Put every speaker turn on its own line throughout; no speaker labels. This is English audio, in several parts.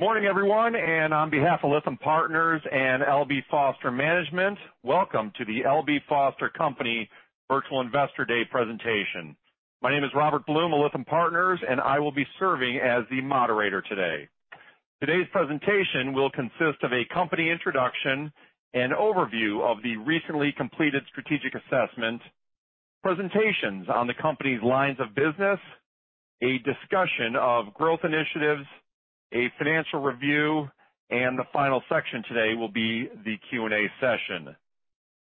Morning everyone and on behalf of Lytham Partners and L.B. Foster management, welcome to the L.B. Foster Company Virtual Investor Day presentation. My name is Robert Blum of Lytham Partners, and I will be serving as the moderator today. Today's presentation will consist of a company introduction and overview of the recently completed strategic assessment, presentations on the company's lines of business, a discussion of growth initiatives, a financial review, and the final section today will be the Q&A session.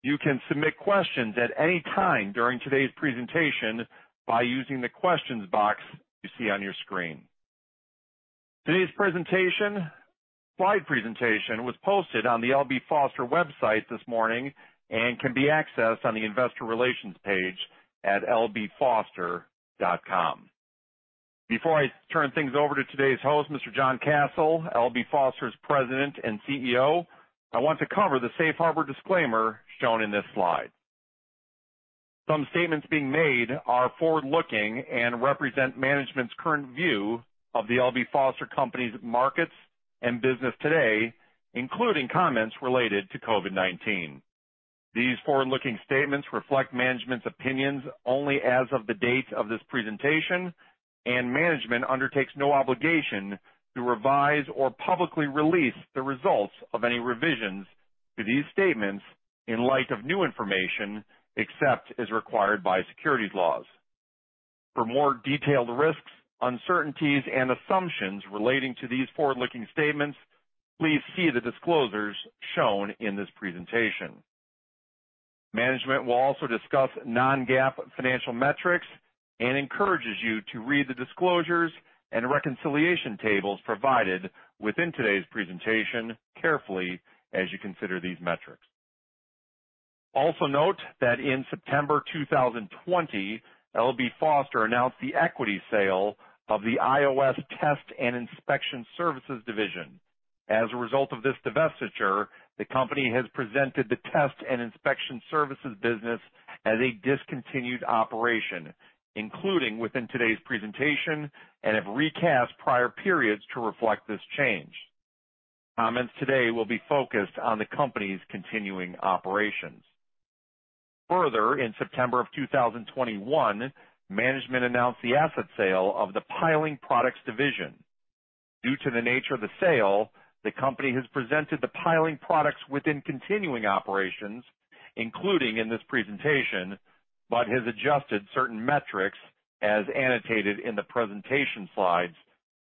You can submit questions at any time during today's presentation by using the Questions box you see on your screen. Today's presentation, slide presentation was posted on the L.B. Foster website this morning and can be accessed on the investor relations page at lbfoster.com. Before I turn things over to today's host, Mr. John Kasel, L.B. Foster's President and CEO, I want to cover the safe harbor disclaimer shown in this slide. Some statements being made are forward-looking and represent management's current view of the L.B. Foster Company's markets and business today, including comments related to COVID-19. These forward-looking statements reflect management's opinions only as of the date of this presentation, and management undertakes no obligation to revise or publicly release the results of any revisions to these statements in light of new information, except as required by securities laws. For more detailed risks, uncertainties, and assumptions relating to these forward-looking statements, please see the disclosures shown in this presentation. Management will also discuss non-GAAP financial metrics and encourages you to read the disclosures and reconciliation tables provided within today's presentation carefully as you consider these metrics. Also note that in September 2020, L.B. Foster announced the equity sale of the IOS Test and Inspection Services division. As a result of this divestiture, the company has presented the test and inspection services business as a discontinued operation, including within today's presentation, and have recast prior periods to reflect this change. Comments today will be focused on the company's continuing operations. Further, in September 2021, management announced the asset sale of the Piling Products division. Due to the nature of the sale, the company has presented the Piling Products within continuing operations, including in this presentation, but has adjusted certain metrics as annotated in the presentation slides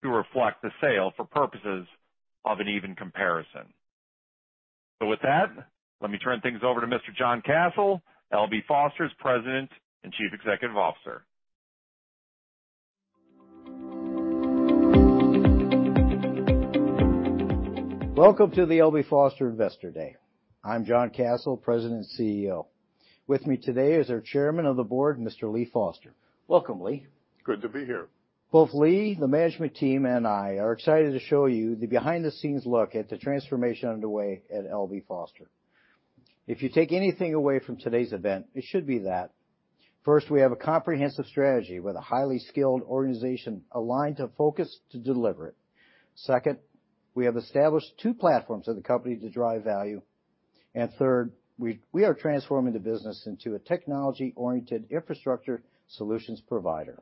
to reflect the sale for purposes of an even comparison. With that, let me turn things over to Mr. John Kasel, L.B. Foster's President and Chief Executive Officer.
Welcome to the L.B. Foster Investor Day. I'm John Kasel, President and CEO. With me today is our Chairman of the Board, Mr. Lee Foster. Welcome, Lee.
Good to be here.
Both Lee, the management team and I are excited to show you the behind-the-scenes look at the transformation underway at L.B. Foster. If you take anything away from today's event, it should be that. First, we have a comprehensive strategy with a highly skilled organization aligned to focus to deliver it. Second, we have established two platforms of the company to drive value. Third, we are transforming the business into a technology-oriented infrastructure solutions provider.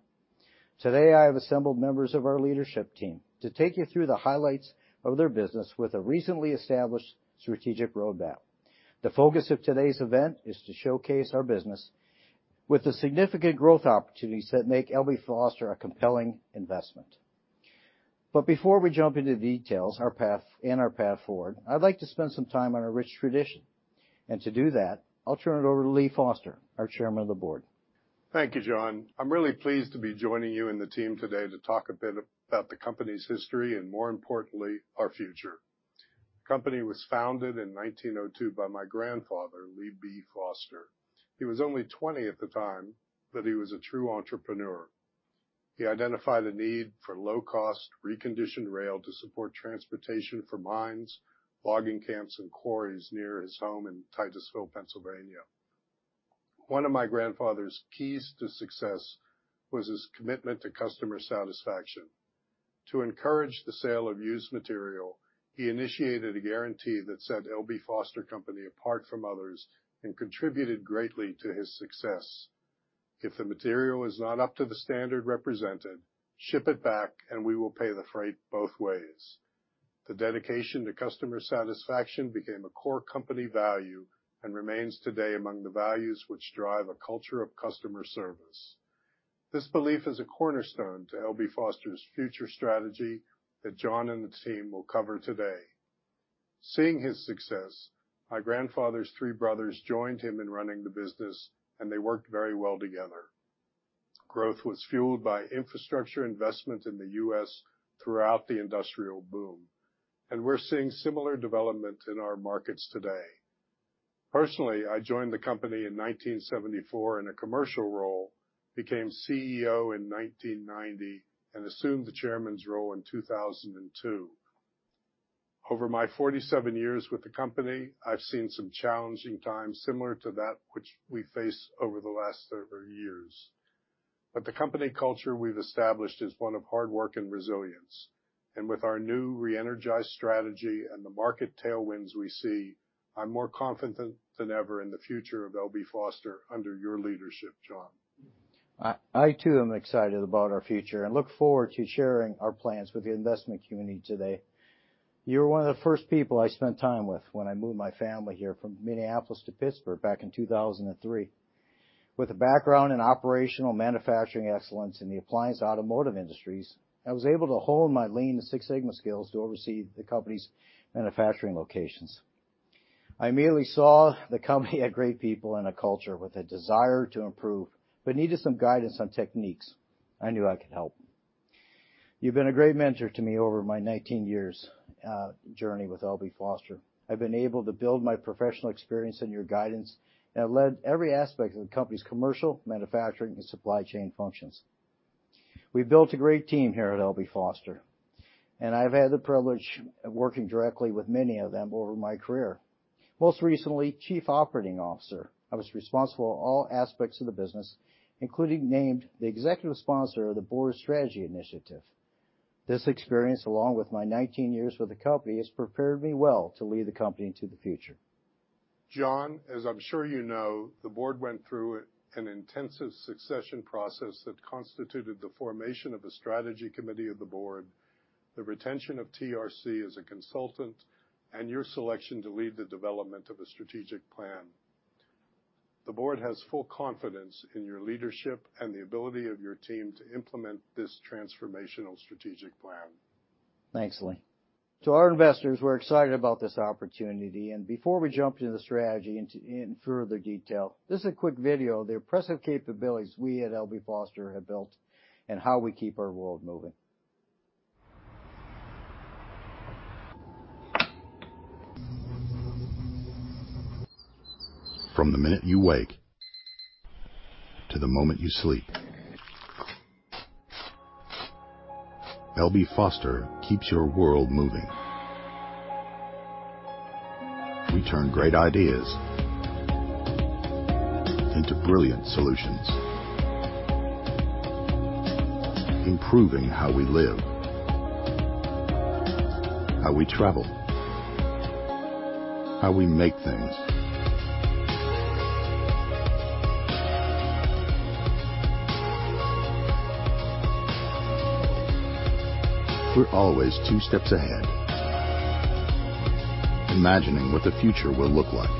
Today, I have assembled members of our leadership team to take you through the highlights of their business with a recently established strategic roadmap. The focus of today's event is to showcase our business with the significant growth opportunities that make L.B. Foster a compelling investment. Before we jump into the details, our path forward, I'd like to spend some time on our rich tradition. To do that, I'll turn it over to Lee Foster, our Chairman of the Board.
Thank you John. I'm really pleased to be joining you and the team today to talk a bit about the company's history and, more importantly, our future. The company was founded in 1902 by my grandfather, Lee B. Foster. He was only 20 at the time, but he was a true entrepreneur. He identified the need for low-cost, reconditioned rail to support transportation for mines, logging camps, and quarries near his home in Titusville, Pennsylvania. One of my grandfather's keys to success was his commitment to customer satisfaction. To encourage the sale of used material, he initiated a guarantee that set L.B. Foster Company apart from others and contributed greatly to his success. If the material is not up to the standard represented, ship it back and we will pay the freight both ways. The dedication to customer satisfaction became a core company value and remains today among the values which drive a culture of customer service. This belief is a cornerstone to L.B. Foster's future strategy that John and the team will cover today. Seeing his success, my grandfather's three brothers joined him in running the business, and they worked very well together. Growth was fueled by infrastructure investment in the U.S. throughout the industrial boom, and we're seeing similar development in our markets today. Personally, I joined the company in 1974 in a commercial role, became CEO in 1990, and assumed the chairman's role in 2002. Over my 47 years with the company, I've seen some challenging times similar to that which we face over the last several years. The company culture we've established is one of hard work and resilience. With our new re-energized strategy and the market tailwinds we see, I'm more confident than ever in the future of L.B. Foster under your leadership, John.
I too am excited about our future and look forward to sharing our plans with the investment community today. You're one of the first people I spent time with when I moved my family here from Minneapolis to Pittsburgh back in 2003. With a background in operational manufacturing excellence in the appliance automotive industries, I was able to hone my Lean Six Sigma skills to oversee the company's manufacturing locations. I immediately saw the company had great people and a culture with a desire to improve, but needed some guidance on techniques. I knew I could help. You've been a great mentor to me over my 19 years journey with L.B. Foster. I've been able to build my professional experience and your guidance that led every aspect of the company's commercial, manufacturing, and supply chain functions. We built a great team here at L.B. Foster. I've had the privilege of working directly with many of them over my career. Most recently, Chief Operating Officer, I was responsible for all aspects of the business, including being named the executive sponsor of the board strategy initiative. This experience, along with my 19 years with the company, has prepared me well to lead the company into the future.
John, as I'm sure you know, the board went through an intensive succession process that constituted the formation of a strategy committee of the board, the retention of TRC as a consultant, and your selection to lead the development of a strategic plan. The board has full confidence in your leadership and the ability of your team to implement this transformational strategic plan.
Thanks Lee. To our investors, we're excited about this opportunity, and before we jump into the strategy in further detail, this is a quick video of the impressive capabilities we at L.B. Foster have built and how we keep our world moving.
From the minute you wake to the moment you sleep, L.B. Foster keeps your world moving. We turn great ideas into brilliant solutions. Improving how we live, how we travel, how we make things. We're always two steps ahead, imagining what the future will look like,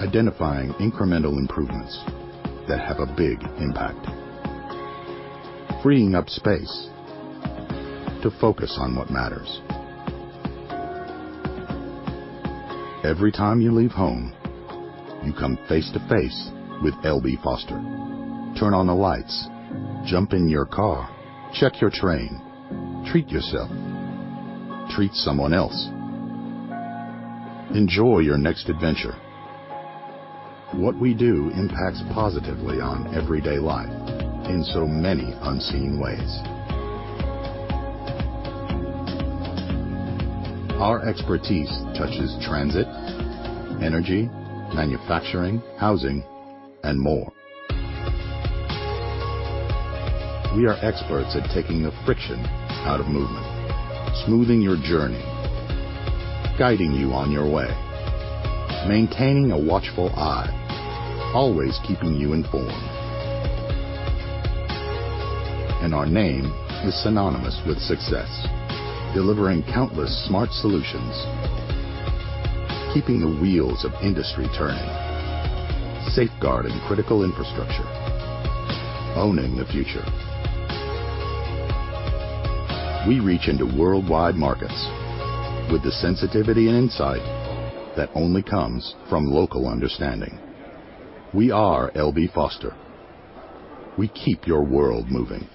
identifying incremental improvements that have a big impact, freeing up space to focus on what matters. Every time you leave home, you come face-to-face with L.B. Foster. Turn on the lights, jump in your car, check your train, treat yourself, treat someone else. Enjoy your next adventure. What we do impacts positively on everyday life in so many unseen ways. Our expertise touches transit, energy, manufacturing, housing, and more. We are experts at taking the friction out of movement, smoothing your journey, guiding you on your way, maintaining a watchful eye, always keeping you informed. Our name is synonymous with success. Delivering countless smart solutions, keeping the wheels of industry turning, safeguarding critical infrastructure, owning the future. We reach into worldwide markets with the sensitivity and insight that only comes from local understanding. We are L.B. Foster. We keep your world moving.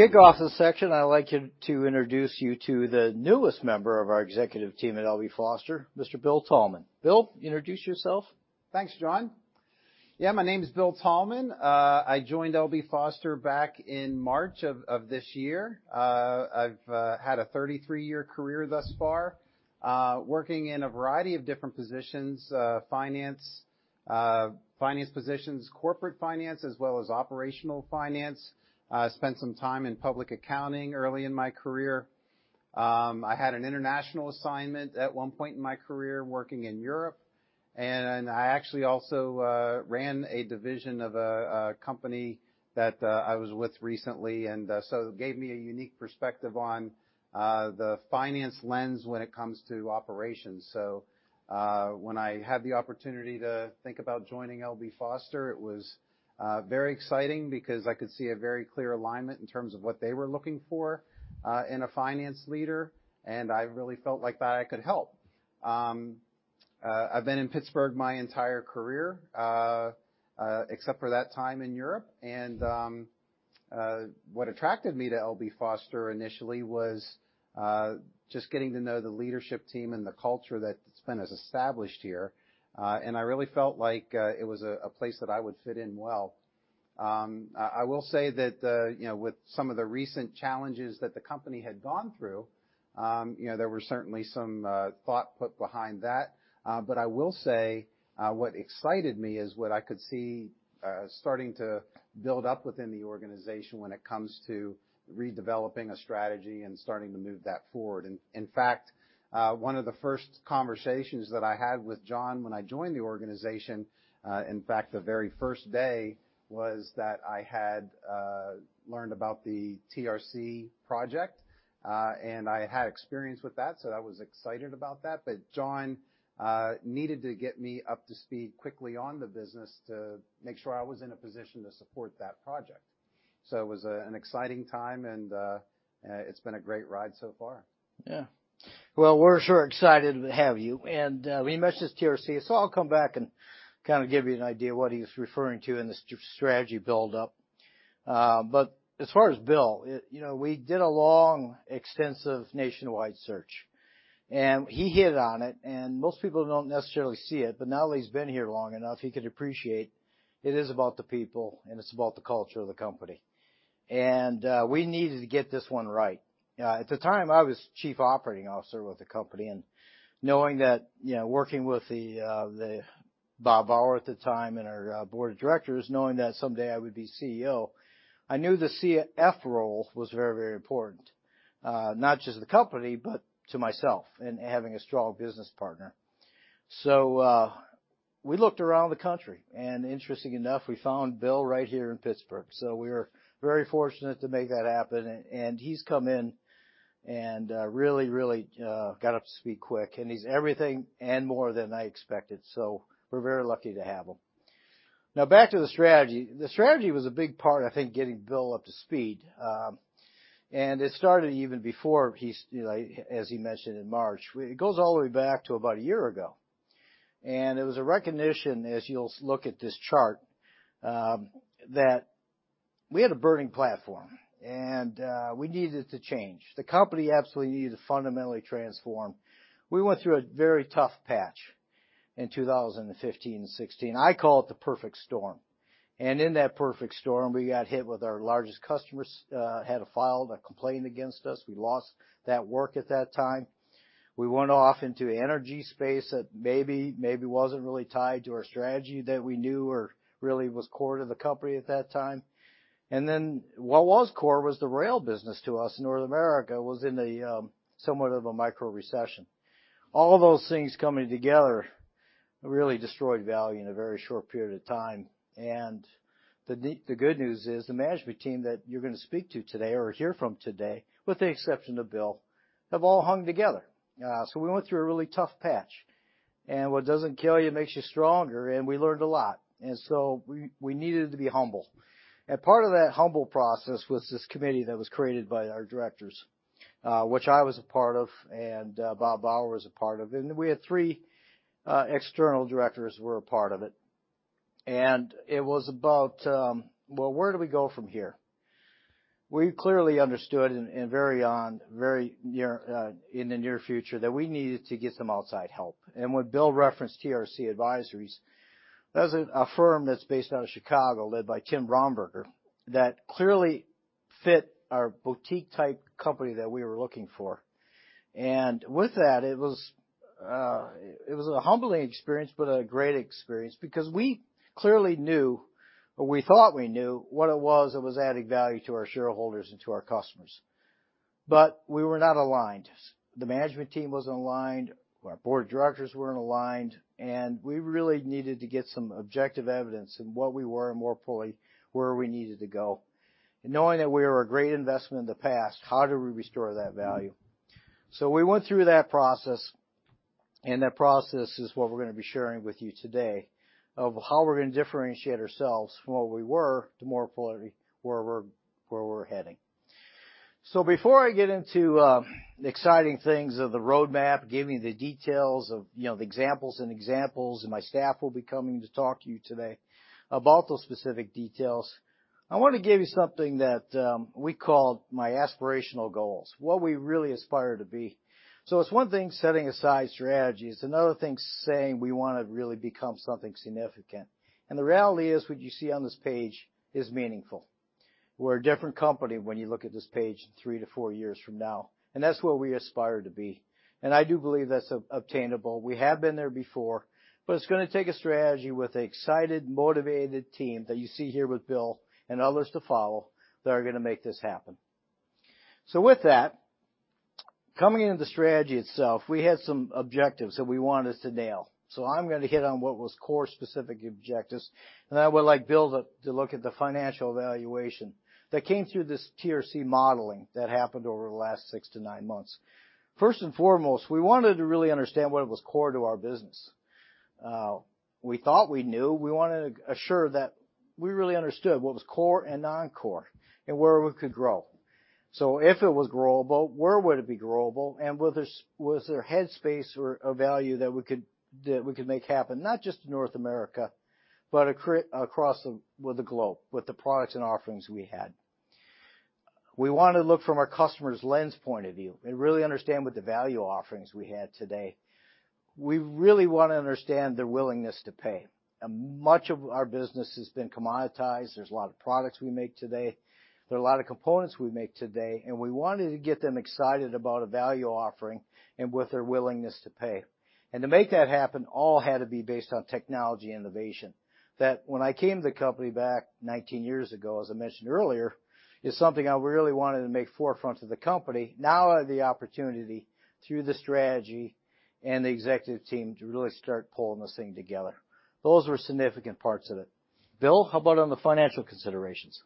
To kick off this section, I'd like to introduce you to the newest member of our executive team at L.B. Foster, Mr. Bill Thalman. Bill, introduce yourself.
Thanks John. Yeah, my name is Bill Thalman. I joined L.B. Foster back in March of this year. I've had a 33-year career thus far, working in a variety of different positions, finance positions, corporate finance, as well as operational finance. I spent some time in public accounting early in my career. I had an international assignment at one point in my career, working in Europe. I actually also ran a division of a company that I was with recently, so it gave me a unique perspective on the finance lens when it comes to operations. When I had the opportunity to think about joining L.B. Foster, it was very exciting because I could see a very clear alignment in terms of what they were looking for in a finance leader, and I really felt like that I could help. I've been in Pittsburgh my entire career, except for that time in Europe. What attracted me to L.B. Foster initially was just getting to know the leadership team and the culture that's been established here. I really felt like it was a place that I would fit in well. I will say that you know, with some of the recent challenges that the company had gone through, you know, there were certainly some thought put behind that. I will say what excited me is what I could see starting to build up within the organization when it comes to redeveloping a strategy and starting to move that forward. In fact, one of the first conversations that I had with John when I joined the organization, in fact, the very first day, was that I had learned about the TRC project, and I had experience with that, so I was excited about that. John needed to get me up to speed quickly on the business to make sure I was in a position to support that project. It was an exciting time, and it's been a great ride so far.
Yeah. Well, we're sure excited to have you. We mentioned TRC, so I'll come back and kind of give you an idea of what he's referring to in the strategy build-up. As far as Bill, you know, we did a long, extensive nationwide search, and he hit on it. Most people don't necessarily see it, but now that he's been here long enough, he could appreciate it is about the people and it's about the culture of the company. We needed to get this one right. At the time, I was chief operating officer with the company, and knowing that, you know, working with the Bob Bauer at the time and our board of directors, knowing that someday I would be CEO, I knew the CFO role was very important, not just to the company, but to myself and having a strong business partner. We looked around the country, and interestingly enough, we found Bill right here in Pittsburgh. We were very fortunate to make that happen. And he's come in and really got up to speed quick. He's everything and more than I expected, so we're very lucky to have him. Now back to the strategy. The strategy was a big part, I think getting Bill up to speed. It started even before he like as he mentioned in March. It goes all the way back to about a year ago. It was a recognition, as you'll look at this chart, that we had a burning platform, and we needed to change. The company absolutely needed to fundamentally transform. We went through a very tough patch in 2015 and 2016. I call it the perfect storm. In that perfect storm, we got hit with our largest customers had filed a complaint against us. We lost that work at that time. We went off into energy space that maybe wasn't really tied to our strategy that we knew or really was core to the company at that time. What was core was the rail business to us in North America, was in a somewhat of a micro recession. All those things coming together really destroyed value in a very short period of time. The good news is, the management team that you're gonna speak to today or hear from today, with the exception of Bill, have all hung together. We went through a really tough patch. What doesn't kill you makes you stronger, and we learned a lot. We needed to be humble. Part of that humble process was this committee that was created by our directors, which I was a part of, and Bob Bauer was a part of, and we had three external directors who were a part of it. It was about, well, where do we go from here? We clearly understood in the near future that we needed to get some outside help. When Bill referenced TRC Advisory, that's a firm that's based out of Chicago, led by Tim Bromberger, that clearly fit our boutique-type company that we were looking for. With that, it was a humbling experience but a great experience because we clearly knew, or we thought we knew what it was that was adding value to our shareholders and to our customers. We were not aligned. The management team wasn't aligned, our board of directors weren't aligned, and we really needed to get some objective evidence in what we were and more importantly, where we needed to go. Knowing that we were a great investment in the past, how do we restore that value? We went through that process, and that process is what we're gonna be sharing with you today of how we're gonna differentiate ourselves from what we were to more importantly, where we're heading. Before I get into the exciting things of the roadmap, giving the details of the examples, and my staff will be coming to talk to you today about those specific details. I wanna give you something that we call my aspirational goals, what we really aspire to be. It's one thing setting aside strategies, it's another thing saying we wanna really become something significant. The reality is, what you see on this page is meaningful. We're a different company when you look at this page three-four years from now, and that's what we aspire to be. I do believe that's obtainable. We have been there before, but it's gonna take a strategy with an excited, motivated team that you see here with Bill and others to follow that are gonna make this happen. With that, coming into the strategy itself, we had some objectives that we wanted to nail. I'm gonna hit on what was core specific objectives, and I would like Bill to look at the financial evaluation that came through this TRC modeling that happened over the last six-nine months. First and foremost, we wanted to really understand what was core to our business. We thought we knew. We wanted to assure that we really understood what was core and non-core and where we could grow. If it was growable, where would it be growable? Was there head space or a value that we could make happen, not just in North America, but across the globe, with the products and offerings we had? We wanna look from our customer's lens point of view and really understand what the value offerings we had today. We really wanna understand their willingness to pay. Much of our business has been commoditized. There's a lot of products we make today. There are a lot of components we make today, and we wanted to get them excited about a value offering and what their willingness to pay. To make that happen, all had to be based on technology innovation, that when I came to the company back 19 years ago, as I mentioned earlier, is something I really wanted to make forefront of the company. Now I have the opportunity through the strategy and the executive team to really start pulling this thing together. Those were significant parts of it. Bill, how about on the financial considerations?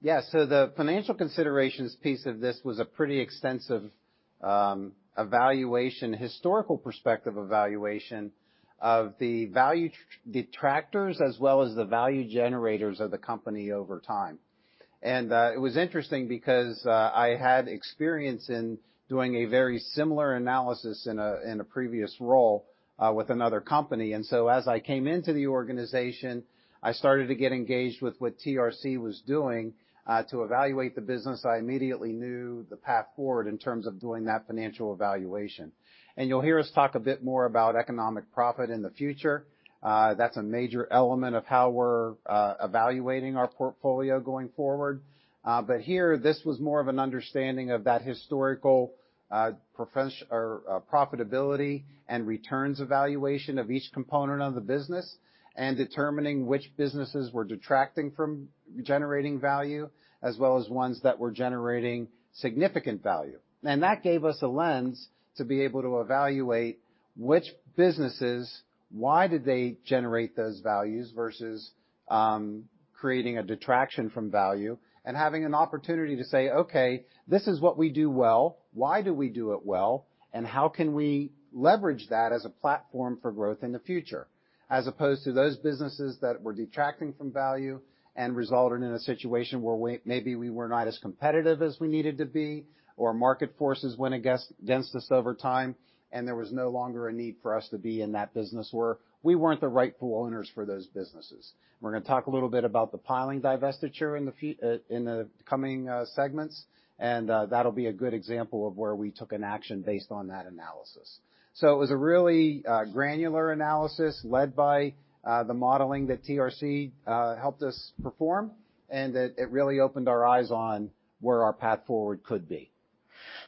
Yeah. The financial considerations piece of this was a pretty extensive evaluation, historical perspective evaluation of the value detractors as well as the value generators of the company over time. It was interesting because I had experience in doing a very similar analysis in a previous role with another company. As I came into the organization, I started to get engaged with what TRC was doing to evaluate the business. I immediately knew the path forward in terms of doing that financial evaluation. You'll hear us talk a bit more about economic profit in the future. That's a major element of how we're evaluating our portfolio going forward. This was more of an understanding of that historical profitability and returns evaluation of each component of the business and determining which businesses were detracting from generating value as well as ones that were generating significant value. That gave us a lens to be able to evaluate which businesses, why did they generate those values versus creating a detraction from value, and having an opportunity to say, "Okay, this is what we do well. Why do we do it well, and how can we leverage that as a platform for growth in the future?" As opposed to those businesses that were detracting from value and resulted in a situation where we maybe we were not as competitive as we needed to be or market forces went against us over time and there was no longer a need for us to be in that business where we weren't the rightful owners for those businesses. We're gonna talk a little bit about the Piling divestiture in the coming segments, and that'll be a good example of where we took an action based on that analysis. It was a really granular analysis led by the modeling that TRC helped us perform, and it really opened our eyes on where our path forward could be.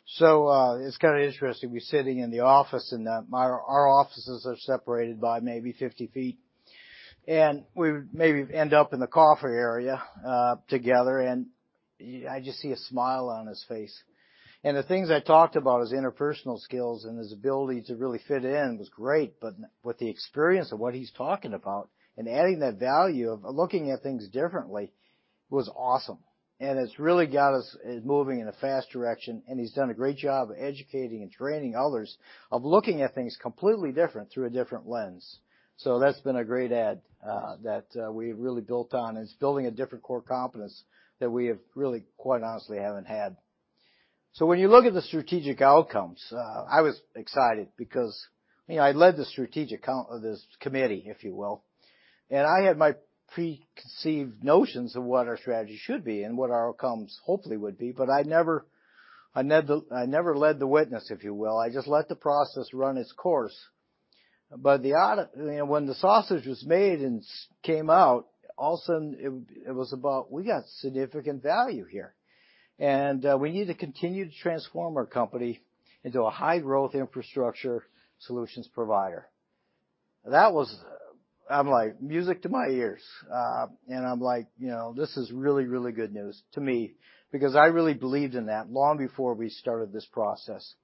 It's kinda interesting. We're sitting in the office and, our offices are separated by maybe 50 feet, and we maybe end up in the coffee area, together, and I just see a smile on his face. The things I talked about, his interpersonal skills and his ability to really fit in was great, but the experience of what he's talking about and adding that value of looking at things differently was awesome. It's really got us moving in a fast direction, and he's done a great job of educating and training others of looking at things completely different through a different lens. That's been a great add, that we've really built on. It's building a different core competence that we have really, quite honestly, haven't had. When you look at the strategic outcomes, I was excited because you know, I led the strategic committee, if you will, and I had my preconceived notions of what our strategy should be and what our outcomes hopefully would be, but I never led the witness, if you will. I just let the process run its course. The outcome, you know, when the sausage was made and sausage came out, all of a sudden it was about we got significant value here, and we need to continue to transform our company into a high-growth infrastructure solutions provider. That was. I'm like, music to my ears. I'm like, you know, this is really, really good news to me because I really believed in that long before we started this process.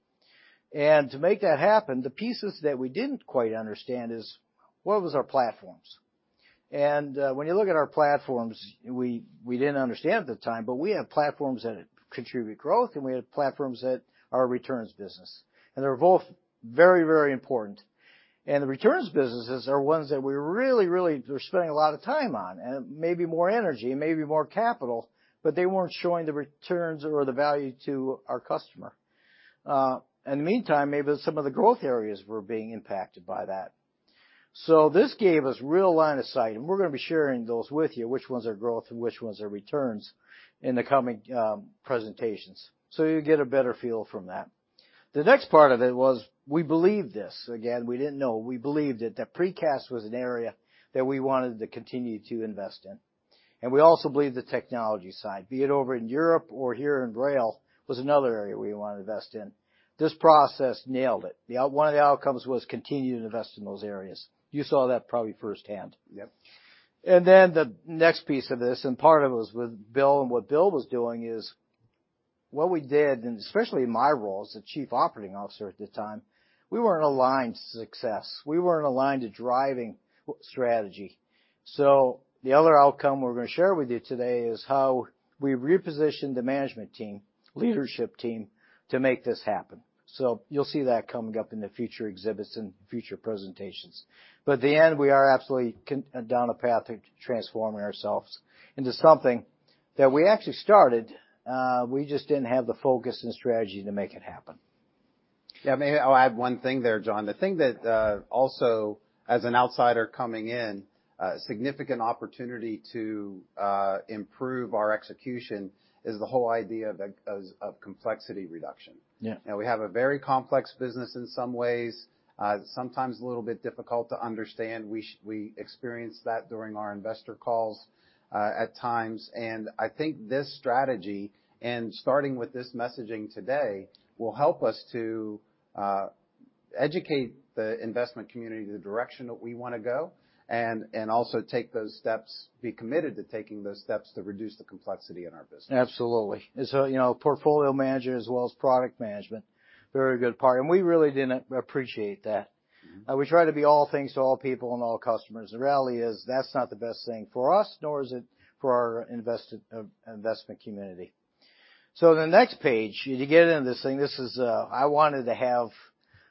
To make that happen, the pieces that we didn't quite understand is what was our platforms. When you look at our platforms, we didn't understand at the time, but we have platforms that contribute growth, and we have platforms that are a returns business. They're both very, very important. The returns businesses are ones that we really, really were spending a lot of time on and maybe more energy and maybe more capital, but they weren't showing the returns or the value to our customer. In the meantime, maybe some of the growth areas were being impacted by that. This gave us real line of sight, and we're gonna be sharing those with you, which ones are growth and which ones are returns in the coming presentations. You'll get a better feel from that. The next part of it was we believe this. Again, we didn't know. We believed it, that Precast was an area that we wanted to continue to invest in. We also believe the technology side, be it over in Europe or here in Rail, was another area we wanna invest in. This process nailed it. One of the outcomes was continue to invest in those areas. You saw that probably firsthand.
Yep.
The next piece of this, and part of it was with Bill and what Bill was doing, is what we did, and especially in my role as the chief operating officer at the time, we weren't aligned to success. We weren't aligned to driving strategy. The other outcome we're gonna share with you today is how we repositioned the management team, leadership team to make this happen. You'll see that coming up in the future exhibits and future presentations. At the end, we are absolutely on a path to transforming ourselves into something that we actually started. We just didn't have the focus and strategy to make it happen.
Yeah, maybe I'll add one thing there John. The thing that, also as an outsider coming in, a significant opportunity to improve our execution is the whole idea of complexity reduction.
Yeah.
Now, we have a very complex business in some ways, sometimes a little bit difficult to understand. We experience that during our investor calls at times. I think this strategy, and starting with this messaging today, will help us to educate the investment community the direction that we wanna go and also take those steps, be committed to taking those steps to reduce the complexity in our business.
Absolutely. You know, portfolio manager as well as product management, very good part, and we really didn't appreciate that.
Mm-hmm.
We try to be all things to all people and all customers. The reality is that's not the best thing for us, nor is it for our investment community. The next page, to get into this thing, this is. I wanted to have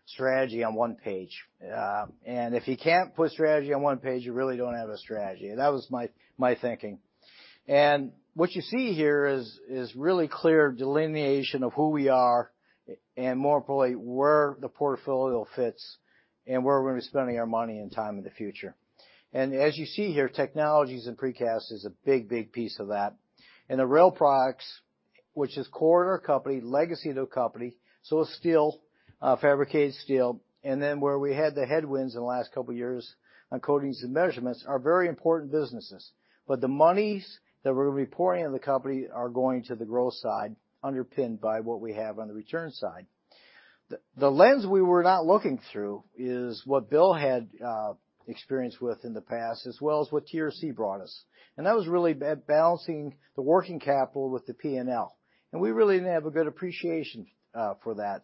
strategy on one page. If you can't put strategy on one page, you really don't have a strategy. That was my thinking. What you see here is really clear delineation of who we are and more importantly, where the portfolio fits and where we're gonna be spending our money and time in the future. As you see here, technologies and precast is a big, big piece of that. The rail products, which is core to our company, legacy to the company, so steel, fabricated steel, and then where we had the headwinds in the last couple of years on coatings and measurements are very important businesses. The monies that we're reporting in the company are going to the growth side, underpinned by what we have on the return side. The lens we were not looking through is what Bill had experience with in the past, as well as what TRC brought us. That was really balancing the working capital with the P&L. We really didn't have a good appreciation for that.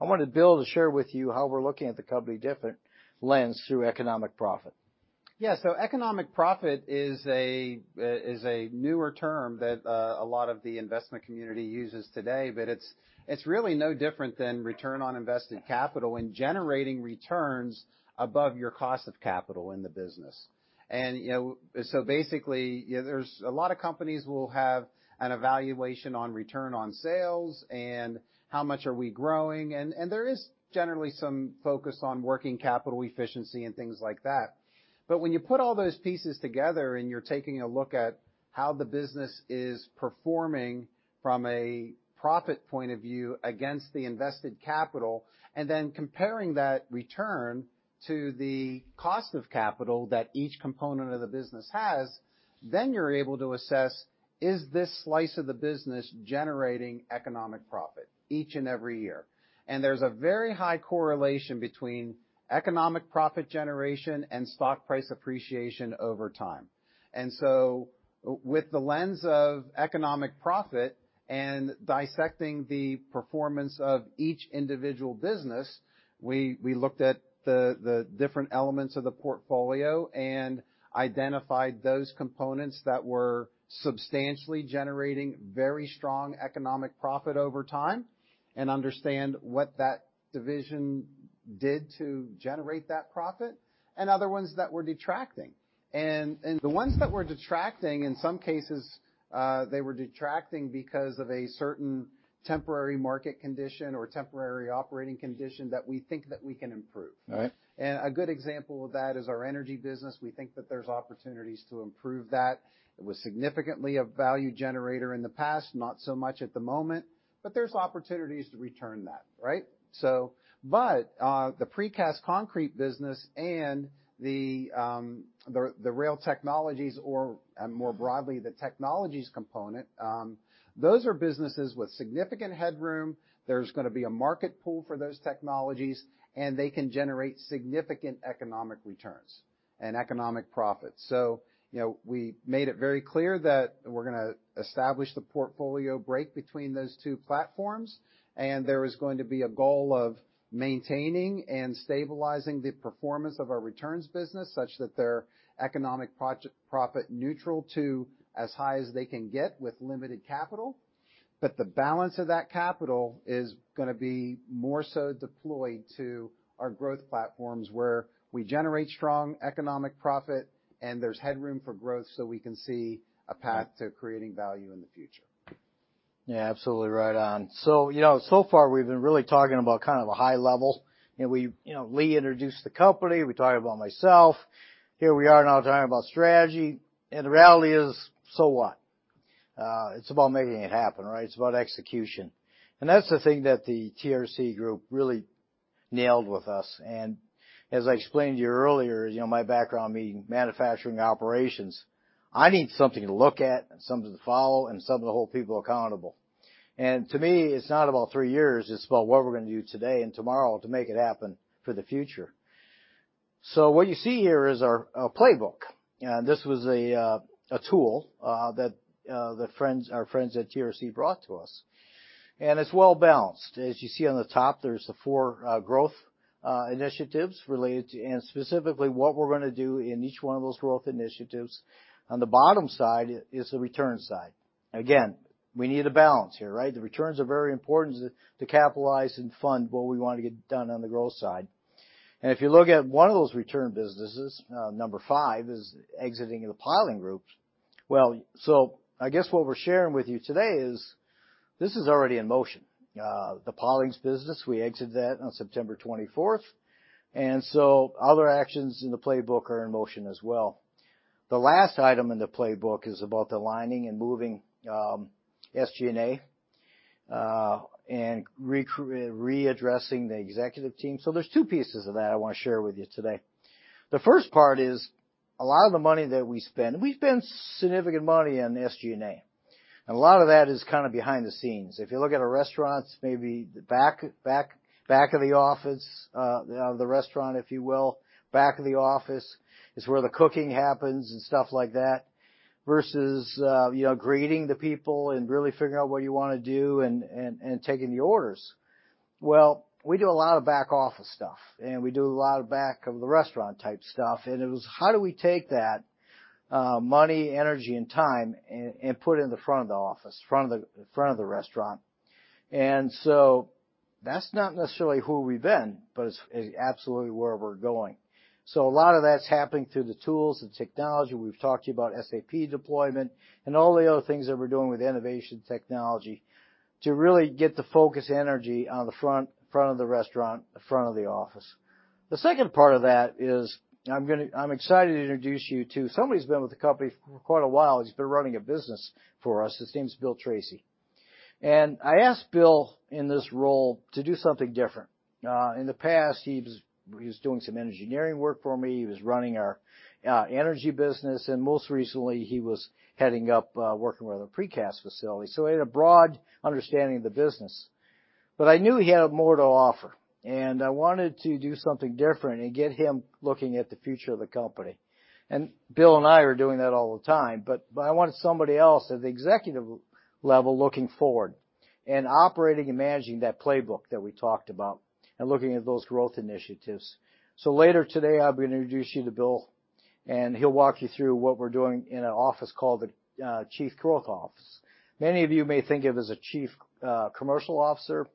I wanted Bill to share with you how we're looking at the company different lens through economic profit.
Economic profit is a newer term that a lot of the investment community uses today, but it's really no different than return on invested capital and generating returns above your cost of capital in the business. Basically, there's a lot of companies will have an evaluation on return on sales and how much are we growing. There is generally some focus on working capital efficiency and things like that. When you put all those pieces together and you're taking a look at how the business is performing from a profit point of view against the invested capital, and then comparing that return to the cost of capital that each component of the business has, then you're able to assess, is this slice of the business generating economic profit each and every year? There's a very high correlation between economic profit generation and stock price appreciation over time. With the lens of economic profit and dissecting the performance of each individual business, we looked at the different elements of the portfolio and identified those components that were substantially generating very strong economic profit over time and understand what that division did to generate that profit, and other ones that were detracting. The ones that were detracting, in some cases, they were detracting because of a certain temporary market condition or temporary operating condition that we think that we can improve.
Right.
A good example of that is our energy business. We think that there's opportunities to improve that. It was significantly a value generator in the past, not so much at the moment, but there's opportunities to return that, right? The precast concrete business and the rail technologies or, more broadly, the technologies component, those are businesses with significant headroom. There's gonna be a market pull for those technologies, and they can generate significant economic returns and economic profit. You know, we made it very clear that we're gonna establish the portfolio break between those two platforms, and there is going to be a goal of maintaining and stabilizing the performance of our returns business such that they're economic profit neutral to as high as they can get with limited capital. The balance of that capital is gonna be more so deployed to our growth platforms where we generate strong economic profit and there's headroom for growth, so we can see a path to creating value in the future.
Yeah, absolutely right on. You know so far, we've been really talking about kind of a high level. You know, Lee introduced the company. We talked about myself. Here we are now talking about strategy, and the reality is, so what? It's about making it happen, right? It's about execution. That's the thing that the TRC Advisory really nailed with us. As I explained to you earlier, you know, my background being manufacturing operations, I need something to look at, something to follow, and something to hold people accountable. To me, it's not about three years. It's about what we're gonna do today and tomorrow to make it happen for the future. What you see here is our playbook. This was a tool that our friends at TRC brought to us, and it's well-balanced. As you see on the top, there's four growth initiatives and specifically what we're gonna do in each one of those growth initiatives. On the bottom side is the return side. Again, we need a balance here, right? The returns are very important to capitalize and fund what we wanna get done on the growth side. If you look at one of those return businesses, number five is exiting the piling group. I guess what we're sharing with you today is this is already in motion. The pilings business, we exited that on September 24, and other actions in the playbook are in motion as well. The last item in the playbook is about aligning and moving SG&A and readdressing the executive team. There's two pieces of that I wanna share with you today. The first part is a lot of the money that we spend, we spend significant money on SG&A, and a lot of that is kinda behind the scenes. If you look at our restaurants, maybe the back of the office, the restaurant, if you will, back of the office is where the cooking happens and stuff like that, versus you know, greeting the people and really figuring out what you wanna do and taking the orders. Well, we do a lot of back office stuff, and we do a lot of back of the restaurant type stuff. It was, how do we take that money, energy, and time and put it in the front of the office, front of the restaurant? That's not necessarily who we've been, but it's absolutely where we're going. A lot of that's happening through the tools and technology. We've talked to you about SAP deployment and all the other things that we're doing with innovation technology to really get the focus energy on the front of the restaurant, the front of the office. The second part of that is I'm excited to introduce you to somebody who's been with the company for quite a while. He's been running a business for us. His name's Bill Treacy. I asked Bill in this role to do something different. In the past, he was doing some engineering work for me. He was running our energy business, and most recently, he was heading up working with our precast facility. He had a broad understanding of the business, but I knew he had more to offer, and I wanted to do something different and get him looking at the future of the company. Bill and I are doing that all the time, but I wanted somebody else at the executive level looking forward and operating and managing that playbook that we talked about and looking at those growth initiatives. Later today, I'll be introducing you to Bill, and he'll walk you through what we're doing in an office called the Chief Growth Office. Many of you may think of it as a chief commercial officer.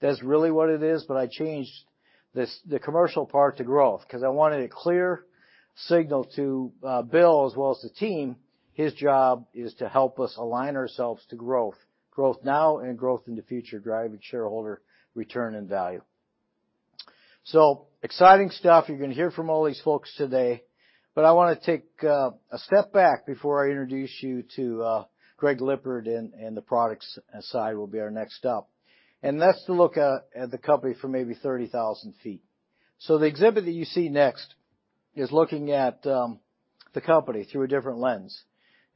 That's really what it is, but I changed this, the commercial part to growth 'cause I wanted a clear signal to Bill as well as the team. His job is to help us align ourselves to growth now and growth in the future, driving shareholder return and value. Exciting stuff. You're gonna hear from all these folks today, but I wanna take a step back before I introduce you to Greg Lippard and the products side will be our next stop. That's to look at the company from maybe 30,000 feet. The exhibit that you see next is looking at the company through a different lens,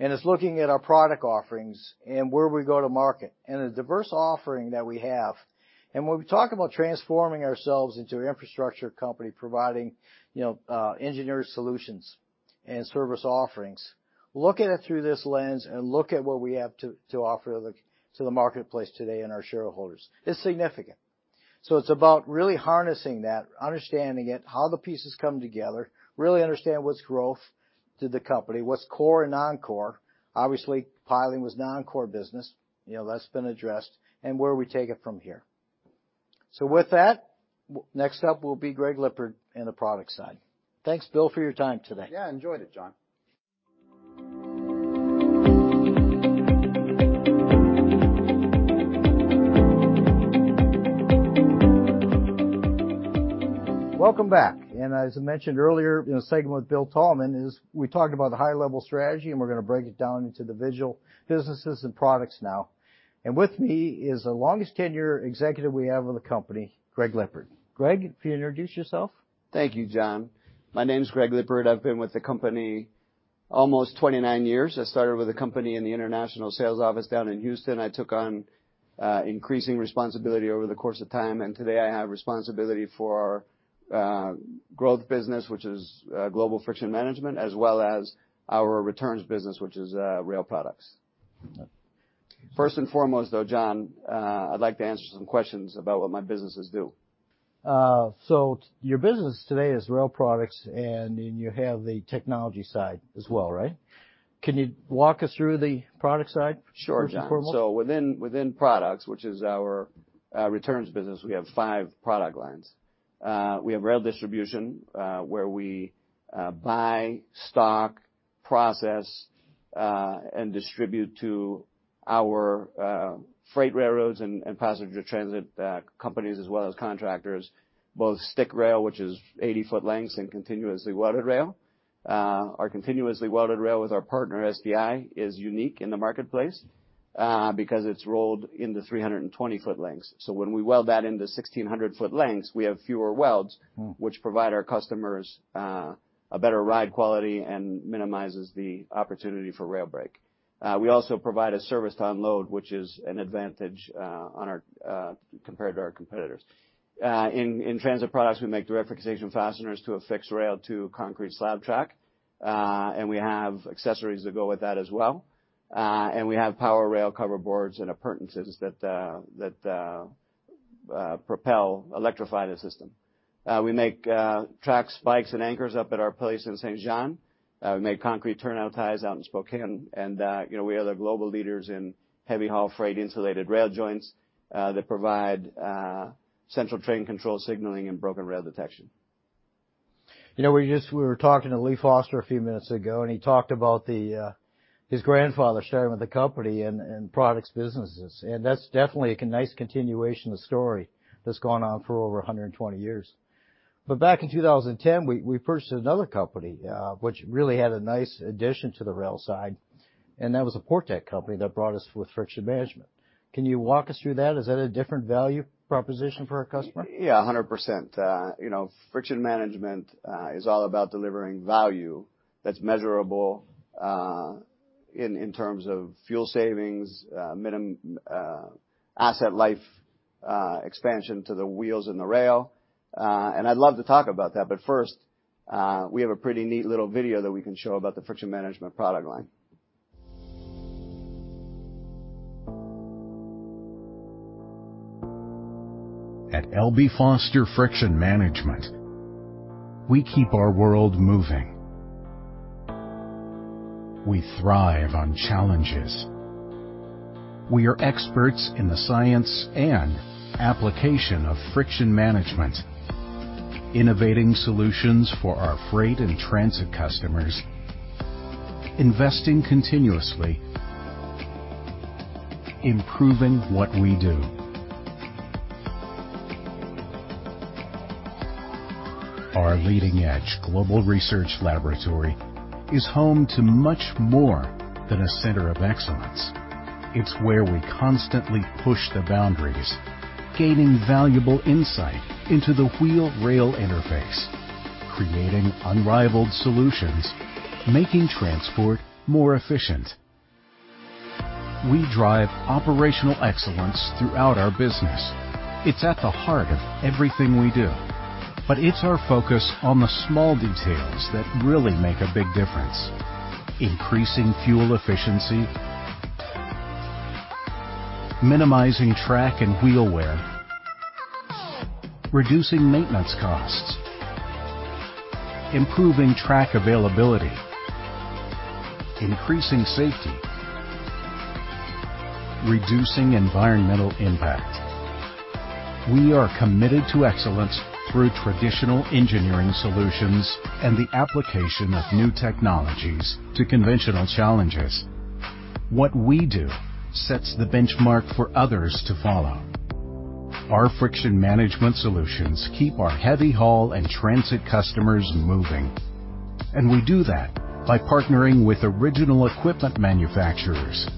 and it's looking at our product offerings and where we go to market and the diverse offering that we have. When we talk about transforming ourselves into an infrastructure company providing, you know, engineering solutions and service offerings, look at it through this lens and look at what we have to offer the marketplace today and our shareholders. It's significant. It's about really harnessing that, understanding it, how the pieces come together, really understand what's growth to the company, what's core and non-core. Obviously, piling was non-core business, you know, that's been addressed, and where we take it from here. With that, next up will be Greg Lippard in the product side. Thanks Bill for your time today.
Yeah, enjoyed it John.
Welcome back. As I mentioned earlier in the segment with Bill Thalman, we talked about the high-level strategy, and we're gonna break it down into the vertical businesses and products now. With me is the longest-tenured executive we have in the company, Greg Lippard. Greg, if you introduce yourself.
Thank you John. My name's Greg Lippard. I've been with the company almost 29 years. I started with the company in the international sales office down in Houston. I took on increasing responsibility over the course of time, and today I have responsibility for our growth business, which is global Friction Management, as well as our returns business, which is rail products.
Yeah.
First and foremost though John, I'd like to answer some questions about what my businesses do.
Your business today is rail products, and then you have the technology side as well, right? Can you walk us through the product side?
Sure John.
First and foremost?
Within products, which is our returns business, we have five product lines. We have rail distribution, where we buy, stock, process, and distribute to our freight railroads and passenger transit companies, as well as contractors, both stick rail, which is 80-foot lengths and continuously welded rail. Our continuously welded rail with our partner, SDI, is unique in the marketplace, because it's rolled into 320-foot lengths. When we weld that into 1,600-foot lengths, we have fewer welds.
Mm.
which provide our customers a better ride quality and minimizes the opportunity for rail break. We also provide a service to unload, which is an advantage compared to our competitors. In transit products, we make the refixation fasteners to affix rail to concrete slab track, and we have accessories that go with that as well. We have power rail cover boards and appurtenances that propel, electrify the system. We make track spikes and anchors up at our place in Saint-Jean. We make concrete turnout ties out in Spokane. You know, we are the global leaders in heavy haul freight insulated rail joints that provide central train control signaling and broken rail detection.
You know, we were talking to Lee Foster a few minutes ago, and he talked about his grandfather starting with the company and products businesses. That's definitely a nice continuation of the story that's gone on for over 120 years. Back in 2010, we purchased another company, which really had a nice addition to the rail side, and that was the Portec company that brought us Friction Management. Can you walk us through that? Is that a different value proposition for our customer?
Yeah, 100%. You know Friction Management is all about delivering value that's measurable in terms of fuel savings, asset life, expansion to the wheels and the rail, and I'd love to talk about that. But first, we have a pretty neat little video that we can show about the Friction Management product line.
At L.B. Foster Friction Management, we keep our world moving. We thrive on challenges. We are experts in the science and application of friction management, innovating solutions for our freight and transit customers, investing continuously, improving what we do. Our leading-edge global research laboratory is home to much more than a center of excellence. It's where we constantly push the boundaries, gaining valuable insight into the wheel-rail interface, creating unrivaled solutions, making transport more efficient. We drive operational excellence throughout our business. It's at the heart of everything we do, but it's our focus on the small details that really make a big difference. Increasing fuel efficiency, minimizing track and wheel wear, reducing maintenance costs, improving track availability, increasing safety, reducing environmental impact. We are committed to excellence through traditional engineering solutions and the application of new technologies to conventional challenges. What we do sets the benchmark for others to follow. Our Friction Management solutions keep our heavy haul and transit customers moving, and we do that by partnering with original equipment manufacturers,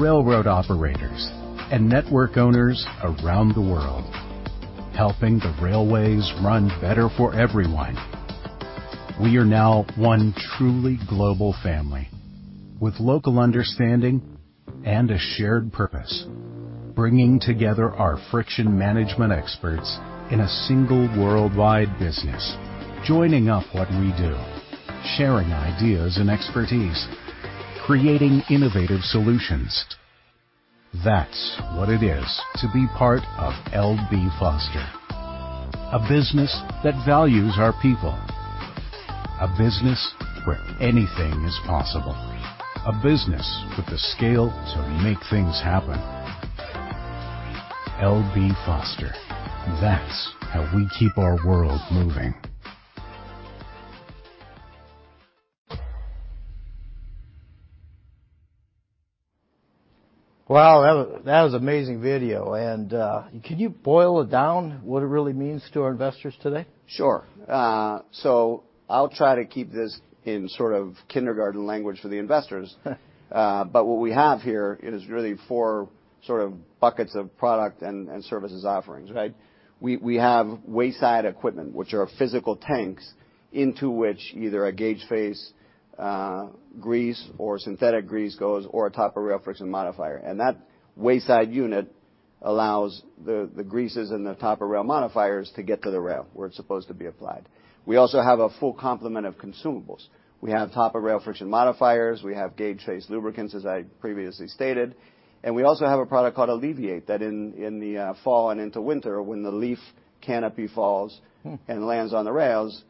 railroad operators, and network owners around the world, helping the railways run better for everyone. We are now one truly global family with local understanding and a shared purpose, bringing together our Friction Management experts in a single worldwide business, joining up what we do, sharing ideas and expertise, creating innovative solutions. That's what it is to be part of L.B. Foster, a business that values our people, a business where anything is possible, a business with the scale to make things happen. L.B. Foster, that's how we keep our world moving.
Wow, that was amazing video. Can you boil it down what it really means to our investors today?
Sure. I'll try to keep this in sort of kindergarten language for the investors. What we have here is really four sort of buckets of product and services offerings, right? We have wayside equipment, which are physical tanks into which either a gauge face grease or synthetic grease goes or a top-of-rail friction modifier. That wayside unit allows the greases and the top-of-rail modifiers to get to the rail where it's supposed to be applied. We also have a full complement of consumables. We have top-of-rail friction modifiers. We have gauge face lubricants, as I previously stated. We also have a product called Alleviate that in the fall and into winter, when the leaf canopy falls
Mm-hmm...
and lands on the rails,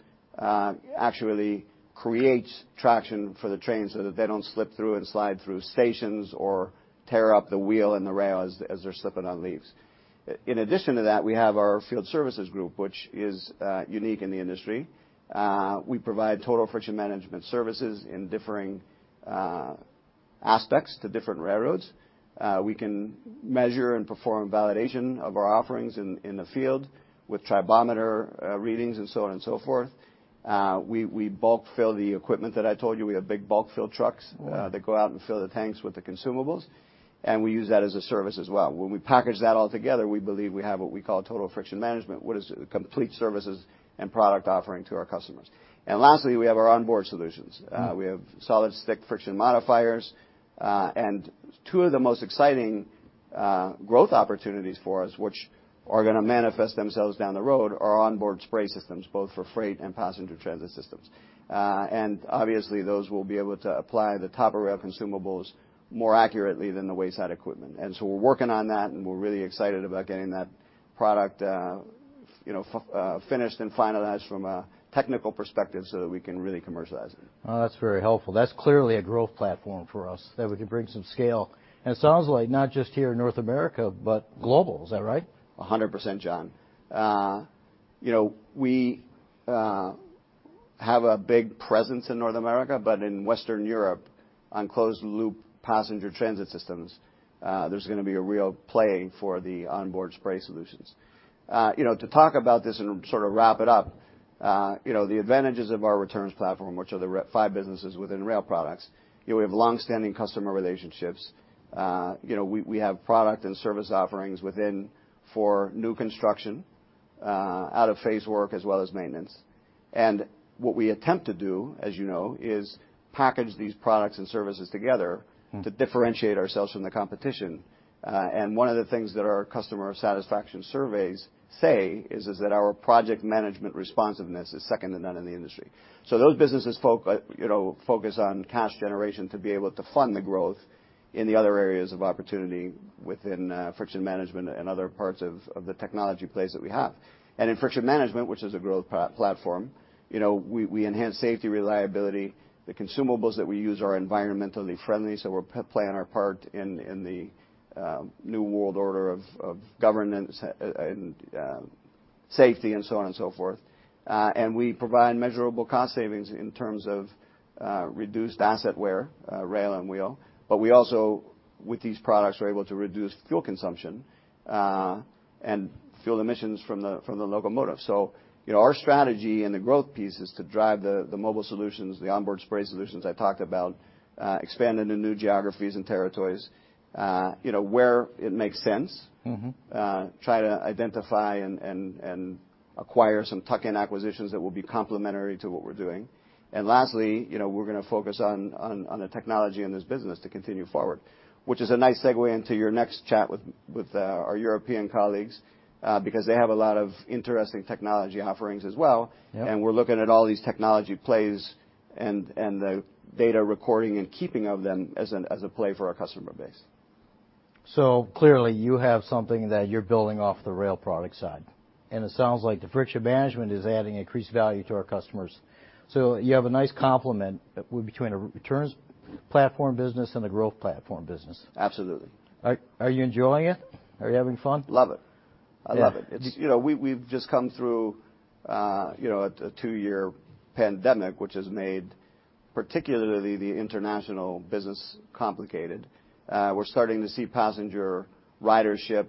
actually creates traction for the trains so that they don't slip through and slide through stations or tear up the wheel and the rail as they're slipping on leaves. In addition to that, we have our field services group, which is unique in the industry. We provide total Friction Management services in differing aspects to different railroads. We can measure and perform validation of our offerings in the field with tribometer readings and so on and so forth. We bulk fill the equipment that I told you. We have big bulk fill trucks.
Mm-hmm...
that go out and fill the tanks with the consumables, and we use that as a service as well. When we package that all together, we believe we have what we call Total Friction Management, which is a complete service and product offering to our customers. Lastly, we have our onboard solutions. We have solid stick friction modifiers, and two of the most exciting growth opportunities for us, which are gonna manifest themselves down the road, are onboard spray systems, both for freight and passenger transit systems. Obviously, those will be able to apply the top-of-rail consumables more accurately than the wayside equipment. We're working on that, and we're really excited about getting that product, you know, finished and finalized from a technical perspective so that we can really commercialize it.
Oh, that's very helpful. That's clearly a growth platform for us that we can bring some scale. It sounds like not just here in North America, but global. Is that right?
100%, John. You know, we have a big presence in North America, but in Western Europe, on closed loop passenger transit systems, there's gonna be a real play for the onboard spray solutions. You know, to talk about this and sort of wrap it up, you know, the advantages of our returns platform, which are the five businesses within rail products, you know, we have longstanding customer relationships. You know, we have product and service offerings within for new construction, out of phase work, as well as maintenance. What we attempt to do, as you know, is package these products and services together.
Mm-hmm...
to differentiate ourselves from the competition. One of the things that our customer satisfaction surveys say is that our project management responsiveness is second to none in the industry. Those businesses you know, focus on cash generation to be able to fund the growth in the other areas of opportunity within Friction Management and other parts of the technology plays that we have. In Friction Management, which is a growth platform, you know, we enhance safety, reliability. The consumables that we use are environmentally friendly, so we're playing our part in the new world order of governance and safety and so on and so forth. We provide measurable cost savings in terms of reduced asset wear, rail and wheel, but we also, with these products, we're able to reduce fuel consumption and fuel emissions from the locomotive. You know, our strategy and the growth piece is to drive the mobile solutions, the onboard spray solutions I talked about, expand into new geographies and territories, you know, where it makes sense.
Mm-hmm.
Try to identify and acquire some tuck-in acquisitions that will be complementary to what we're doing. Lastly, you know, we're gonna focus on the technology in this business to continue forward, which is a nice segue into your next chat with our European colleagues, because they have a lot of interesting technology offerings as well.
Yeah.
We're looking at all these technology plays and the data recording and keeping of them as a play for our customer base.
Clearly you have something that you're building off the rail product side, and it sounds like the Friction Management is adding increased value to our customers. You have a nice complement between a returns platform business and a growth platform business.
Absolutely.
Are you enjoying it? Are you having fun?
Love it.
Yeah.
I love it. It's, you know, we've just come through, you know, a two-year pandemic, which has made particularly the international business complicated. We're starting to see passenger ridership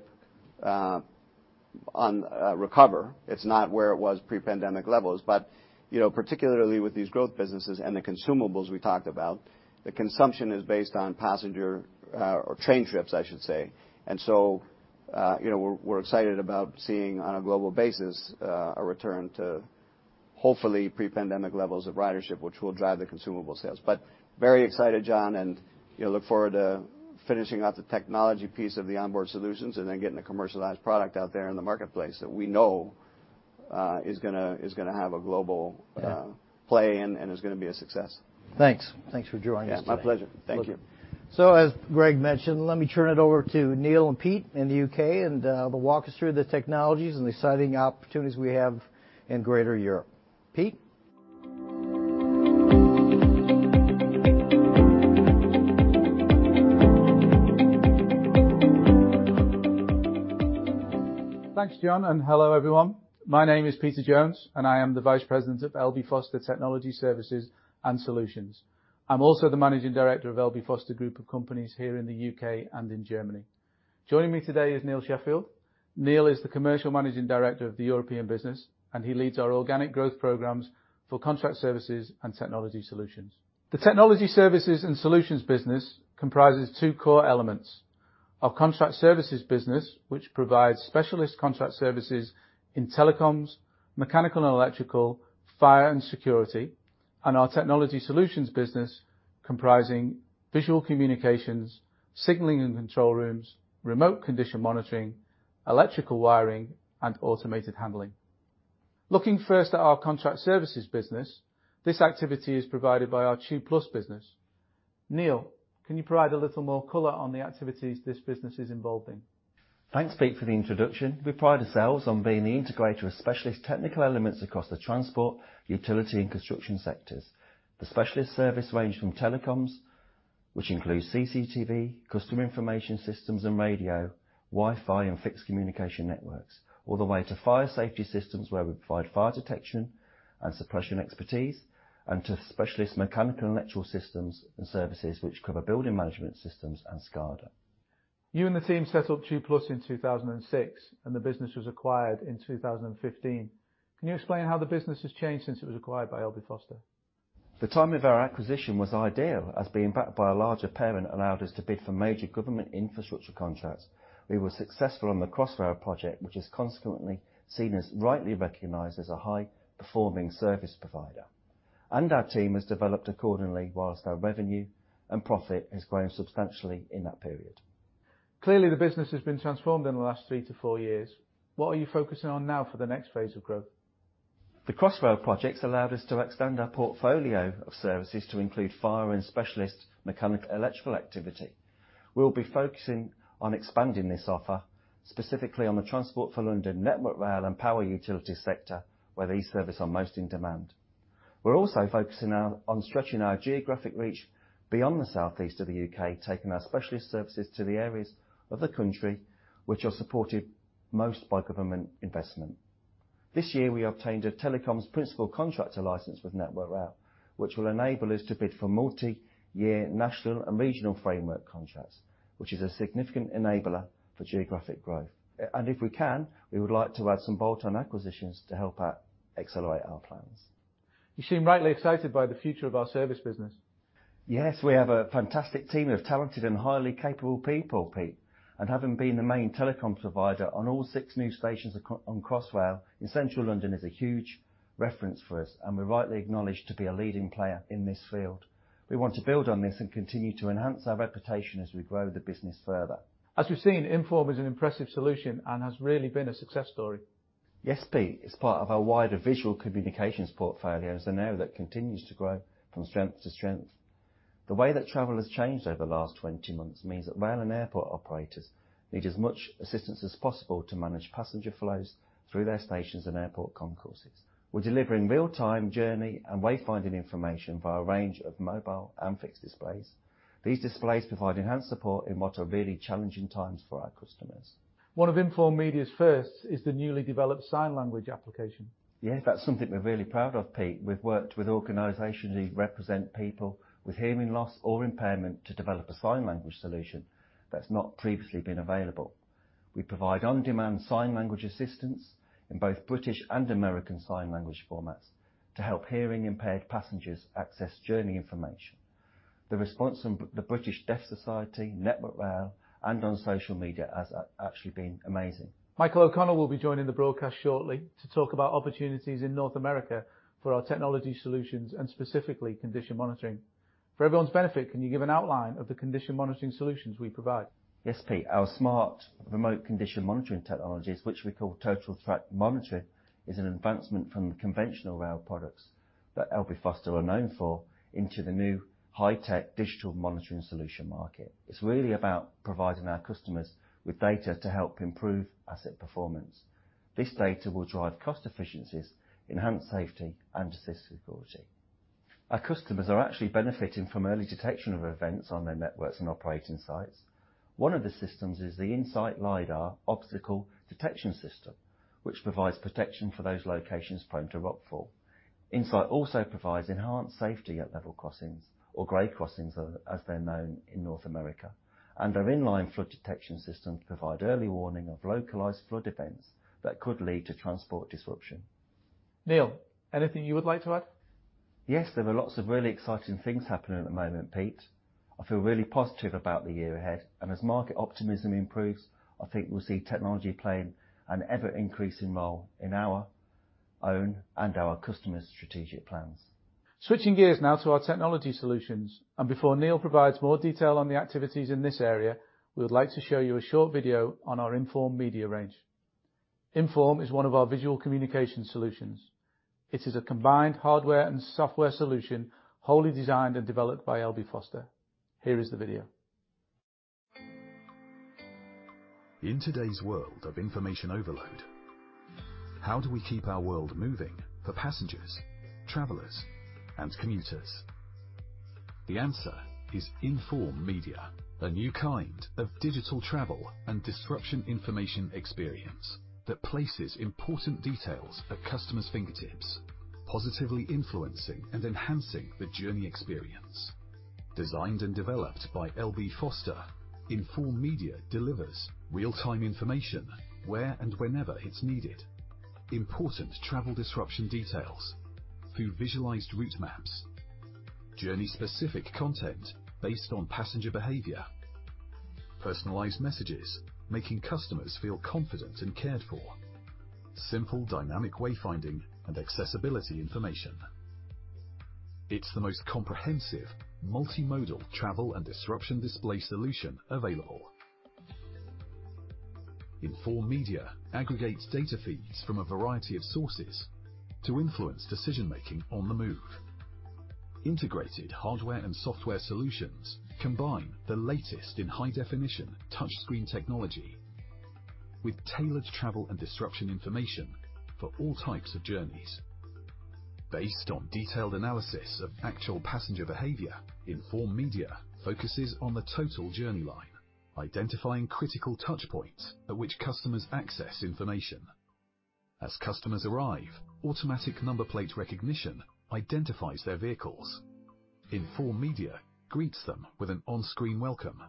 recover. It's not where it was pre-pandemic levels but, you know, particularly with these growth businesses and the consumables we talked about, the consumption is based on passenger or train trips, I should say. We're excited about seeing on a global basis a return to hopefully pre-pandemic levels of ridership, which will drive the consumable sales. Very excited, John, and, you know, look forward to finishing out the technology piece of the onboard solutions and then getting a commercialized product out there in the marketplace that we know is gonna have a global.
Yeah
play and is gonna be a success.
Thanks. Thanks for joining us today.
Yeah, my pleasure. Thank you.
As Greg mentioned, let me turn it over to Neil and Pete in the U.K., and they'll walk us through the technologies and the exciting opportunities we have in Greater Europe. Pete?
Thanks John, and hello everyone. My name is Peter Jones, and I am the Vice President of L.B. Foster Technology Services and Solutions. I'm also the Managing Director of L.B. Foster group of companies here in the U.K. and in Germany. Joining me today is Neil Sheffield. Neil is the Commercial Managing Director of the European business, and he leads our organic growth programs for contract services and technology solutions. The technology services and solutions business comprises two core elements. Our contract services business, which provides specialist contract services in telecoms, mechanical and electrical, fire and security, and our technology solutions business comprising visual communications, signaling and control rooms, remote condition monitoring, electrical wiring, and automated handling. Looking first at our contract services business, this activity is provided by our TEW Plus business. Neil, can you provide a little more color on the activities this business is involved in?
Thanks Pete for the introduction. We pride ourselves on being the integrator of specialist technical elements across the transport, utility, and construction sectors. The specialist services range from telecoms, which includes CCTV, customer information systems and radio, Wi-Fi and fixed communication networks, all the way to fire safety systems, where we provide fire detection and suppression expertise, and to specialist mechanical and electrical systems and services which cover building management systems and SCADA.
You and the team set up TEW Plus in 2006, and the business was acquired in 2015. Neil explain how the business has changed since it was acquired by L.B. Foster?
The time of our acquisition was ideal, as being backed by a larger parent allowed us to bid for major government infrastructure contracts. We were successful on the Crossrail project, which is consequently seen as rightly recognized as a high-performing service provider. Our team has developed accordingly, while our revenue and profit has grown substantially in that period.
Clearly, the business has been transformed in the last three-four years. What are you focusing on now for the next phase of growth?
The Crossrail projects allowed us to extend our portfolio of services to include fire and specialist mechanical electrical activity. We'll be focusing on expanding this offer, specifically on the Transport for London, Network Rail, and power utility sector, where these services are most in demand. We're also focusing on stretching our geographic reach beyond the southeast of the U.K., taking our specialist services to the areas of the country which are supported most by government investment. This year, we obtained a telecoms principal contractor license with Network Rail, which will enable us to bid for multi-year national and regional framework contracts, which is a significant enabler for geographic growth. And if we can, we would like to add some bolt-on acquisitions to help accelerate our plans.
You seem rightly excited by the future of our service business.
Yes, we have a fantastic team of talented and highly capable people, Pete. Having been the main telecom provider on all six new stations on Crossrail in Central London is a huge reference for us, and we're rightly acknowledged to be a leading player in this field. We want to build on this and continue to enhance our reputation as we grow the business further.
As we've seen, Inform is an impressive solution and has really been a success story.
Yes, Pete. It's part of our wider visual communications portfolio, and so now that continues to grow from strength to strength. The way that travel has changed over the last 20 months means that rail and airport operators need as much assistance as possible to manage passenger flows through their stations and airport concourses. We're delivering real-time journey and way-finding information via a range of mobile and fixed displays. These displays provide enhanced support in what are really challenging times for our customers.
One of Inform Media's firsts is the newly developed sign language application.
Yes, that's something we're really proud of Pete. We've worked with organizations who represent people with hearing loss or impairment to develop a sign language solution that's not previously been available. We provide on-demand sign language assistance in both British Sign Language and American Sign Language formats to help hearing impaired passengers access journey information. The response from the British Deaf Association, Network Rail, and on social media has actually been amazing.
Michael O'Connell will be joining the broadcast shortly to talk about opportunities in North America for our technology solutions and specifically condition monitoring. For everyone's benefit, can you give an outline of the condition monitoring solutions we provide?
Yes Pete. Our smart remote condition monitoring technologies, which we call Total Track Monitoring, is an advancement from the conventional rail products that L.B. Foster are known for into the new high-tech digital monitoring solution market. It's really about providing our customers with data to help improve asset performance. This data will drive cost efficiencies, enhance safety, and assist security. Our customers are actually benefiting from early detection of events on their networks and operating sites. One of the systems is the Insight LiDAR obstacle detection system, which provides protection for those locations prone to rockfall. Insight also provides enhanced safety at level crossings or grade crossings as they're known in North America, and our in-line flood detection system provide early warning of localized flood events that could lead to transport disruption.
Neil, anything you would like to add?
Yes, there were lots of really exciting things happening at the moment, Pete. I feel really positive about the year ahead and as market optimism improves, I think we'll see technology playing an ever-increasing role in our own and our customers' strategic plans.
Switching gears now to our technology solutions, and before Neil provides more detail on the activities in this area, we would like to show you a short video on our Inform Media range. Inform is one of our visual communication solutions. It is a combined hardware and software solution wholly designed and developed by L.B. Foster. Here is the video.
In today's world of information overload, how do we keep our world moving for passengers, travelers, and commuters? The answer is Inform Media, a new kind of digital travel and disruption information experience that places important details at customers' fingertips, positively influencing and enhancing the journey experience. Designed and developed by L.B. Foster, Inform Media delivers real-time information where and whenever it's needed, important travel disruption details through visualized route maps, journey-specific content based on passenger behavior, personalized messages making customers feel confident and cared for, simple dynamic way-finding and accessibility information. It's the most comprehensive multi-modal travel and disruption display solution available. Inform Media aggregates data feeds from a variety of sources to influence decision-making on the move. Integrated hardware and software solutions combine the latest in high-definition touchscreen technology with tailored travel and disruption information for all types of journeys. Based on detailed analysis of actual passenger behavior, Inform Media focuses on the total journey line, identifying critical touch points at which customers access information. As customers arrive, automatic number plate recognition identifies their vehicles. Inform Media greets them with an on-screen welcome.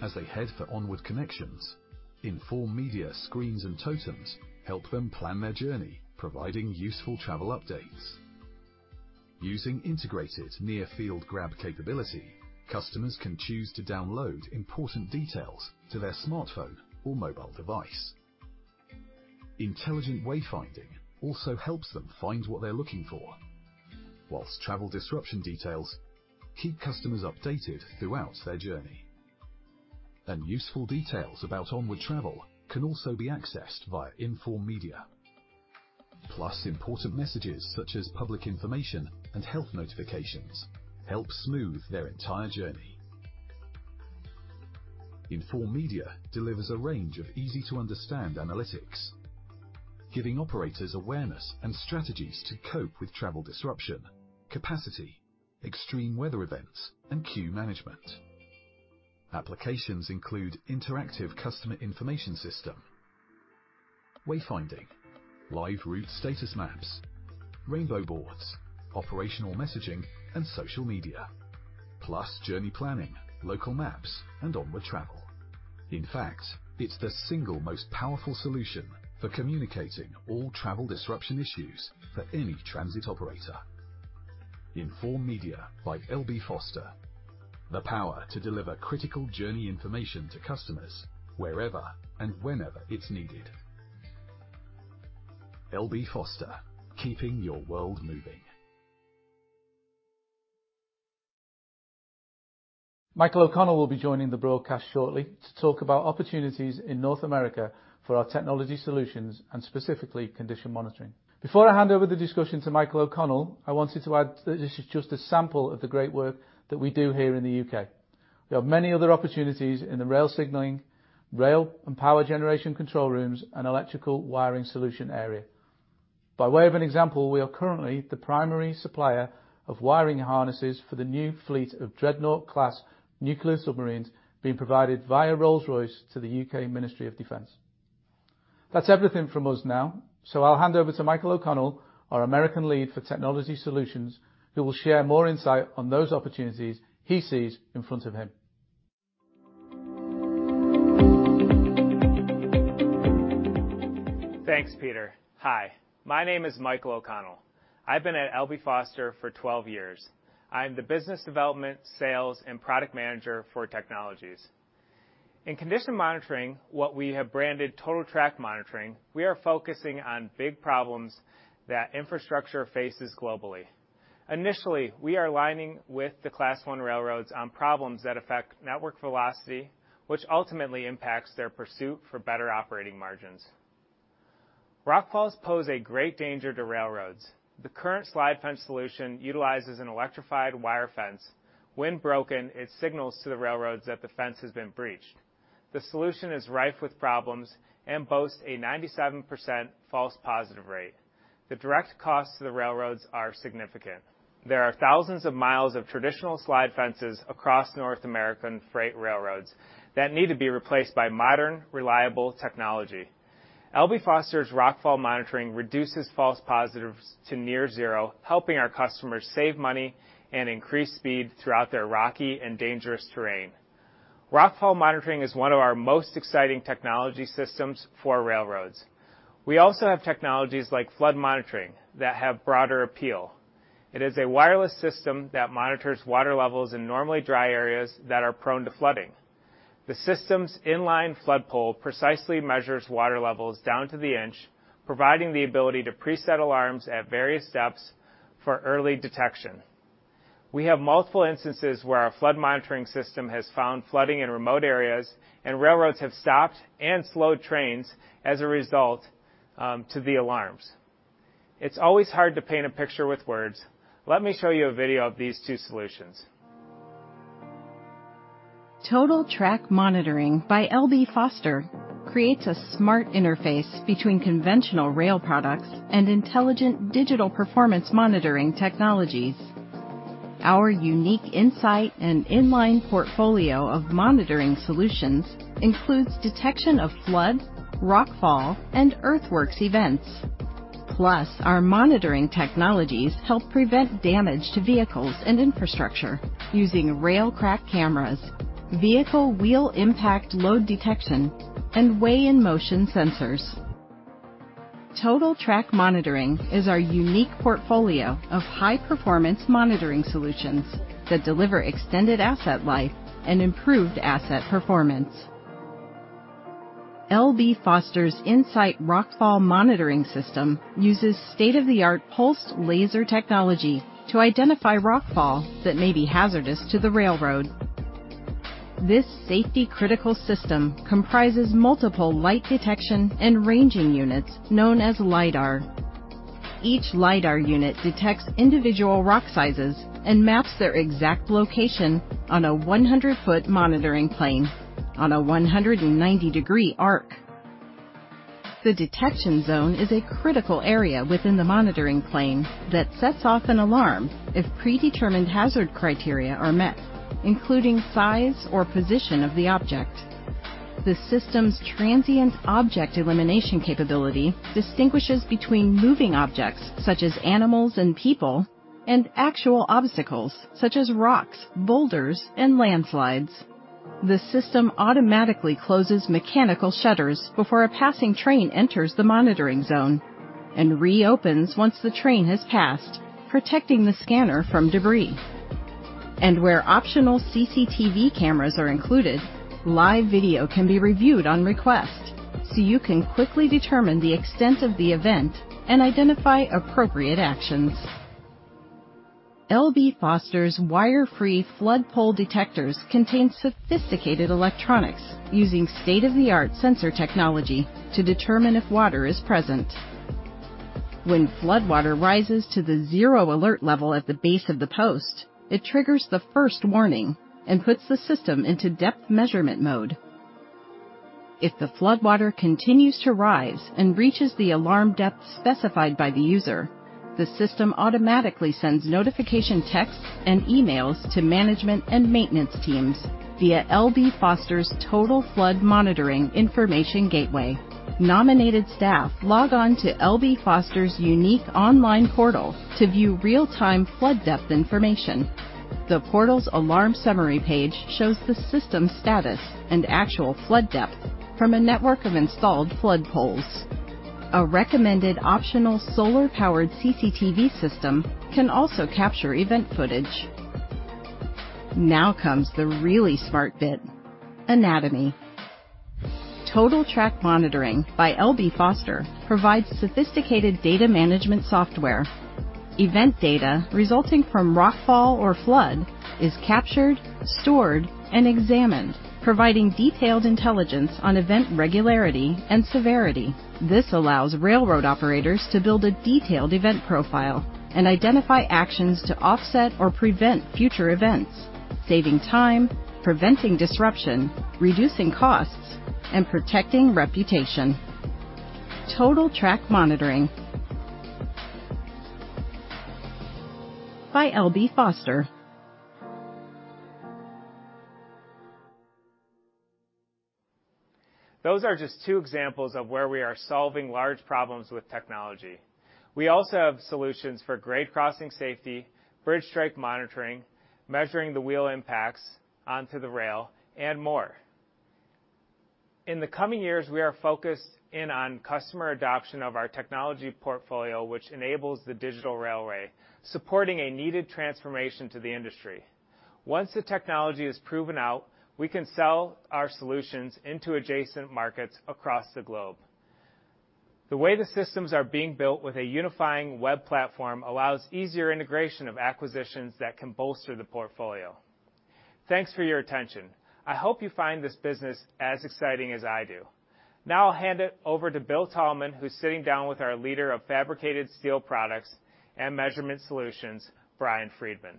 As they head for onward connections, Inform Media screens and totems help them plan their journey, providing useful travel updates. Using integrated near-field grab capability, customers can choose to download important details to their smartphone or mobile device. Intelligent way-finding also helps them find what they're looking for, while travel disruption details keep customers updated throughout their journey. Useful details about onward travel can also be accessed via Inform Media. Important messages such as public information and health notifications help smooth their entire journey. Inform Media delivers a range of easy-to-understand analytics Giving operators awareness and strategies to cope with travel disruption, capacity, extreme weather events, and queue management. Applications include interactive customer information system, wayfinding, live route status maps, rainbow boards, operational messaging, and social media, plus journey planning, local maps, and onward travel. In fact, it's the single most powerful solution for communicating all travel disruption issues for any transit operator. Inform Media by L.B. Foster. The power to deliver critical journey information to customers wherever and whenever it's needed. L.B. Foster, keeping your world moving.
Michael O'Connell will be joining the broadcast shortly to talk about opportunities in North America for our technology solutions and specifically condition monitoring. Before I hand over the discussion to Michael O'Connell, I wanted to add that this is just a sample of the great work that we do here in the U.K. We have many other opportunities in the rail signaling, rail and power generation control rooms, and electrical wiring solution area. By way of an example, we are currently the primary supplier of wiring harnesses for the new fleet of Dreadnought-class nuclear submarines being provided via Rolls-Royce to the U.K. Ministry of Defence. That's everything from us now, so I'll hand over to Michael O'Connell, our American lead for technology solutions, who will share more insight on those opportunities he sees in front of him.
Thanks Peter. Hi, my name is Michael O'Connell. I've been at L.B. Foster for 12 years. I'm the business development, sales, and product manager for technologies. In condition monitoring, what we have branded Total Track Monitoring, we are focusing on big problems that infrastructure faces globally. Initially, we are aligning with the class one railroads on problems that affect network velocity, which ultimately impacts their pursuit for better operating margins. Rockfalls pose a great danger to railroads. The current slide fence solution utilizes an electrified wire fence. When broken, it signals to the railroads that the fence has been breached. The solution is rife with problems and boasts a 97% false positive rate. The direct costs to the railroads are significant. There are thousands of miles of traditional slide fences across North American freight railroads that need to be replaced by modern, reliable technology. L.B. Foster's rockfall monitoring reduces false positives to near zero, helping our customers save money and increase speed throughout their rocky and dangerous terrain. Rockfall monitoring is one of our most exciting technology systems for railroads. We also have technologies like flood monitoring that have broader appeal. It is a wireless system that monitors water levels in normally dry areas that are prone to flooding. The system's in-line flood pole precisely measures water levels down to the inch, providing the ability to preset alarms at various steps for early detection. We have multiple instances where our flood monitoring system has found flooding in remote areas, and railroads have stopped and slowed trains as a result, to the alarms. It's always hard to paint a picture with words. Let me show you a video of these two solutions.
Total Track Monitoring by L.B. Foster creates a smart interface between conventional rail products and intelligent digital performance monitoring technologies. Our unique insight and in-line portfolio of monitoring solutions includes detection of flood, rockfall, and earthworks events. Plus, our monitoring technologies help prevent damage to vehicles and infrastructure using rail crack cameras, vehicle wheel impact load detection, and weigh-in-motion sensors. Total Track Monitoring is our unique portfolio of high-performance monitoring solutions that deliver extended asset life and improved asset performance. L.B. Foster's Insight Rockfall Monitoring System uses state-of-the-art pulsed laser technology to identify rockfall that may be hazardous to the railroad. This safety-critical system comprises multiple light detection and ranging units known as LIDAR. Each LIDAR unit detects individual rock sizes and maps their exact location on a 100-foot monitoring plane on a 190-degree arc. The detection zone is a critical area within the monitoring plane that sets off an alarm if predetermined hazard criteria are met, including size or position of the object. The system's transient object elimination capability distinguishes between moving objects such as animals and people, and actual obstacles such as rocks, boulders, and landslides. The system automatically closes mechanical shutters before a passing train enters the monitoring zone and reopens once the train has passed, protecting the scanner from debris. Where optional CCTV cameras are included, live video can be reviewed on request, so you can quickly determine the extent of the event and identify appropriate actions. L.B. Foster's wire-free flood pole detectors contain sophisticated electronics using state-of-the-art sensor technology to determine if water is present. When floodwater rises to the zero alert level at the base of the post, it triggers the first warning and puts the system into depth measurement mode. If the floodwater continues to rise and reaches the alarm depth specified by the user, the system automatically sends notification texts and emails to management and maintenance teams via L.B. Foster's Total Flood Monitoring Information Gateway. Nominated staff log on to L.B. Foster's unique online portal to view real-time flood depth information. The portal's alarm summary page shows the system status and actual flood depth from a network of installed flood poles. A recommended optional solar-powered CCTV system can also capture event footage. Now comes the really smart bit, anatomy. Total Track Monitoring by L.B. Foster provides sophisticated data management software. Event data resulting from rockfall or flood is captured, stored, and examined, providing detailed intelligence on event regularity and severity. This allows railroad operators to build a detailed event profile and identify actions to offset or prevent future events, saving time, preventing disruption, reducing costs, and protecting reputation. Total Track Monitoring by L.B. Foster.
Those are just two examples of where we are solving large problems with technology. We also have solutions for grade crossing safety, bridge strike monitoring, measuring the wheel impacts onto the rail, and more. In the coming years, we are focused in on customer adoption of our technology portfolio, which enables the digital railway, supporting a needed transformation to the industry. Once the technology is proven out, we can sell our solutions into adjacent markets across the globe. The way the systems are being built with a unifying web platform allows easier integration of acquisitions that can bolster the portfolio. Thanks for your attention. I hope you find this business as exciting as I do. Now I'll hand it over to Bill Thalman, who's sitting down with our leader of Fabricated Steel Products and Measurement Solutions, Brian Friedman.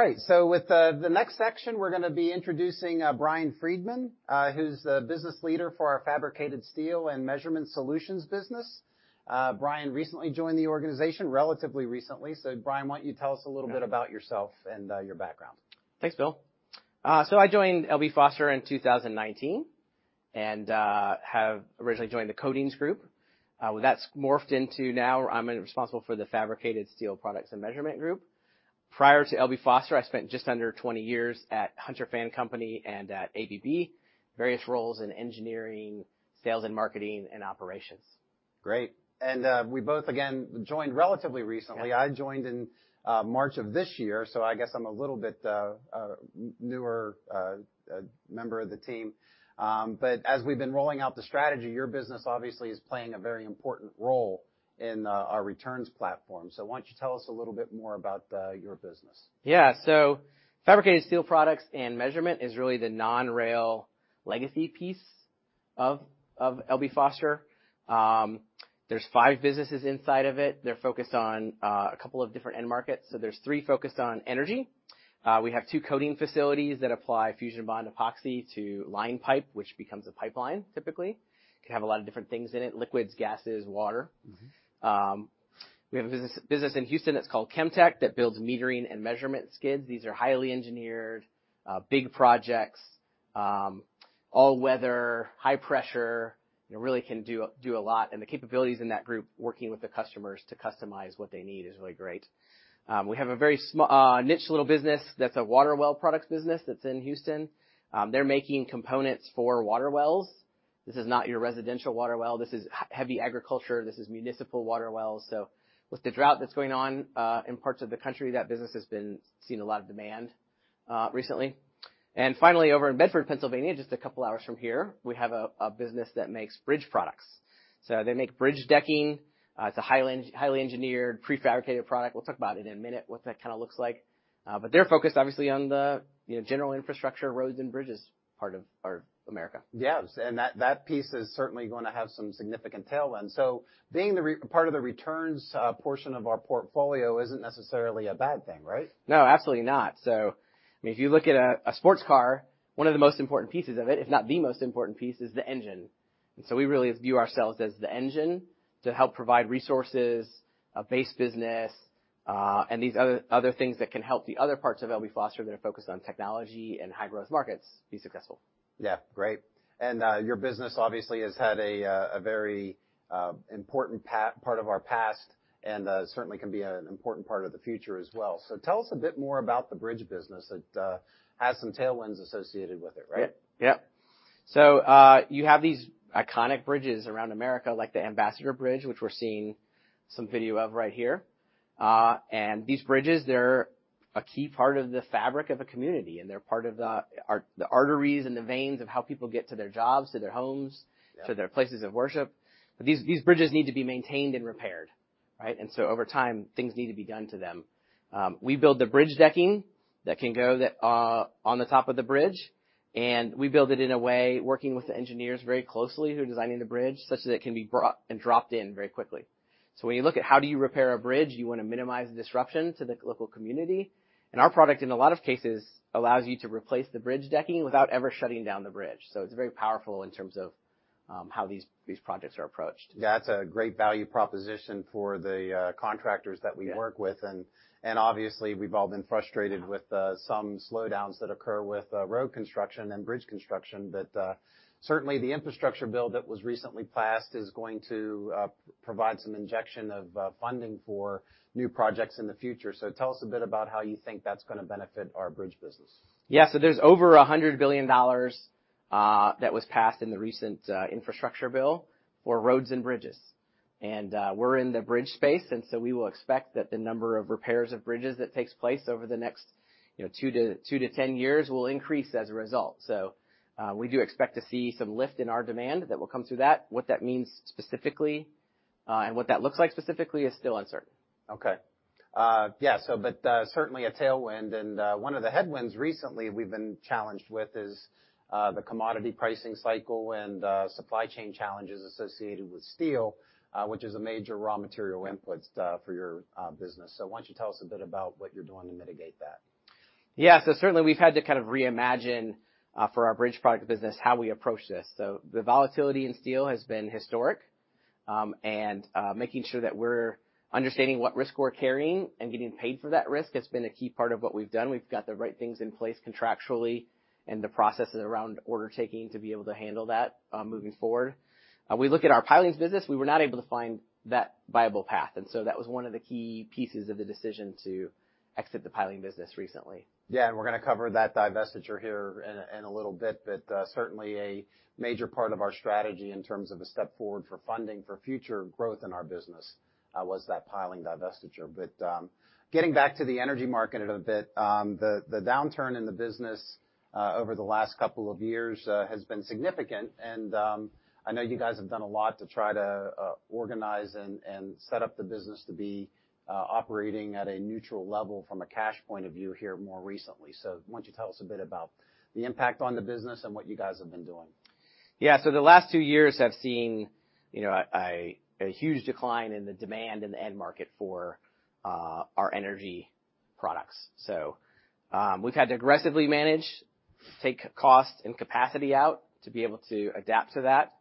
All right, with the next section, we're gonna be introducing Brian Friedman, who's the business leader for our Fabricated Steel and Measurement Solutions business. Brian recently joined the organization, relatively recently. Brian, why don't you tell us a little bit about yourself and your background?
Thanks Bill. I joined L.B. Foster in 2019, and originally joined the Coatings group. That's morphed into now I'm responsible for the Fabricated Steel Products and Measurement group. Prior to L.B. Foster, I spent just under 20 years at Hunter Fan Company and at ABB, various roles in engineering, sales and marketing, and operations.
Great. We both, again, joined relatively recently.
Yeah.
I joined in March of this year, so I guess I'm a little bit newer member of the team. As we've been rolling out the strategy, your business obviously is playing a very important role in our returns platform. Why don't you tell us a little bit more about your business?
Fabricated Steel Products and Measurement is really the non-rail legacy piece of L.B. Foster. There are five businesses inside of it. They're focused on a couple of different end markets. There are three focused on energy. We have two coating facilities that apply fusion bonded epoxy to line pipe, which becomes a pipeline typically. It can have a lot of different things in it, liquids, gases, water.
Mm-hmm.
We have a business in Houston, it's called Chemtec, that builds metering and measurement skids. These are highly engineered, big projects, all weather, high pressure, you know, really can do a lot. The capabilities in that group, working with the customers to customize what they need is really great. We have a very small niche little business that's a water well products business that's in Houston. They're making components for water wells. This is not your residential water well, this is heavy agriculture, this is municipal water wells. With the drought that's going on in parts of the country, that business has been seeing a lot of demand recently. Finally over in Bedford Pennsylvania, just a couple hours from here, we have a business that makes bridge products. They make bridge decking. It's a highly engineered, prefabricated product. We'll talk about it in a minute, what that kinda looks like. They're focused obviously on the, you know, general infrastructure, roads and bridges part of our America.
Yes, that piece is certainly gonna have some significant tailwind. Being the part of the returns portion of our portfolio isn't necessarily a bad thing, right?
No, absolutely not. I mean, if you look at a sports car, one of the most important pieces of it, if not the most important piece, is the engine. We really view ourselves as the engine to help provide resources, a base business, and these other things that can help the other parts of L.B. Foster that are focused on technology and high-growth markets be successful.
Yeah. Great. Your business obviously has had a very important part of our past and certainly can be an important part of the future as well. Tell us a bit more about the bridge business that has some tailwinds associated with it, right?
Yep. Yep. You have these iconic bridges around America, like the Ambassador Bridge, which we're seeing some video of right here. These bridges, they're a key part of the fabric of a community, and they're part of the arteries and the veins of how people get to their jobs, to their homes.
Yeah
to their places of worship. These bridges need to be maintained and repaired. Right? Over time, things need to be done to them. We build the bridge decking that can go on the top of the bridge, and we build it in a way working with the engineers very closely who are designing the bridge, such that it can be brought and dropped in very quickly. When you look at how do you repair a bridge, you wanna minimize the disruption to the local community. Our product, in a lot of cases, allows you to replace the bridge decking without ever shutting down the bridge. It's very powerful in terms of how these projects are approached.
That's a great value proposition for the contractors that we-
Yeah...
work with. Obviously, we've all been frustrated with some slowdowns that occur with road construction and bridge construction that certainly the infrastructure bill that was recently passed is going to provide some injection of funding for new projects in the future. Tell us a bit about how you think that's gonna benefit our bridge business.
There's over $100 billion that was passed in the recent infrastructure bill for roads and bridges. We're in the bridge space, and we will expect that the number of repairs of bridges that takes place over the next two-10 years will increase as a result. We do expect to see some lift in our demand that will come through that. What that means specifically and what that looks like specifically is still uncertain.
Certainly a tailwind. One of the headwinds recently we've been challenged with is the commodity pricing cycle and supply chain challenges associated with steel, which is a major raw material input for your business. Why don't you tell us a bit about what you're doing to mitigate that?
Yeah. Certainly, we've had to kind of reimagine for our bridge product business how we approach this. The volatility in steel has been historic, and making sure that we're understanding what risk we're carrying and getting paid for that risk has been a key part of what we've done. We've got the right things in place contractually and the processes around order taking to be able to handle that moving forward. We look at our Piling business, we were not able to find that viable path, and so that was one of the key pieces of the decision to exit the Piling business recently.
We're gonna cover that divestiture here in a little bit, but certainly a major part of our strategy in terms of a step forward for funding for future growth in our business was that Piling divestiture. Getting back to the energy market a little bit, the downturn in the business over the last couple of years has been significant. I know you guys have done a lot to try to organize and set up the business to be operating at a neutral level from a cash point of view here more recently. Why don't you tell us a bit about the impact on the business and what you guys have been doing?
Yeah. The last two years have seen, you know, a huge decline in the demand in the end market for our energy products. We've had to aggressively manage, take cost and capacity out to be able to adapt to that.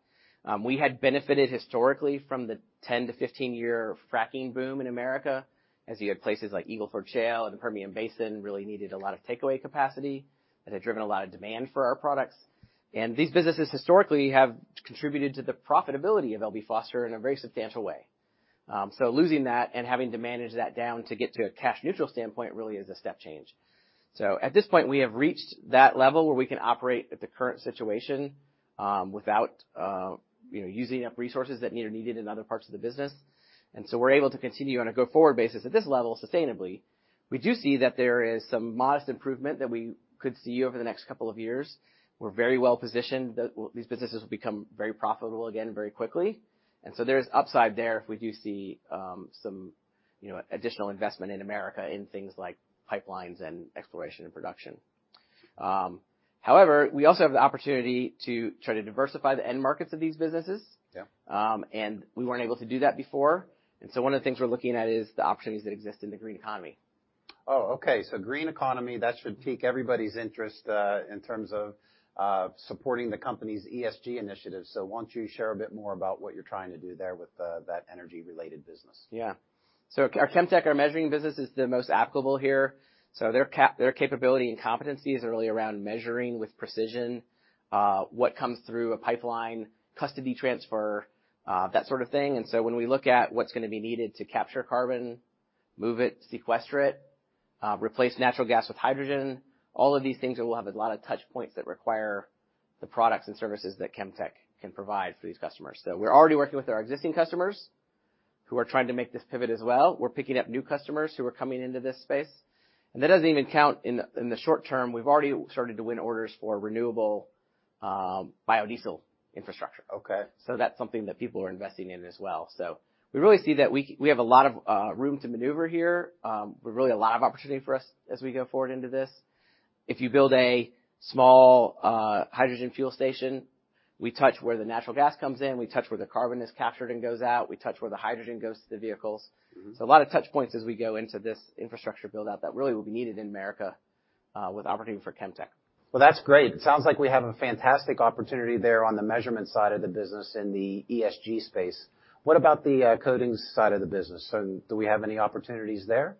We had benefited historically from the 10-15-year fracking boom in America as you had places like Eagle Ford Shale and the Permian Basin really needed a lot of takeaway capacity. That had driven a lot of demand for our products. These businesses historically have contributed to the profitability of L.B. Foster in a very substantial way. Losing that and having to manage that down to get to a cash neutral standpoint really is a step change. At this point, we have reached that level where we can operate at the current situation, without, you know, using up resources that are needed in other parts of the business. We're able to continue on a go-forward basis at this level sustainably. We do see that there is some modest improvement that we could see over the next couple of years. We're very well-positioned that these businesses will become very profitable again very quickly. There's upside there if we do see, some, you know, additional investment in America in things like pipelines and exploration and production. However, we also have the opportunity to try to diversify the end markets of these businesses.
Yeah.
We weren't able to do that before. One of the things we're looking at is the opportunities that exist in the green economy.
Oh, okay. Green economy, that should pique everybody's interest, in terms of supporting the company's ESG initiatives. Why don't you share a bit more about what you're trying to do there with that energy-related business?
Yeah. Our Chemtec, our measuring business, is the most applicable here. Their capability and competencies are really around measuring with precision, what comes through a pipeline, custody transfer, that sort of thing. When we look at what's gonna be needed to capture carbon, move it, sequester it, replace natural gas with hydrogen, all of these things will have a lot of touch points that require the products and services that Chemtec can provide for these customers. We're already working with our existing customers who are trying to make this pivot as well. We're picking up new customers who are coming into this space.. That doesn't even count in the short term, we've already started to win orders for renewable biodiesel infrastructure.
Okay.
That's something that people are investing in as well. We really see that we have a lot of room to maneuver here, but really a lot of opportunity for us as we go forward into this. If you build a small hydrogen fuel station, we touch where the natural gas comes in, we touch where the carbon is captured and goes out, we touch where the hydrogen goes to the vehicles.
Mm-hmm.
A lot of touch points as we go into this infrastructure build-out that really will be needed in America, with opportunity for Chemtec.
Well, that's great. It sounds like we have a fantastic opportunity there on the measurement side of the business in the ESG space. What about the coatings side of the business? Do we have any opportunities there?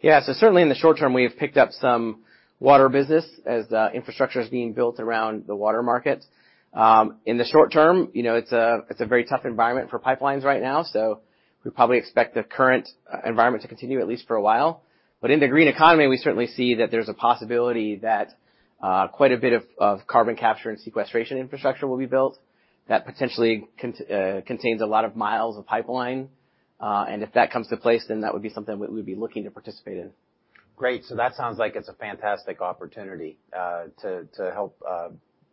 Yeah. Certainly in the short term, we have picked up some water business as infrastructure is being built around the water market. In the short term, you know, it's a very tough environment for pipelines right now, so we probably expect the current environment to continue at least for a while. In the green economy, we certainly see that there's a possibility that quite a bit of carbon capture and sequestration infrastructure will be built that potentially contains a lot of miles of pipeline. If that comes to pass, then that would be something we'd be looking to participate in.
Great. That sounds like it's a fantastic opportunity to help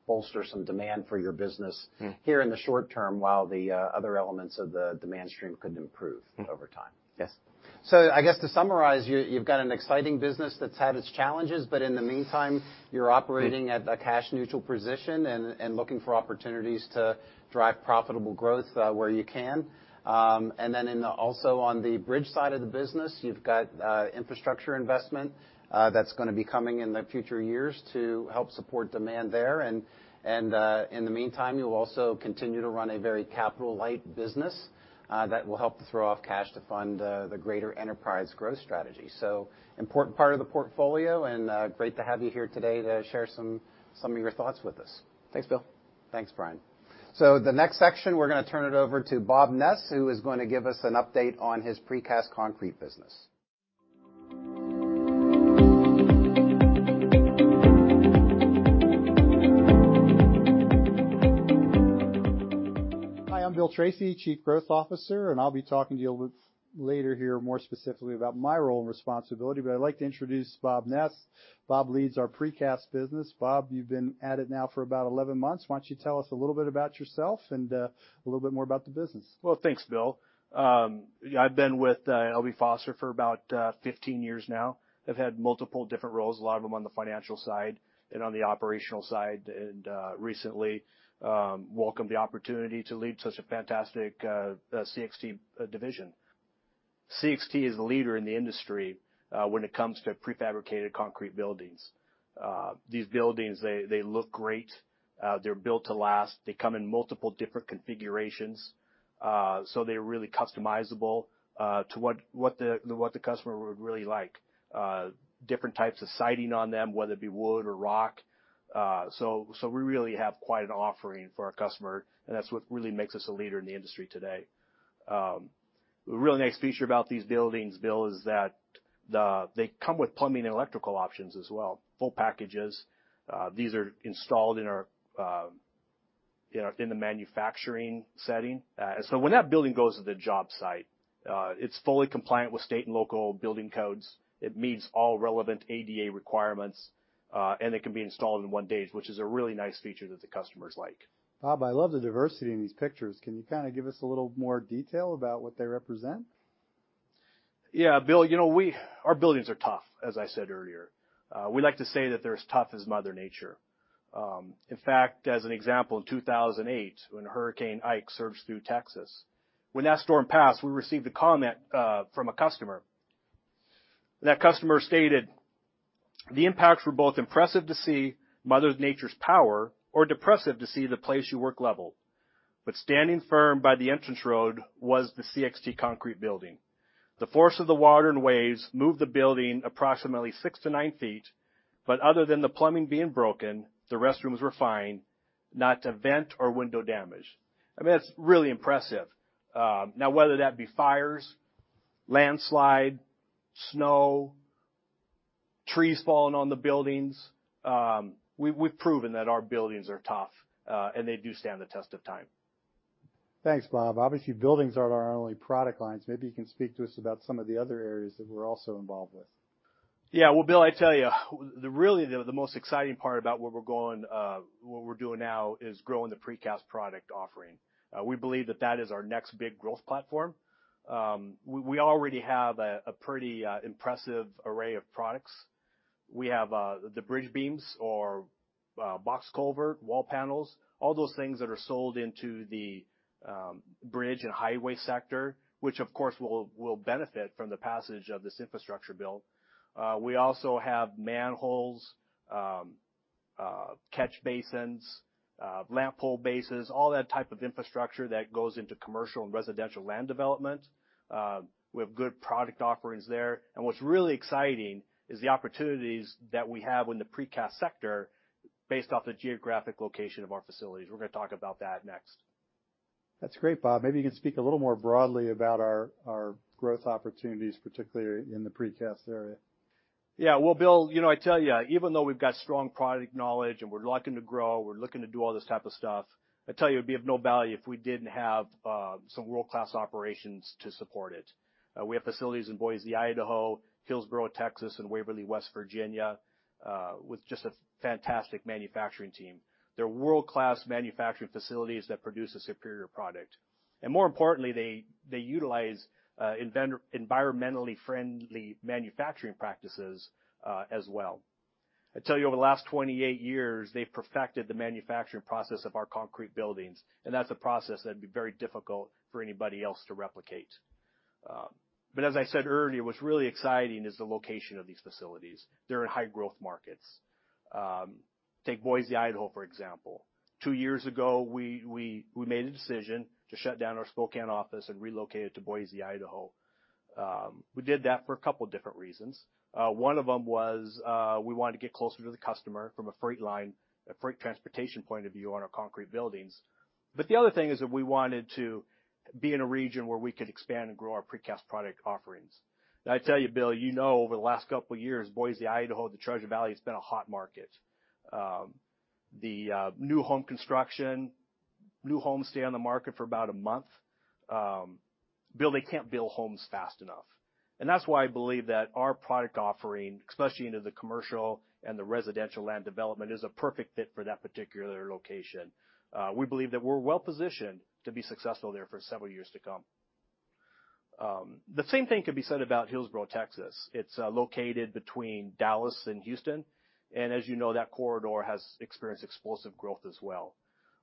bolster some demand for your business-
Mm-hmm.
-here in the short term, while the other elements of the demand stream could improve-
Mm-hmm.
over time.
Yes.
I guess to summarize, you've got an exciting business that's had its challenges, but in the meantime, you're operating at a cash neutral position and looking for opportunities to drive profitable growth where you can. On the bridge side of the business, you've got infrastructure investment that's gonna be coming in the future years to help support demand there. In the meantime, you'll also continue to run a very capital light business that will help to throw off cash to fund the greater enterprise growth strategy. Important part of the portfolio, and great to have you here today to share some of your thoughts with us.
Thanks Bill.
Thanks Brian. The next section, we're gonna turn it over to Bob Ness, who is gonna give us an update on his precast concrete business.
Hi, I'm Bill Treacy, Chief Growth Officer, and I'll be talking to you a little later here more specifically about my role and responsibility. I'd like to introduce Bob Ness. Bob leads our precast business. Bob, you've been at it now for about 11 months. Why don't you tell us a little bit about yourself and a little bit more about the business?
Well, thanks Bill. Yeah, I've been with L.B. Foster for about 15 years now. I've had multiple different roles, a lot of them on the financial side and on the operational side, and recently welcomed the opportunity to lead such a fantastic CXT division. CXT is the leader in the industry when it comes to prefabricated concrete buildings. These buildings, they look great. They're built to last. They come in multiple different configurations, so they're really customizable to what the customer would really like. Different types of siding on them, whether it be wood or rock. So we really have quite an offering for our customer, and that's what really makes us a leader in the industry today. The really nice feature about these buildings Bill is that, they come with plumbing and electrical options as well, full packages. These are installed in our manufacturing setting. When that building goes to the job site, it's fully compliant with state and local building codes. It meets all relevant ADA requirements, and it can be installed in one day, which is a really nice feature that the customers like.
Bob, I love the diversity in these pictures. Can you kinda give us a little more detail about what they represent?
Yeah, Bill, you know, our buildings are tough, as I said earlier. We like to say that they're as tough as Mother Nature. In fact, as an example, in 2008, when Hurricane Ike surged through Texas, when that storm passed, we received a comment from a customer. That customer stated, "The impacts were both impressive to see Mother Nature's power or depressing to see the place you work leveled. But standing firm by the entrance road was the CXT concrete building. The force of the water and waves moved the building approximately six-nine feet, but other than the plumbing being broken, the restrooms were fine. Not a vent or window damaged." I mean, that's really impressive. Now, whether that be fires, landslide, snow, trees falling on the buildings, we've proven that our buildings are tough, and they do stand the test of time.
Thanks Bob. Obviously, buildings aren't our only product lines. Maybe you can speak to us about some of the other areas that we're also involved with.
Well Bill I tell you, the most exciting part about where we're going, what we're doing now is growing the precast product offering. We believe that is our next big growth platform. We already have a pretty impressive array of products. We have the bridge beams or box culvert, wall panels, all those things that are sold into the bridge and highway sector, which of course will benefit from the passage of this infrastructure bill. We also have manholes, catch basins, lamp pole bases, all that type of infrastructure that goes into commercial and residential land development. We have good product offerings there. What's really exciting is the opportunities that we have in the precast sector based off the geographic location of our facilities. We're gonna talk about that next.
That's great Bob. Maybe you can speak a little more broadly about our growth opportunities, particularly in the precast area.
Yeah. Well Bill you know, I tell you, even though we've got strong product knowledge and we're looking to grow, we're looking to do all this type of stuff, I tell you, it'd be of no value if we didn't have some world-class operations to support it. We have facilities in Boise, Idaho, Hillsboro, Texas, and Waverly, West Virginia, with just a fantastic manufacturing team. They're world-class manufacturing facilities that produce a superior product. More importantly, they utilize environmentally friendly manufacturing practices, as well. I tell you, over the last 28 years, they've perfected the manufacturing process of our concrete buildings, and that's a process that'd be very difficult for anybody else to replicate. As I said earlier, what's really exciting is the location of these facilities. They're in high-growth markets. Take Boise, Idaho, for example. Two years ago, we made a decision to shut down our Spokane office and relocate it to Boise, Idaho. We did that for a couple different reasons. One of them was we wanted to get closer to the customer from a freight line, a freight transportation point of view on our concrete buildings. The other thing is that we wanted to be in a region where we could expand and grow our precast product offerings. I tell you, Bill, you know over the last couple of years, Boise, Idaho, the Treasure Valley, has been a hot market. The new home construction New homes stay on the market for about a month. Bill, they can't build homes fast enough. That's why I believe that our product offering, especially into the commercial and the residential land development, is a perfect fit for that particular location. We believe that we're well-positioned to be successful there for several years to come. The same thing could be said about Hillsboro, Texas. It's located between Dallas and Houston. As you know, that corridor has experienced explosive growth as well.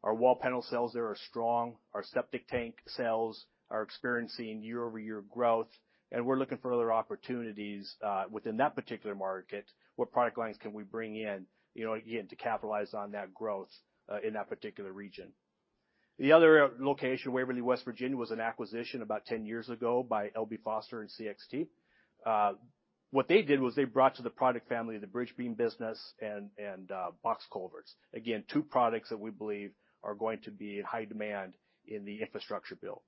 Our wall panel sales there are strong. Our septic tank sales are experiencing year-over-year growth, and we're looking for other opportunities within that particular market. What product lines can we bring in, you know, again, to capitalize on that growth in that particular region. The other location Waverly West Virginia, was an acquisition about 10 years ago by L.B. Foster and CXT. What they did was they brought to the product family the bridge beam business and box culverts. Again, two products that we believe are going to be in high demand in the infrastructure build.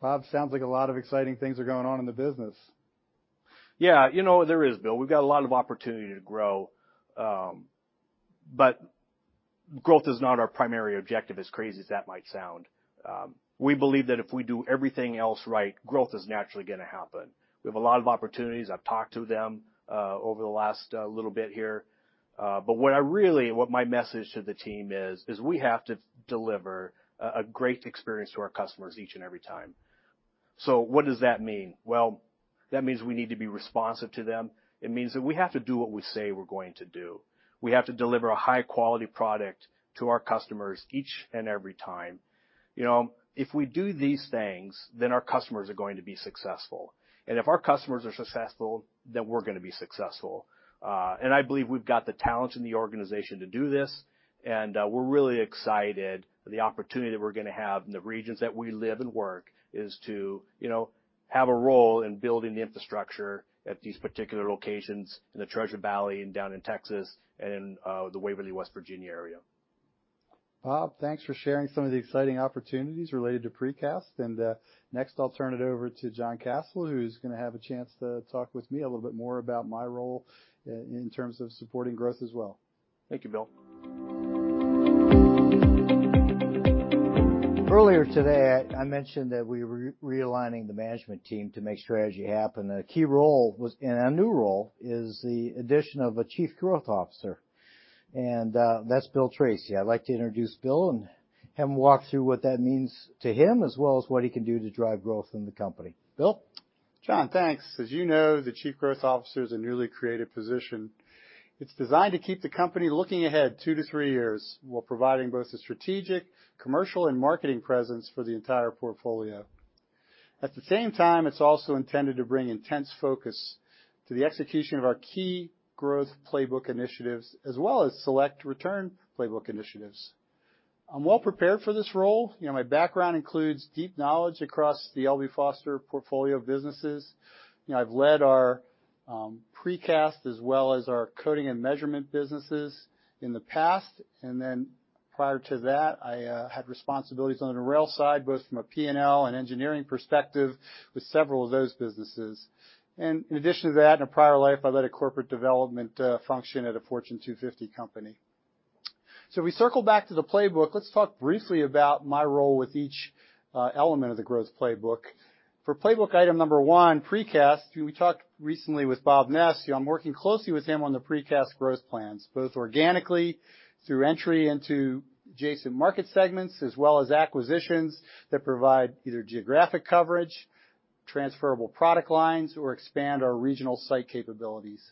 Bob, sounds like a lot of exciting things are going on in the business.
Yeah, you know, there is, Bill. We've got a lot of opportunity to grow, but growth is not our primary objective, as crazy as that might sound. We believe that if we do everything else right, growth is naturally gonna happen. We have a lot of opportunities. I've talked to them over the last little bit here. But what my message to the team is, we have to deliver a great experience to our customers each and every time. What does that mean? Well, that means we need to be responsive to them. It means that we have to do what we say we're going to do. We have to deliver a high quality product to our customers each and every time. You know, if we do these things, then our customers are going to be successful. If our customers are successful, then we're gonna be successful. I believe we've got the talent in the organization to do this, and we're really excited for the opportunity that we're gonna have in the regions that we live and work is to, you know, have a role in building the infrastructure at these particular locations in the Treasure Valley and down in Texas and the Waverly, West Virginia area.
Bob, thanks for sharing some of the exciting opportunities related to Precast. Next, I'll turn it over to John Kasel, who's gonna have a chance to talk with me a little bit more about my role in terms of supporting growth as well.
Thank you Bill.
Earlier today, I mentioned that we were realigning the management team to make strategy happen, and a new role is the addition of a Chief Growth Officer, and that's Bill Treacy. I'd like to introduce Bill and have him walk through what that means to him as well as what he can do to drive growth in the company. Bill?
John, thanks. As you know, the chief growth officer is a newly created position. It's designed to keep the company looking ahead two-three years while providing both the strategic, commercial, and marketing presence for the entire portfolio. At the same time, it's also intended to bring intense focus to the execution of our key growth playbook initiatives as well as select return playbook initiatives. I'm well prepared for this role. You know, my background includes deep knowledge across the L.B. Foster portfolio of businesses. You know, I've led our Precast, as well as our coating and measurement businesses in the past. Prior to that, I had responsibilities on the rail side, both from a P&L and engineering perspective with several of those businesses. In addition to that, in a prior life, I led a corporate development function at a Fortune 250 company. We circle back to the playbook. Let's talk briefly about my role with each element of the growth playbook. For playbook item number one, Precast, we talked recently with Bob Ness. You know, I'm working closely with him on the Precast growth plans, both organically through entry into adjacent market segments as well as acquisitions that provide either geographic coverage, transferable product lines, or expand our regional site capabilities.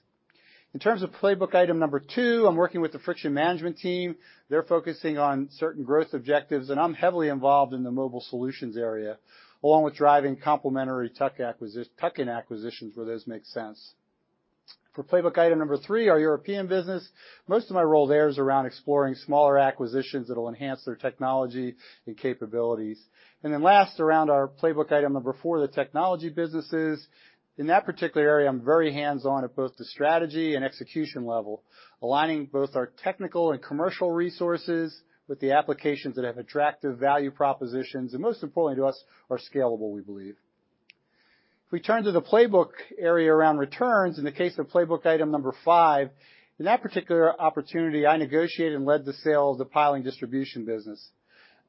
In terms of playbook item number two, I'm working with the Friction Management team. They're focusing on certain growth objectives, and I'm heavily involved in the mobile solutions area, along with driving complementary tuck-in acquisitions where those make sense. For playbook item number three, our European business, most of my role there is around exploring smaller acquisitions that'll enhance their technology and capabilities. Last, around our playbook item number four, the technology businesses, in that particular area, I'm very hands-on at both the strategy and execution level, aligning both our technical and commercial resources with the applications that have attractive value propositions, and most importantly to us, are scalable, we believe. If we turn to the playbook area around returns, in the case of playbook item number five, in that particular opportunity, I negotiated and led the sale of the Piling Products business.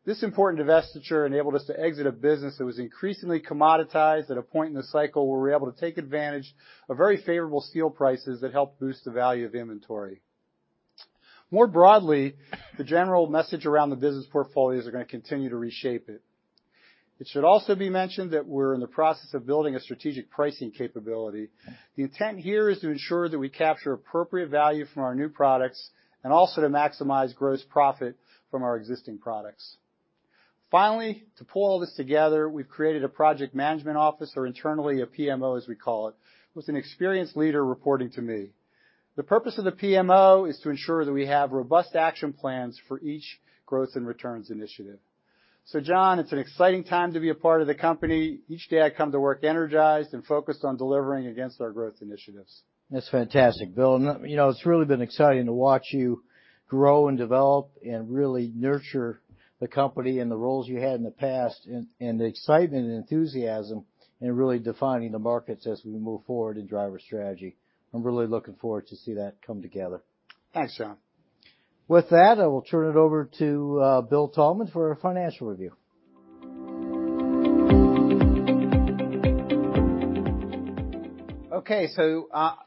This important divestiture enabled us to exit a business that was increasingly commoditized at a point in the cycle where we're able to take advantage of very favorable steel prices that helped boost the value of the inventory. More broadly, the general message around the business portfolio is we're gonna continue to reshape it. It should also be mentioned that we're in the process of building a strategic pricing capability. The intent here is to ensure that we capture appropriate value from our new products and also to maximize gross profit from our existing products. Finally, to pull all this together, we've created a project management office, or internally a PMO, as we call it, with an experienced leader reporting to me. The purpose of the PMO is to ensure that we have robust action plans for each growth and returns initiative. John, it's an exciting time to be a part of the company. Each day, I come to work energized and focused on delivering against our growth initiatives.
That's fantastic Bill. You know, it's really been exciting to watch you grow and develop and really nurture the company and the roles you had in the past and the excitement and enthusiasm in really defining the markets as we move forward and drive our strategy. I'm really looking forward to see that come together.
Thanks John.
With that, I will turn it over to Bill Thalman for a financial review.
Okay.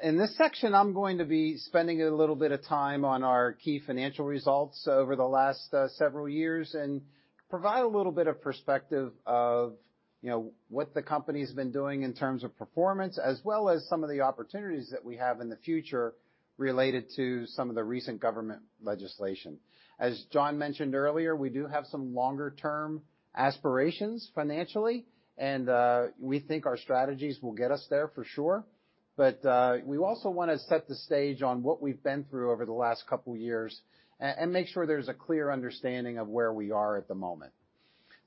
In this section, I'm going to be spending a little bit of time on our key financial results over the last several years, and provide a little bit of perspective of, you know, what the company's been doing in terms of performance, as well as some of the opportunities that we have in the future related to some of the recent government legislation. As John mentioned earlier, we do have some longer-term aspirations financially, and we think our strategies will get us there for sure. We also wanna set the stage on what we've been through over the last couple years and make sure there's a clear understanding of where we are at the moment.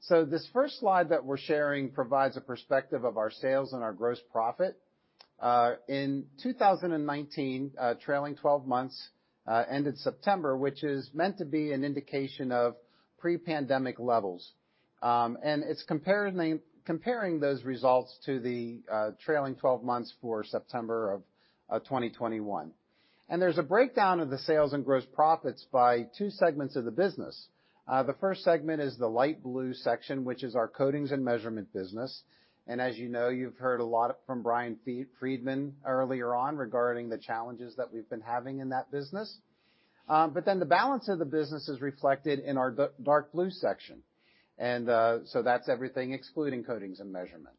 This first slide that we're sharing provides a perspective of our sales and our gross profit in 2019 trailing twelve months ended September, which is meant to be an indication of pre-pandemic levels. It's comparing those results to the trailing twelve months for September of 2021. There's a breakdown of the sales and gross profits by two segments of the business. The first segment is the light blue section, which is our coatings and measurement business. As you know, you've heard a lot from Brian Friedman earlier on regarding the challenges that we've been having in that business. The balance of the business is reflected in our dark blue section. That's everything excluding coatings and measurement.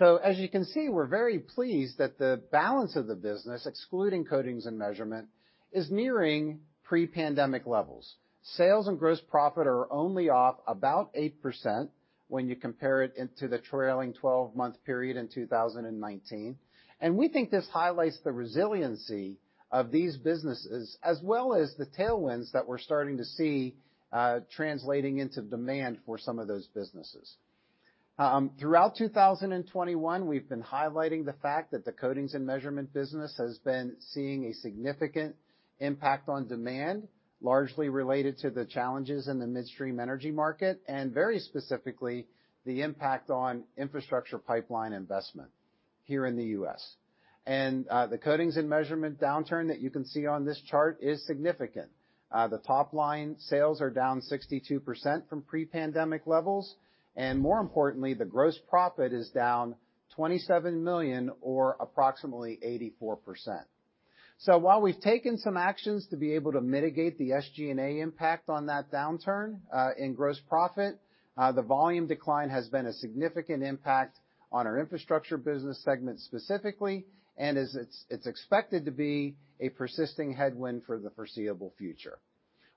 As you can see, we're very pleased that the balance of the business, excluding coatings and measurement, is nearing pre-pandemic levels. Sales and gross profit are only off about 8% when you compare it into the trailing twelve-month period in 2019. We think this highlights the resiliency of these businesses, as well as the tailwinds that we're starting to see, translating into demand for some of those businesses. Throughout 2021, we've been highlighting the fact that the coatings and measurement business has been seeing a significant impact on demand, largely related to the challenges in the midstream energy market, and very specifically, the impact on infrastructure pipeline investment here in the U.S. The coatings and measurement downturn that you can see on this chart is significant. The top line sales are down 62% from pre-pandemic levels, and more importantly, the gross profit is down $27 million or approximately 84%. While we've taken some actions to be able to mitigate the SG&A impact on that downturn in gross profit, the volume decline has been a significant impact on our infrastructure business segment specifically, and it's expected to be a persisting headwind for the foreseeable future.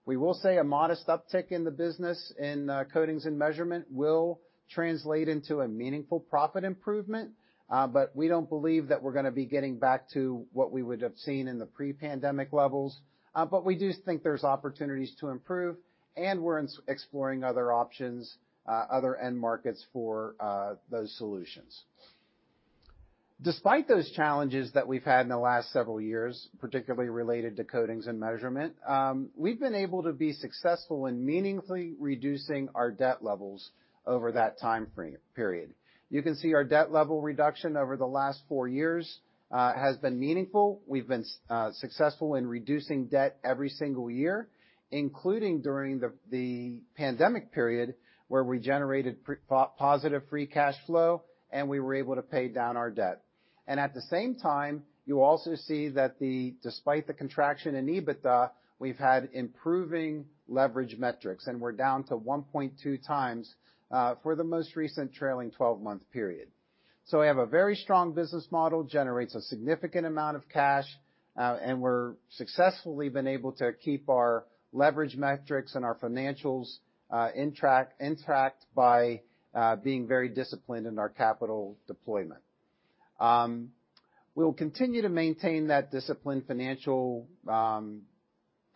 We will see a modest uptick in the business in coatings and measurement will translate into a meaningful profit improvement, but we don't believe that we're gonna be getting back to what we would have seen in the pre-pandemic levels. But we do think there's opportunities to improve, and we're exploring other options, other end markets for those solutions. Despite those challenges that we've had in the last several years, particularly related to coatings and measurement, we've been able to be successful in meaningfully reducing our debt levels over that timeframe period. You can see our debt level reduction over the last 4 years has been meaningful. We've been successful in reducing debt every single year, including during the pandemic period, where we generated positive free cash flow, and we were able to pay down our debt. At the same time, you also see that despite the contraction in EBITDA, we've had improving leverage metrics, and we're down to 1.2 times for the most recent trailing 12-month period. We have a very strong business model that generates a significant amount of cash, and we're successfully been able to keep our leverage metrics and our financials intact by being very disciplined in our capital deployment. We'll continue to maintain that disciplined financial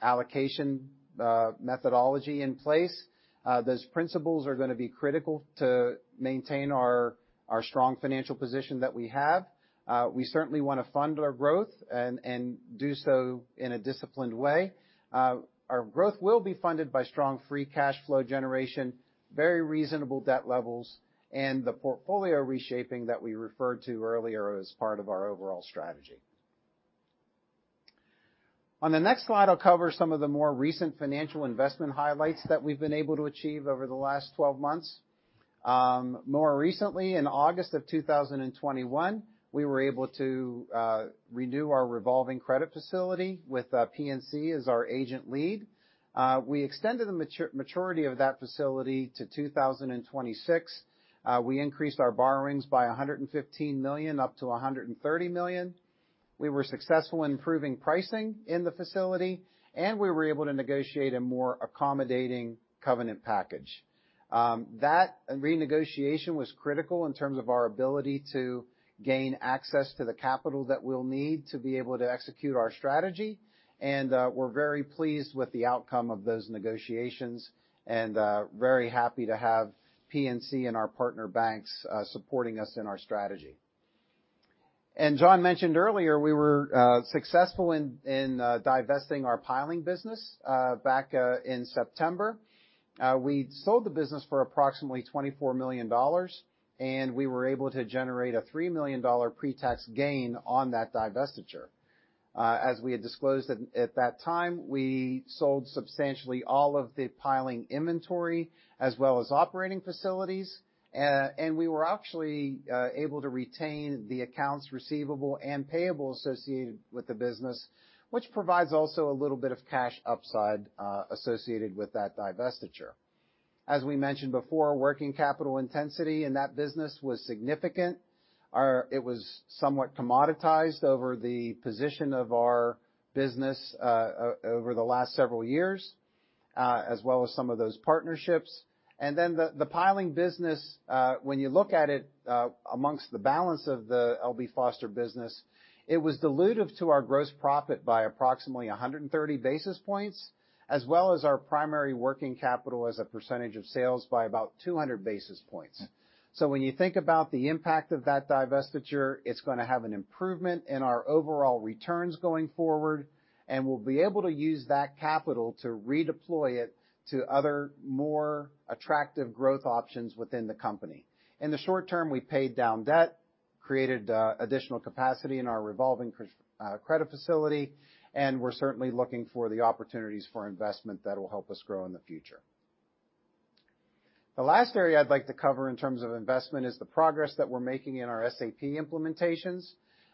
allocation methodology in place. Those principles are gonna be critical to maintain our strong financial position that we have. We certainly wanna fund our growth and do so in a disciplined way. Our growth will be funded by strong free cash flow generation, very reasonable debt levels, and the portfolio reshaping that we referred to earlier as part of our overall strategy. On the next slide, I'll cover some of the more recent financial investment highlights that we've been able to achieve over the last 12 months. More recently, in August of 2021, we were able to renew our revolving credit facility with PNC as our agent lead. We extended the maturity of that facility to 2026. We increased our borrowings by $115 million up to $130 million. We were successful in improving pricing in the facility, and we were able to negotiate a more accommodating covenant package. That renegotiation was critical in terms of our ability to gain access to the capital that we'll need to be able to execute our strategy. We're very pleased with the outcome of those negotiations and very happy to have PNC and our partner banks supporting us in our strategy. John mentioned earlier, we were successful in divesting our piling business back in September. We sold the business for approximately $24 million, and we were able to generate a $3 million pre-tax gain on that divestiture. As we had disclosed at that time, we sold substantially all of the piling inventory as well as operating facilities. We were actually able to retain the accounts receivable and payable associated with the business, which provides also a little bit of cash upside associated with that divestiture. As we mentioned before, working capital intensity in that business was significant. It was somewhat commoditized over the position of our business over the last several years, as well as some of those partnerships. The piling business, when you look at it, among the balance of the L.B. Foster business, it was dilutive to our gross profit by approximately 130 basis points, as well as our primary working capital as a percentage of sales by about 200 basis points. When you think about the impact of that divestiture, it's gonna have an improvement in our overall returns going forward, and we'll be able to use that capital to redeploy it to other, more attractive growth options within the company. In the short term, we paid down debt, created additional capacity in our revolving credit facility, and we're certainly looking for the opportunities for investment that will help us grow in the future. The last area I'd like to cover in terms of investment is the progress that we're making in our SAP implementations.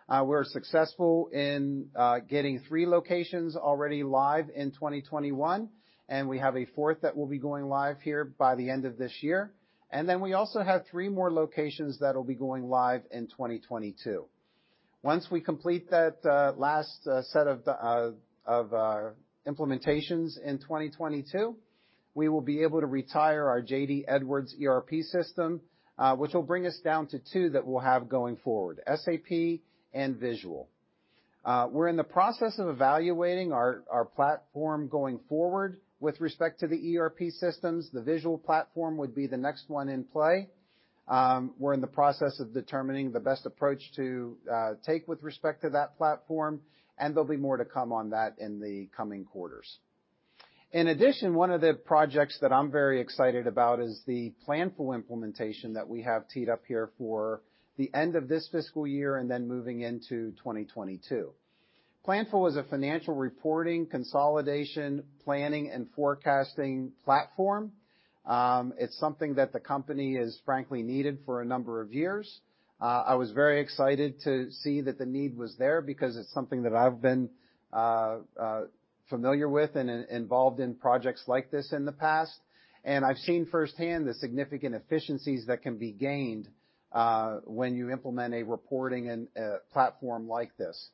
We're successful in getting three locations already live in 2021, and we have a fourth that will be going live here by the end of this year. We also have three more locations that'll be going live in 2022. Once we complete that last set of implementations in 2022, we will be able to retire our JD Edwards ERP system, which will bring us down to two that we'll have going forward, SAP and VISUAL. We're in the process of evaluating our platform going forward with respect to the ERP systems. The VISUAL platform would be the next one in play. We're in the process of determining the best approach to take with respect to that platform, and there'll be more to come on that in the coming quarters. In addition, one of the projects that I'm very excited about is the Planful implementation that we have teed up here for the end of this fiscal year and then moving into 2022. Planful is a financial reporting, consolidation, planning, and forecasting platform. It's something that the company has frankly needed for a number of years. I was very excited to see that the need was there because it's something that I've been familiar with and involved in projects like this in the past and I've seen firsthand the significant efficiencies that can be gained when you implement a reporting and platform like this.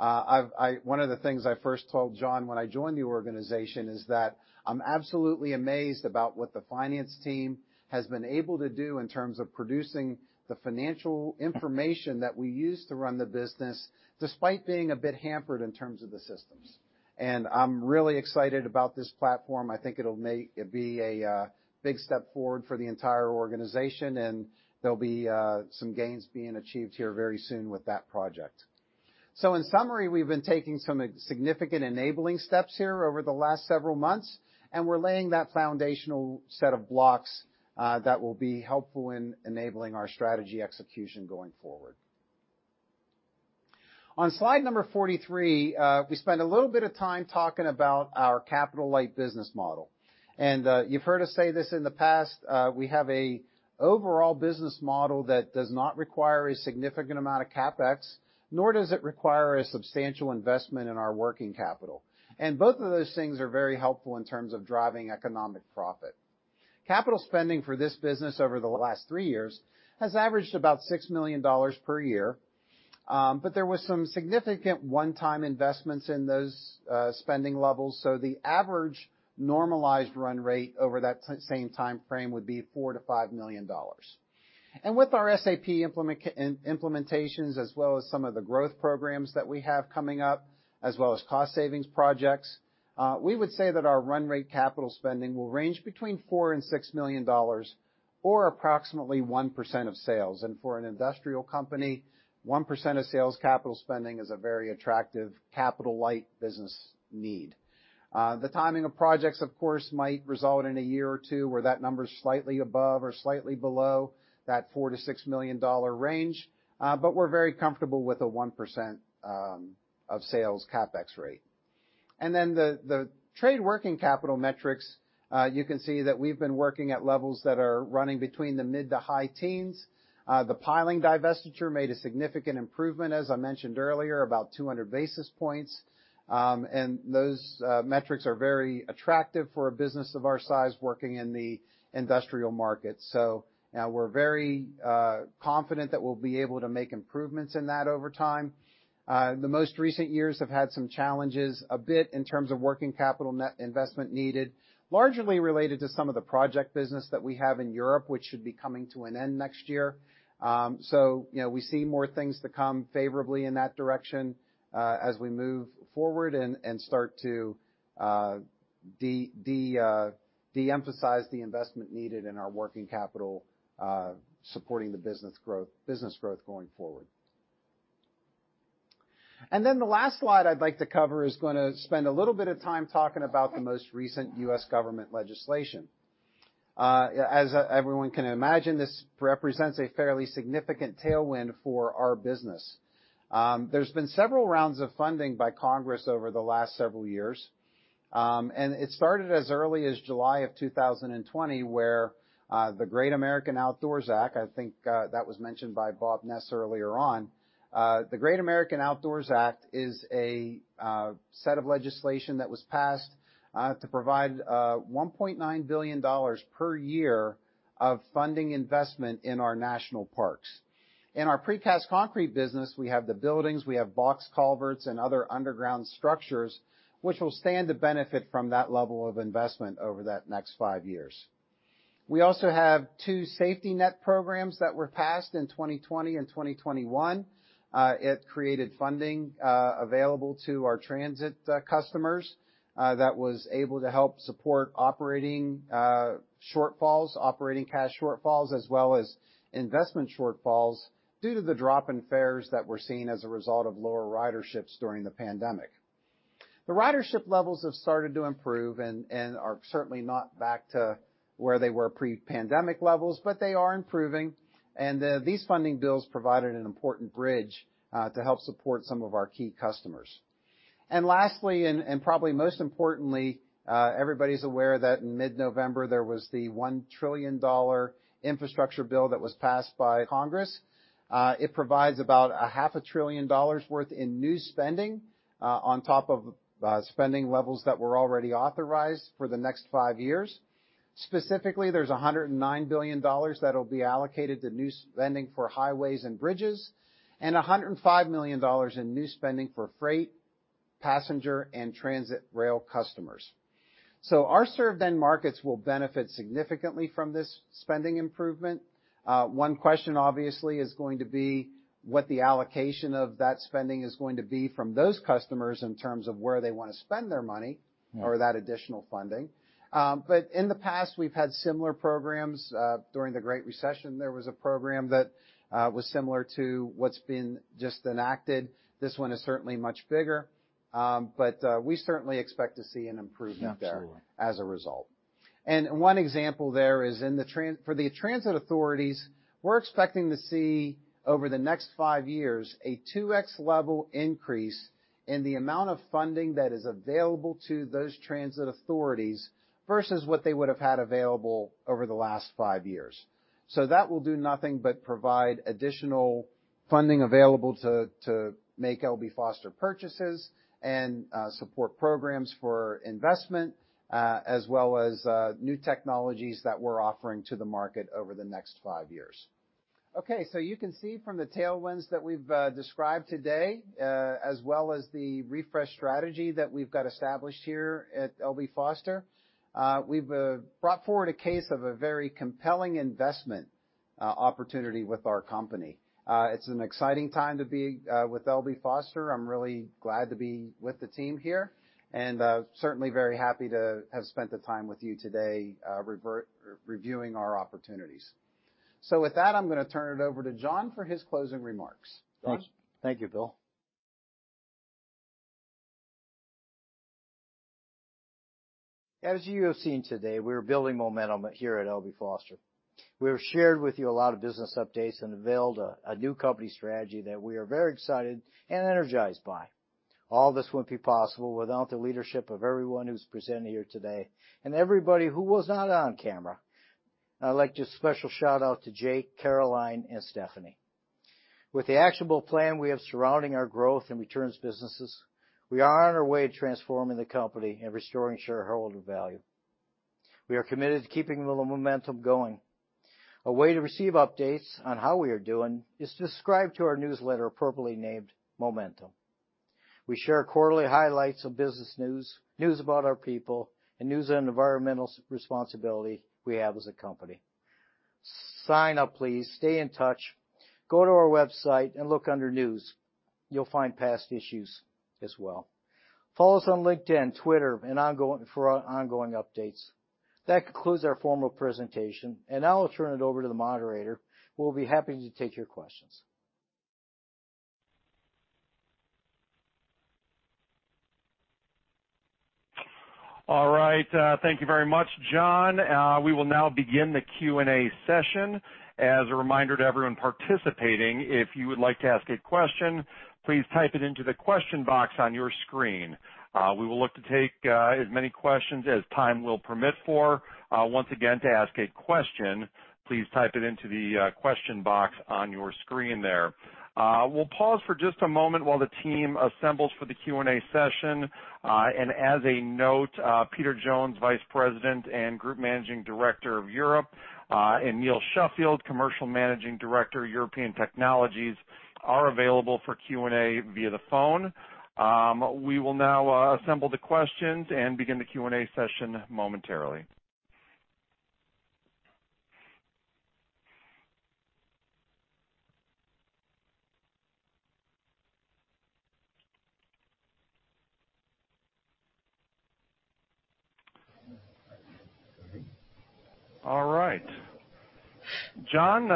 One of the things I first told John when I joined the organization is that I'm absolutely amazed about what the finance team has been able to do in terms of producing the financial information that we use to run the business, despite being a bit hampered in terms of the systems. I'm really excited about this platform. I think it'll be a big step forward for the entire organization, and there'll be some gains being achieved here very soon with that project. In summary, we've been taking some significant enabling steps here over the last several months, and we're laying that foundational set of blocks that will be helpful in enabling our strategy execution going forward. On slide number 43, we spend a little bit of time talking about our capital-light business model. You've heard us say this in the past, we have an overall business model that does not require a significant amount of CapEx, nor does it require a substantial investment in our working capital. Both of those things are very helpful in terms of driving economic profit. Capital spending for this business over the last 3 years has averaged about $6 million per year, but there was some significant one-time investments in those spending levels, so the average normalized run rate over that same timeframe would be $4 million-$5 million. With our SAP implementations as well as some of the growth programs that we have coming up, as well as cost savings projects, we would say that our run rate capital spending will range between $4 million and $6 million or approximately 1% of sales. For an industrial company, 1% of sales capital spending is a very attractive capital-light business need. The timing of projects, of course, might result in a year or two where that number's slightly above or slightly below that $4 million-$6 million range, but we're very comfortable with a 1% of sales CapEx rate. The trade working capital metrics, you can see that we've been working at levels that are running between the mid- to high teens. The piling divestiture made a significant improvement, as I mentioned earlier, about 200 basis points. Those metrics are very attractive for a business of our size working in the industrial market. We're very confident that we'll be able to make improvements in that over time. The most recent years have had some challenges a bit in terms of working capital net investment needed, largely related to some of the project business that we have in Europe, which should be coming to an end next year. So, you know, we see more things to come favorably in that direction, as we move forward and start to de-emphasize the investment needed in our working capital supporting the business growth going forward. Then the last slide I'd like to cover is gonna spend a little bit of time talking about the most recent U.S. government legislation. As everyone can imagine, this represents a fairly significant tailwind for our business. There's been several rounds of funding by Congress over the last several years. It started as early as July of 2020, where the Great American Outdoors Act, I think, that was mentioned by Bob Ness earlier on. The Great American Outdoors Act is a set of legislation that was passed to provide $1.9 billion per year of funding investment in our national parks. In our Precast Concrete business, we have the buildings, we have box culverts, and other underground structures, which will stand to benefit from that level of investment over that next five years. We also have two safety net programs that were passed in 2020 and 2021. It created funding available to our transit customers that was able to help support operating shortfalls, operating cash shortfalls, as well as investment shortfalls due to the drop in fares that we're seeing as a result of lower riderships during the pandemic. The ridership levels have started to improve and are certainly not back to where they were pre-pandemic levels, but they are improving. These funding bills provided an important bridge to help support some of our key customers. Lastly, and probably most importantly, everybody's aware that in mid-November, there was the $1 trillion infrastructure bill that was passed by Congress. It provides about $0.5 trillion worth in new spending on top of spending levels that were already authorized for the next 5 years. Specifically, there's $109 billion that'll be allocated to new spending for highways and bridges, and $105 million in new spending for freight, passenger, and transit rail customers. Our served end markets will benefit significantly from this spending improvement. One question obviously is going to be what the allocation of that spending is going to be from those customers in terms of where they wanna spend their money.
Yeah.
For that additional funding. In the past, we've had similar programs. During the Great Recession, there was a program that was similar to what's been just enacted. This one is certainly much bigger. We certainly expect to see an improvement there.
Absolutely.
As a result. One example there is for the transit authorities. We're expecting to see over the next five years a 2x level increase in the amount of funding that is available to those transit authorities versus what they would've had available over the last five years. That will do nothing but provide additional funding available to make L.B. Foster purchases and support programs for investment, as well as new technologies that we're offering to the market over the next five years. Okay, you can see from the tailwinds that we've described today, as well as the refresh strategy that we've got established here at L.B. Foster, we've brought forward a case of a very compelling investment opportunity with our company. It's an exciting time to be with L.B. Foster. I'm really glad to be with the team here, and certainly very happy to have spent the time with you today, reviewing our opportunities. With that, I'm gonna turn it over to John for his closing remarks. John?
Thank you Bill. As you have seen today, we're building momentum here at L.B. Foster. We have shared with you a lot of business updates and unveiled a new company strategy that we are very excited and energized by. All this wouldn't be possible without the leadership of everyone who's presented here today and everybody who was not on camera. I'd like to special shout out to Jake, Caroline, and Stephanie. With the actionable plan we have surrounding our growth and returns businesses, we are on our way to transforming the company and restoring shareholder value. We are committed to keeping the momentum going. A way to receive updates on how we are doing is to subscribe to our newsletter appropriately named Momentum. We share quarterly highlights of business news about our people, and news on environmental responsibility we have as a company. Sign up, please. Stay in touch. Go to our website and look under News. You'll find past issues as well. Follow us on LinkedIn, Twitter, and ongoing, for our ongoing updates. That concludes our formal presentation, and now I'll turn it over to the moderator, who will be happy to take your questions.
All right. Thank you very much, John. We will now begin the Q&A session. As a reminder to everyone participating, if you would like to ask a question, please type it into the question box on your screen. We will look to take as many questions as time will permit. Once again, to ask a question, please type it into the question box on your screen there. We'll pause for just a moment while the team assembles for the Q&A session. As a note, Peter Jones, Vice President and Group Managing Director of Europe, and Neil Sheffield, Commercial Managing Director, European Technologies, are available for Q&A via the phone. We will now assemble the questions and begin the Q&A session momentarily. All right. John,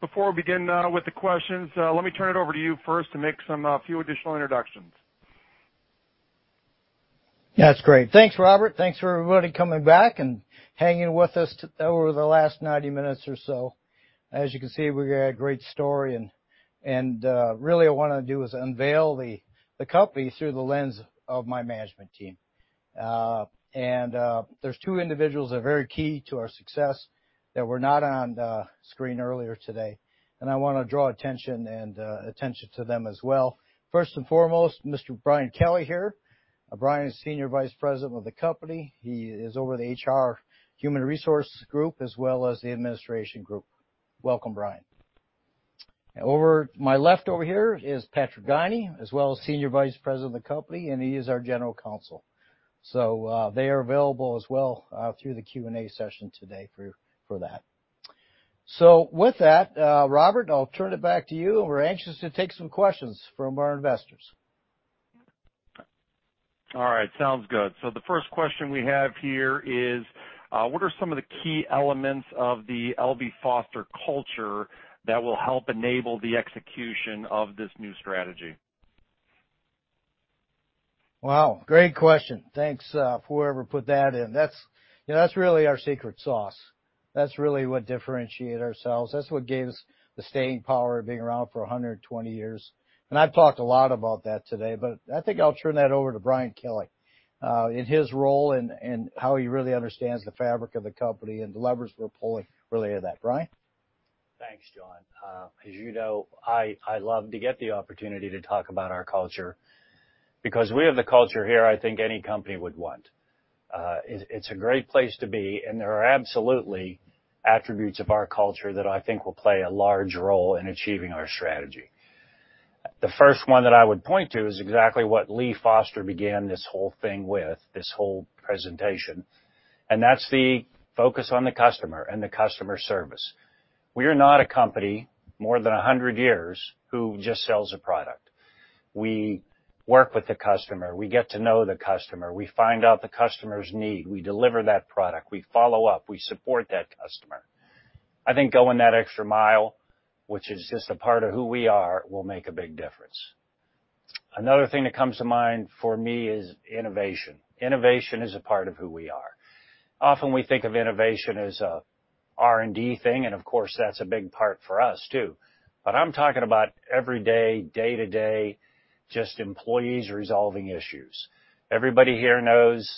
before we begin with the questions, let me turn it over to you first to make some few additional introductions.
That's great. Thanks Robert. Thanks for everybody coming back and hanging with us over the last 90 minutes or so. As you can see, we got a great story and really what I wanna do is unveil the company through the lens of my management team. There's two individuals that are very key to our success that were not on the screen earlier today, and I wanna draw attention to them as well. First and foremost, Mr. Brian Kelly here. Brian is Senior Vice President of the company. He is over the HR, Human Resource group as well as the administration group. Welcome Brian. Over to my left over here is Patrick Guinee, as well as Senior Vice President of the company, and he is our General Counsel. They are available as well through the Q&A session today for that. With that, Robert, I'll turn it back to you, and we're anxious to take some questions from our investors.
All right. Sounds good. The first question we have here is, what are some of the key elements of the L.B. Foster culture that will help enable the execution of this new strategy?
Wow. Great question. Thanks for whoever put that in. That's, you know, that's really our secret sauce. That's really what differentiate ourselves. That's what gave us the staying power of being around for 120 years. I've talked a lot about that today, but I think I'll turn that over to Brian Kelly in his role and how he really understands the fabric of the company and the levers we're pulling related to that. Brian?
Thanks John. As you know, I love to get the opportunity to talk about our culture because we have the culture here I think any company would want. It's a great place to be, and there are absolutely attributes of our culture that I think will play a large role in achieving our strategy. The first one that I would point to is exactly what Lee Foster began this whole thing with, this whole presentation, and that's the focus on the customer and the customer service. We are not a company more than 100 years who just sells a product. We work with the customer. We get to know the customer. We find out the customer's need. We deliver that product. We follow up. We support that customer. I think going that extra mile, which is just a part of who we are, will make a big difference. Another thing that comes to mind for me is innovation. Innovation is a part of who we are. Often we think of innovation as a R&D thing, and of course that's a big part for us, too. I'm talking about every day-to-day, just employees resolving issues. Everybody here knows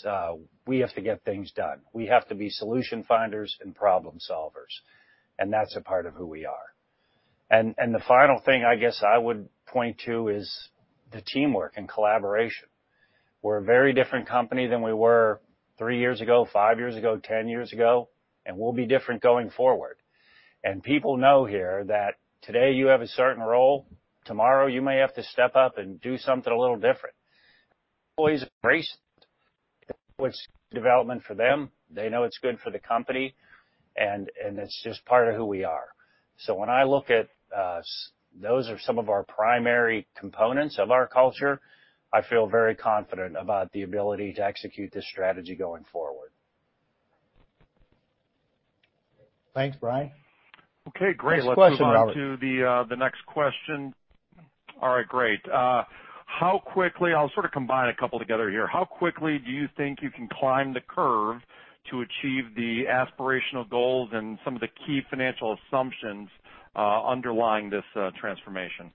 we have to get things done. We have to be solution finders and problem solvers, and that's a part of who we are. The final thing I guess I would point to is the teamwork and collaboration. We're a very different company than we were three years ago, five years ago, 10 years ago, and we'll be different going forward. People know here that today you have a certain role, tomorrow you may have to step up and do something a little different. Employees embrace it. They know it's development for them. They know it's good for the company, and it's just part of who we are. When I look at those are some of our primary components of our culture, I feel very confident about the ability to execute this strategy going forward.
Thanks Brian.
Okay great.
Next question Robert.
Let's move on to the next question. All right, great. I'll sort of combine a couple together here. How quickly do you think you can climb the curve to achieve the aspirational goals and some of the key financial assumptions underlying this transformation?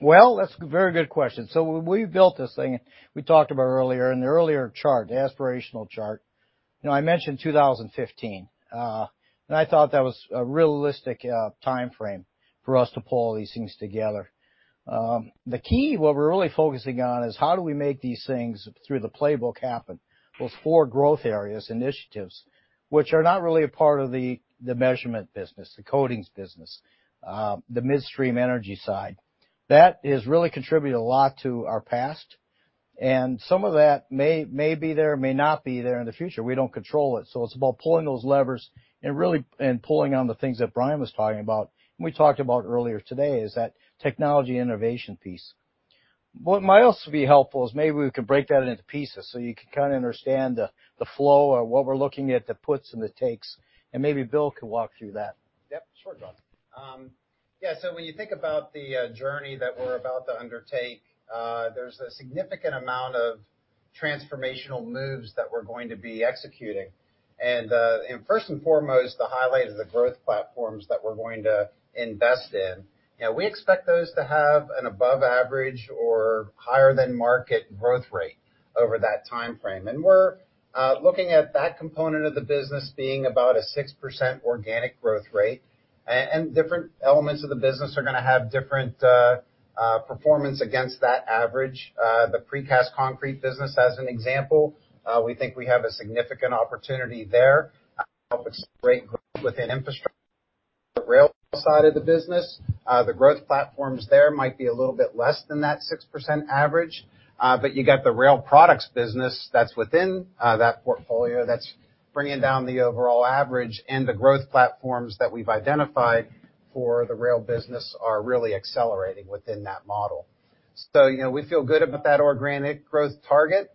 Well, that's a very good question. When we built this thing, we talked about earlier in the chart, the aspirational chart, you know, I mentioned 2015. I thought that was a realistic timeframe for us to pull all these things together. The key, what we're really focusing on is how do we make these things through the playbook happen with four growth areas, initiatives, which are not really a part of the measurement business, the coatings business, the midstream energy side. That has really contributed a lot to our past, and some of that may be there, may not be there in the future. We don't control it. It's about pulling those levers and really, and pulling on the things that Brian was talking about, and we talked about earlier today is that technology innovation piece. What might also be helpful is maybe we could break that into pieces so you can kinda understand the flow of what we're looking at, the puts and the takes, and maybe Bill could walk through that.
Yep, sure John. When you think about the journey that we're about to undertake, there's a significant amount of transformational moves that we're going to be executing. First and foremost, the highlight of the growth platforms that we're going to invest in, you know, we expect those to have an above average or higher than market growth rate over that timeframe. We're looking at that component of the business being about a 6% organic growth rate. Different elements of the business are gonna have different performance against that average. The Precast Concrete business as an example, we think we have a significant opportunity there to help accelerate growth within infrastructure the rail side of the business. The growth platforms there might be a little bit less than that 6% average, but you got the rail products business that's within that portfolio that's bringing down the overall average and the growth platforms that we've identified for the rail business are really accelerating within that model. You know, we feel good about that organic growth target.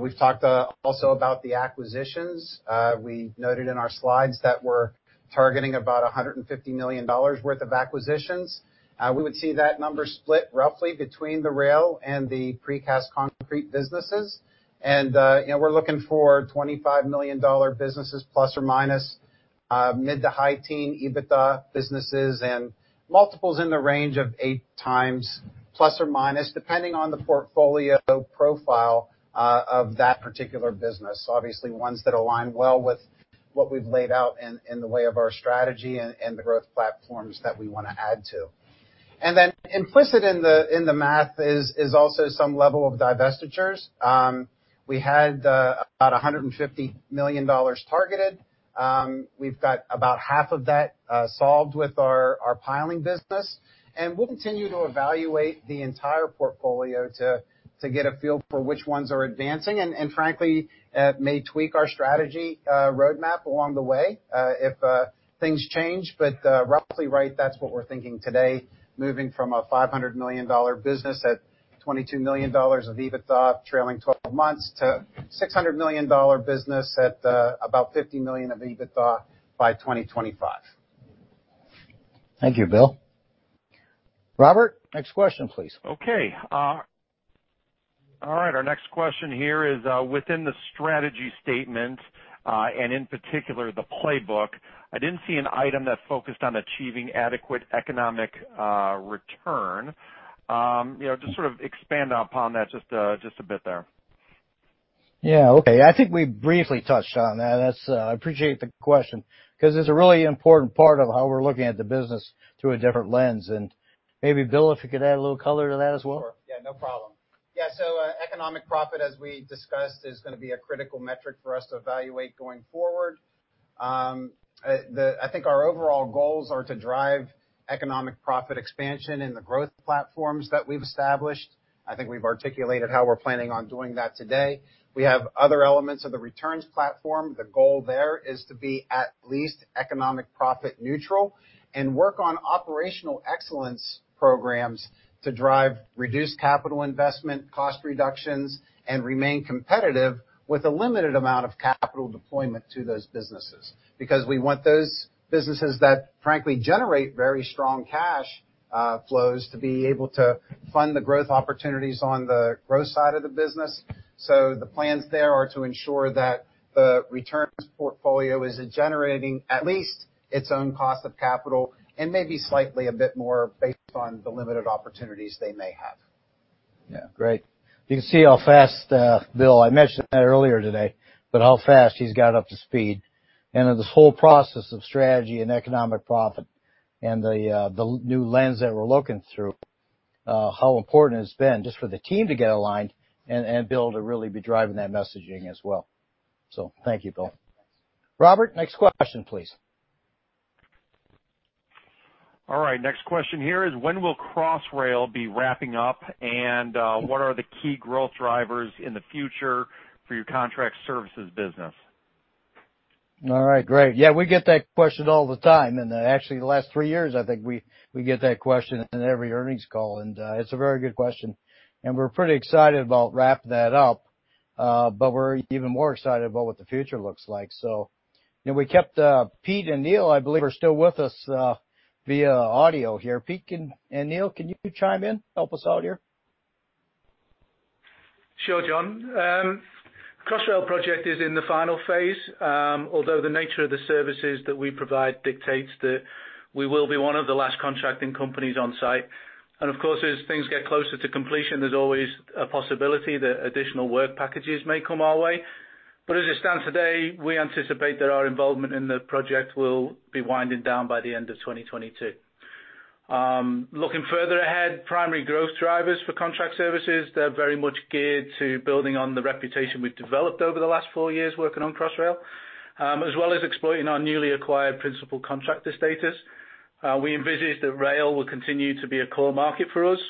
We've talked also about the acquisitions. We noted in our slides that we're targeting about $150 million worth of acquisitions. We would see that number split roughly between the rail and the Precast Concrete businesses. You know, we're looking for $25 million businesses plus or minus, mid- to high-teens EBITDA businesses and multiples in the range of 8x plus or minus, depending on the portfolio profile of that particular business. Obviously, ones that align well with what we've laid out in the way of our strategy and the growth platforms that we wanna add to. Then implicit in the math is also some level of divestitures. We had about $150 million targeted. We've got about half of that solved with our piling business, and we'll continue to evaluate the entire portfolio to get a feel for which ones are advancing, and frankly, may tweak our strategy roadmap along the way, if things change. Roughly right, that's what we're thinking today, moving from a $500 million business at $22 million of EBITDA trailing twelve months to a $600 million business at about $50 million of EBITDA by 2025.
Thank you Bill. Robert, next question please.
Okay. All right, our next question here is, within the strategy statement, and in particular the playbook, I didn't see an item that focused on achieving adequate economic return. You know, just sort of expand upon that just a bit there.
Yeah. Okay. I think we briefly touched on that. That's, I appreciate the question 'cause it's a really important part of how we're looking at the business through a different lens. Maybe Bill, if you could add a little color to that as well.
Sure. Yeah no problem. Yeah, economic profit, as we discussed, is gonna be a critical metric for us to evaluate going forward. I think our overall goals are to drive economic profit expansion in the growth platforms that we've established. I think we've articulated how we're planning on doing that today. We have other elements of the returns platform. The goal there is to be at least economic profit neutral and work on operational excellence programs to drive reduced capital investment, cost reductions, and remain competitive with a limited amount of capital deployment to those businesses. Because we want those businesses that frankly generate very strong cash flows to be able to fund the growth opportunities on the growth side of the business. The plans there are to ensure that the returns portfolio is generating at least its own cost of capital and maybe slightly a bit more based on the limited opportunities they may have.
Yeah. Great. You can see how fast, Bill, I mentioned that earlier today, but how fast he's got up to speed and in this whole process of strategy and economic profit and the new lens that we're looking through, how important it's been just for the team to get aligned and Bill to really be driving that messaging as well. Thank you Bill. Robert, next question please.
All right, next question here is when will Crossrail be wrapping up, and what are the key growth drivers in the future for your contract services business?
All right. Great. Yeah, we get that question all the time, and actually the last three years, I think we get that question in every earnings call, and it's a very good question. We're pretty excited about wrapping that up, but we're even more excited about what the future looks like. You know, we kept Pete and Neil, I believe are still with us via audio here. Pete and Neil, can you chime in, help us out here?
Sure John. Crossrail project is in the final phase, although the nature of the services that we provide dictates that we will be one of the last contracting companies on site. Of course, as things get closer to completion, there's always a possibility that additional work packages may come our way. As it stands today, we anticipate that our involvement in the project will be winding down by the end of 2022. Looking further ahead, primary growth drivers for contract services, they're very much geared to building on the reputation we've developed over the last four years working on Crossrail, as well as exploiting our newly acquired principal contractor status. We envisage that rail will continue to be a core market for us.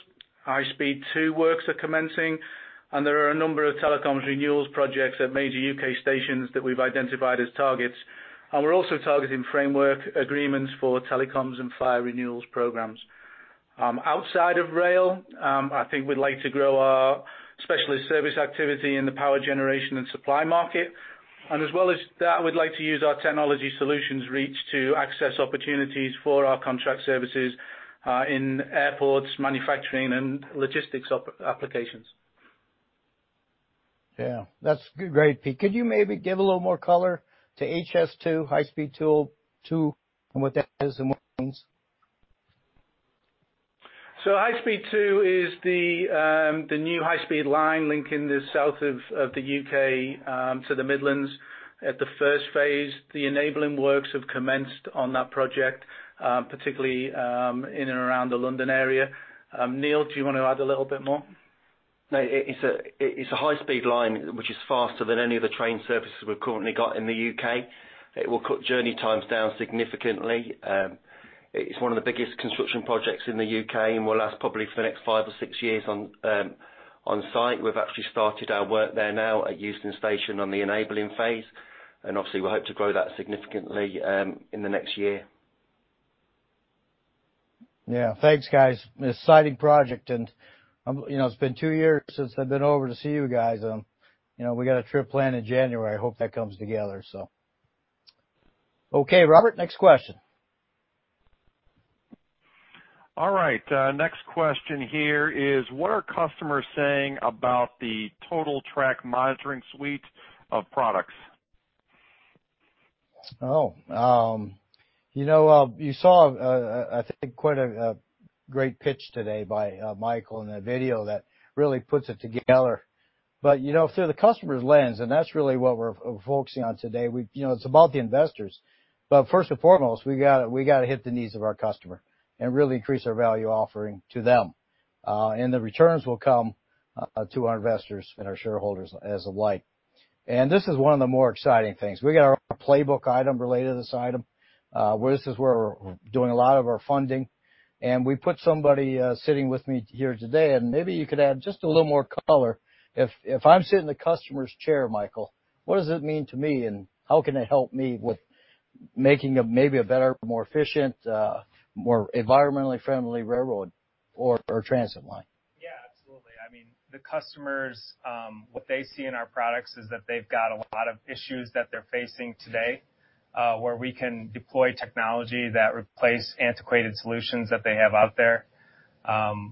High Speed Two works are commencing, and there are a number of telecoms renewals projects at major U.K. stations that we've identified as targets. We're also targeting framework agreements for telecoms and fire renewals programs. Outside of rail, I think we'd like to grow our specialist service activity in the power generation and supply market. As well as that, we'd like to use our technology solutions reach to access opportunities for our contract services in airports, manufacturing and logistics applications.
Yeah, that's great Pete. Could you maybe give a little more color to HS2, High Speed Two, and what that is and what it means?
High Speed Two is the new high-speed line linking the south of the U.K. to the Midlands. At the first phase, the enabling works have commenced on that project, particularly in and around the London area. Neil, do you wanna add a little bit more?
No, it is a high-speed line which is faster than any of the train services we've currently got in the U.K. It will cut journey times down significantly. It's one of the biggest construction projects in the U.K., and it'll last probably for the next five or six years on site. We've actually started our work there now at Euston Station on the enabling phase, and obviously, we hope to grow that significantly in the next year.
Yeah. Thanks guys. An exciting project, and you know, it's been two years since I've been over to see you guys. You know, we got a trip planned in January. I hope that comes together, so. Okay, Robert, next question.
All right. Next question here is, what are customers saying about the Total Track Monitoring suite of products?
You know, you saw, I think quite a great pitch today by Michael in a video that really puts it together. You know, through the customer's lens, and that's really what we're focusing on today. You know, it's about the investors, but first and foremost, we gotta hit the needs of our customer and really increase our value offering to them. The returns will come to our investors and our shareholders as of late. This is one of the more exciting things. We got our playbook item related to this item, where this is where we're doing a lot of our funding, and we put somebody sitting with me here today, and maybe you could add just a little more color. If I'm sitting in the customer's chair, Michael. What does it mean to me, and how can it help me with making a maybe a better, more efficient, more environmentally friendly railroad or transit line?
Yeah, absolutely. I mean, the customers what they see in our products is that they've got a lot of issues that they're facing today, where we can deploy technology that replace antiquated solutions that they have out there.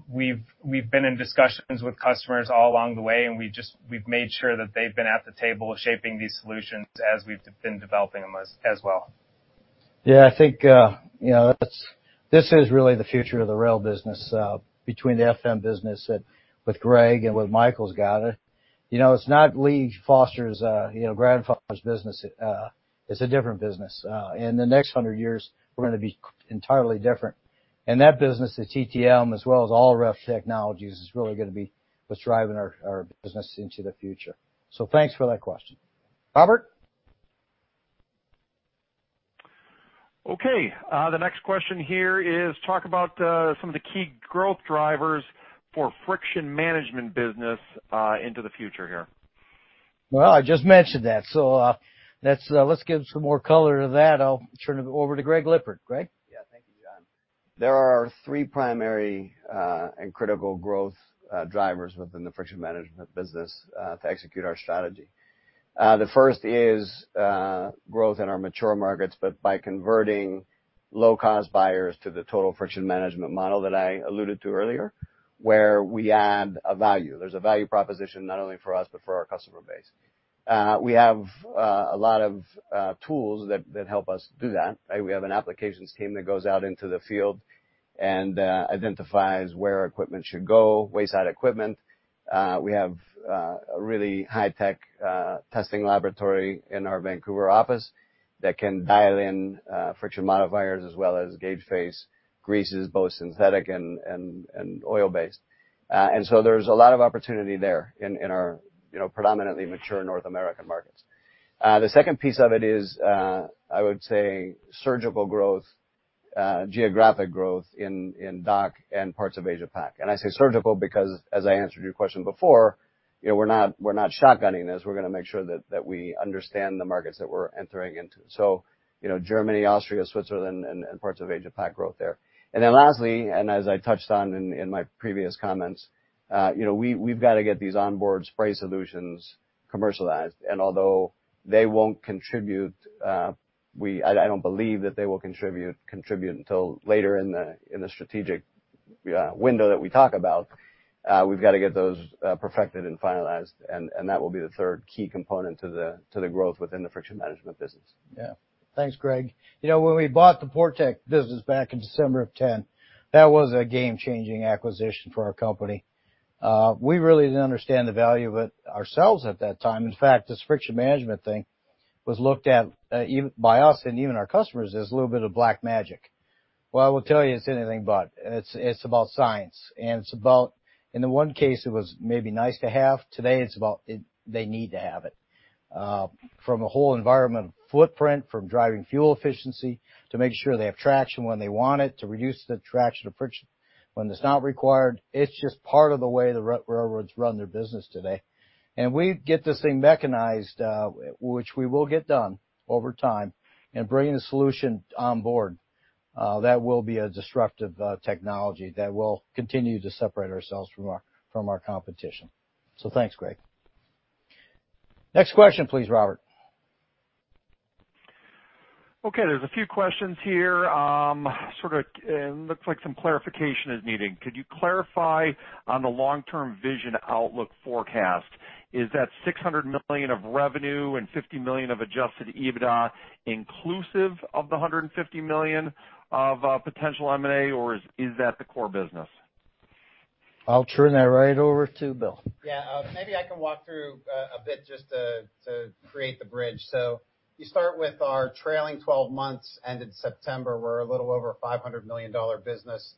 We've been in discussions with customers all along the way, and we've made sure that they've been at the table shaping these solutions as we've been developing them as well.
I think, you know, this is really the future of the rail business, between the FM business with Greg and what Michael's got. You know, it's not Lee Foster's, you know, grandfather's business. It's a different business. In the next hundred years, we're gonna be entirely different. That business, the TTM, as well as all rail technologies, is really gonna be what's driving our business into the future. Thanks for that question. Robert?
Okay. The next question here is, talk about some of the key growth drivers for Friction Management business into the future here.
Well, I just mentioned that, so, let's give some more color to that. I'll turn it over to Greg Lippard. Greg?
Yeah. Thank you John. There are three primary and critical growth drivers within the Friction Management business to execute our strategy. The first is growth in our mature markets, but by converting low-cost buyers to the total Friction Management model that I alluded to earlier, where we add a value. There's a value proposition not only for us but for our customer base. We have a lot of tools that help us do that, right? We have an applications team that goes out into the field and identifies where wayside equipment should go. We have a really high-tech testing laboratory in our Vancouver office that can dial in friction modifiers as well as gauge face greases, both synthetic and oil-based. There's a lot of opportunity there in our, you know, predominantly mature North American markets. The second piece of it is, I would say surgical growth, geographic growth in DACH and parts of Asia-Pac. I say surgical because, as I answered your question before, you know, we're not shotgunning this. We're gonna make sure that we understand the markets that we're entering into. You know, Germany, Austria, Switzerland, and parts of Asia-Pac growth there. Then lastly, and as I touched on in my previous comments, you know, we've gotta get these onboard spray solutions commercialized. Although they won't contribute, I don't believe that they will contribute until later in the strategic window that we talk about. We've gotta get those perfected and finalized, and that will be the third key component to the growth within the Friction Management business.
Yeah. Thanks Greg. You know, when we bought the Portec business back in December of 2010, that was a game-changing acquisition for our company. We really didn't understand the value of it ourselves at that time. In fact, this Friction Management thing was looked at, even by us and even our customers as a little bit of black magic. Well, I will tell you it's anything but. It's about science, and it's about, in the one case, it was maybe nice to have. Today, it's about it. They need to have it. From a whole environment footprint, from driving fuel efficiency to making sure they have traction when they want it, to reduce the traction of friction when it's not required, it's just part of the way the railroads run their business today. We get this thing mechanized, which we will get done over time, and bringing the solution on board, that will be a disruptive technology that will continue to separate ourselves from our competition. Thanks, Greg. Next question, please, Robert.
Okay. There's a few questions here, sort of, and looks like some clarification is needed. Could you clarify on the long-term vision outlook forecast? Is that $600 million of revenue and $50 million of adjusted EBITDA inclusive of the $150 million of potential M&A, or is that the core business?
I'll turn that right over to Bill.
Yeah. Maybe I can walk through a bit just to create the bridge. You start with our trailing twelve months ended September. We're a little over $500 million business.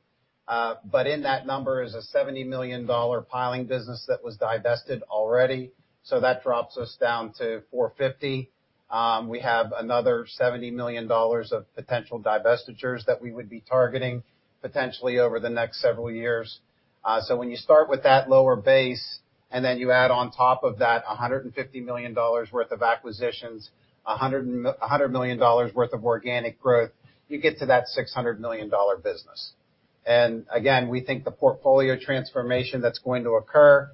But in that number is a $70 million piling business that was divested already, so that drops us down to $450 million. We have another $70 million of potential divestitures that we would be targeting potentially over the next several years. When you start with that lower base, and then you add on top of that $150 million worth of acquisitions, $100 million worth of organic growth, you get to that $600 million business. We think the portfolio transformation that's going to occur,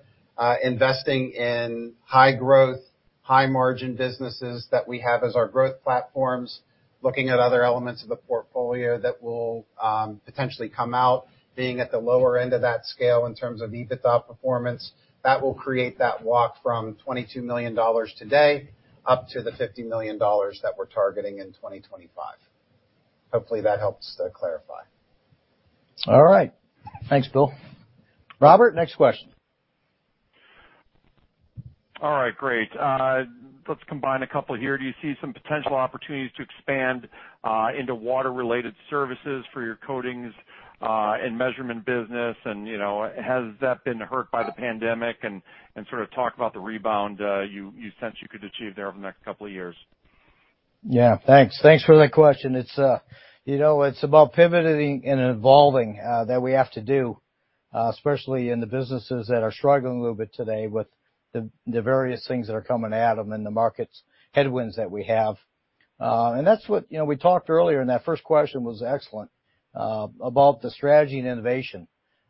investing in high growth, high margin businesses that we have as our growth platforms, looking at other elements of the portfolio that will potentially come out, being at the lower end of that scale in terms of EBITDA performance, that will create that walk from $22 million today up to the $50 million that we're targeting in 2025. Hopefully that helps to clarify.
All right. Thanks, Bill. Robert, next question.
All right. Great. Let's combine a couple here. Do you see some potential opportunities to expand into water-related services for your coatings and measurement business? And, you know, has that been hurt by the pandemic? And sort of talk about the rebound you sense you could achieve there over the next couple of years.
Thanks. Thanks for that question. It's you know, it's about pivoting and evolving that we have to do, especially in the businesses that are struggling a little bit today with the various things that are coming at them and the market's headwinds that we have. That's what we talked earlier, and that first question was excellent about the strategy and innovation,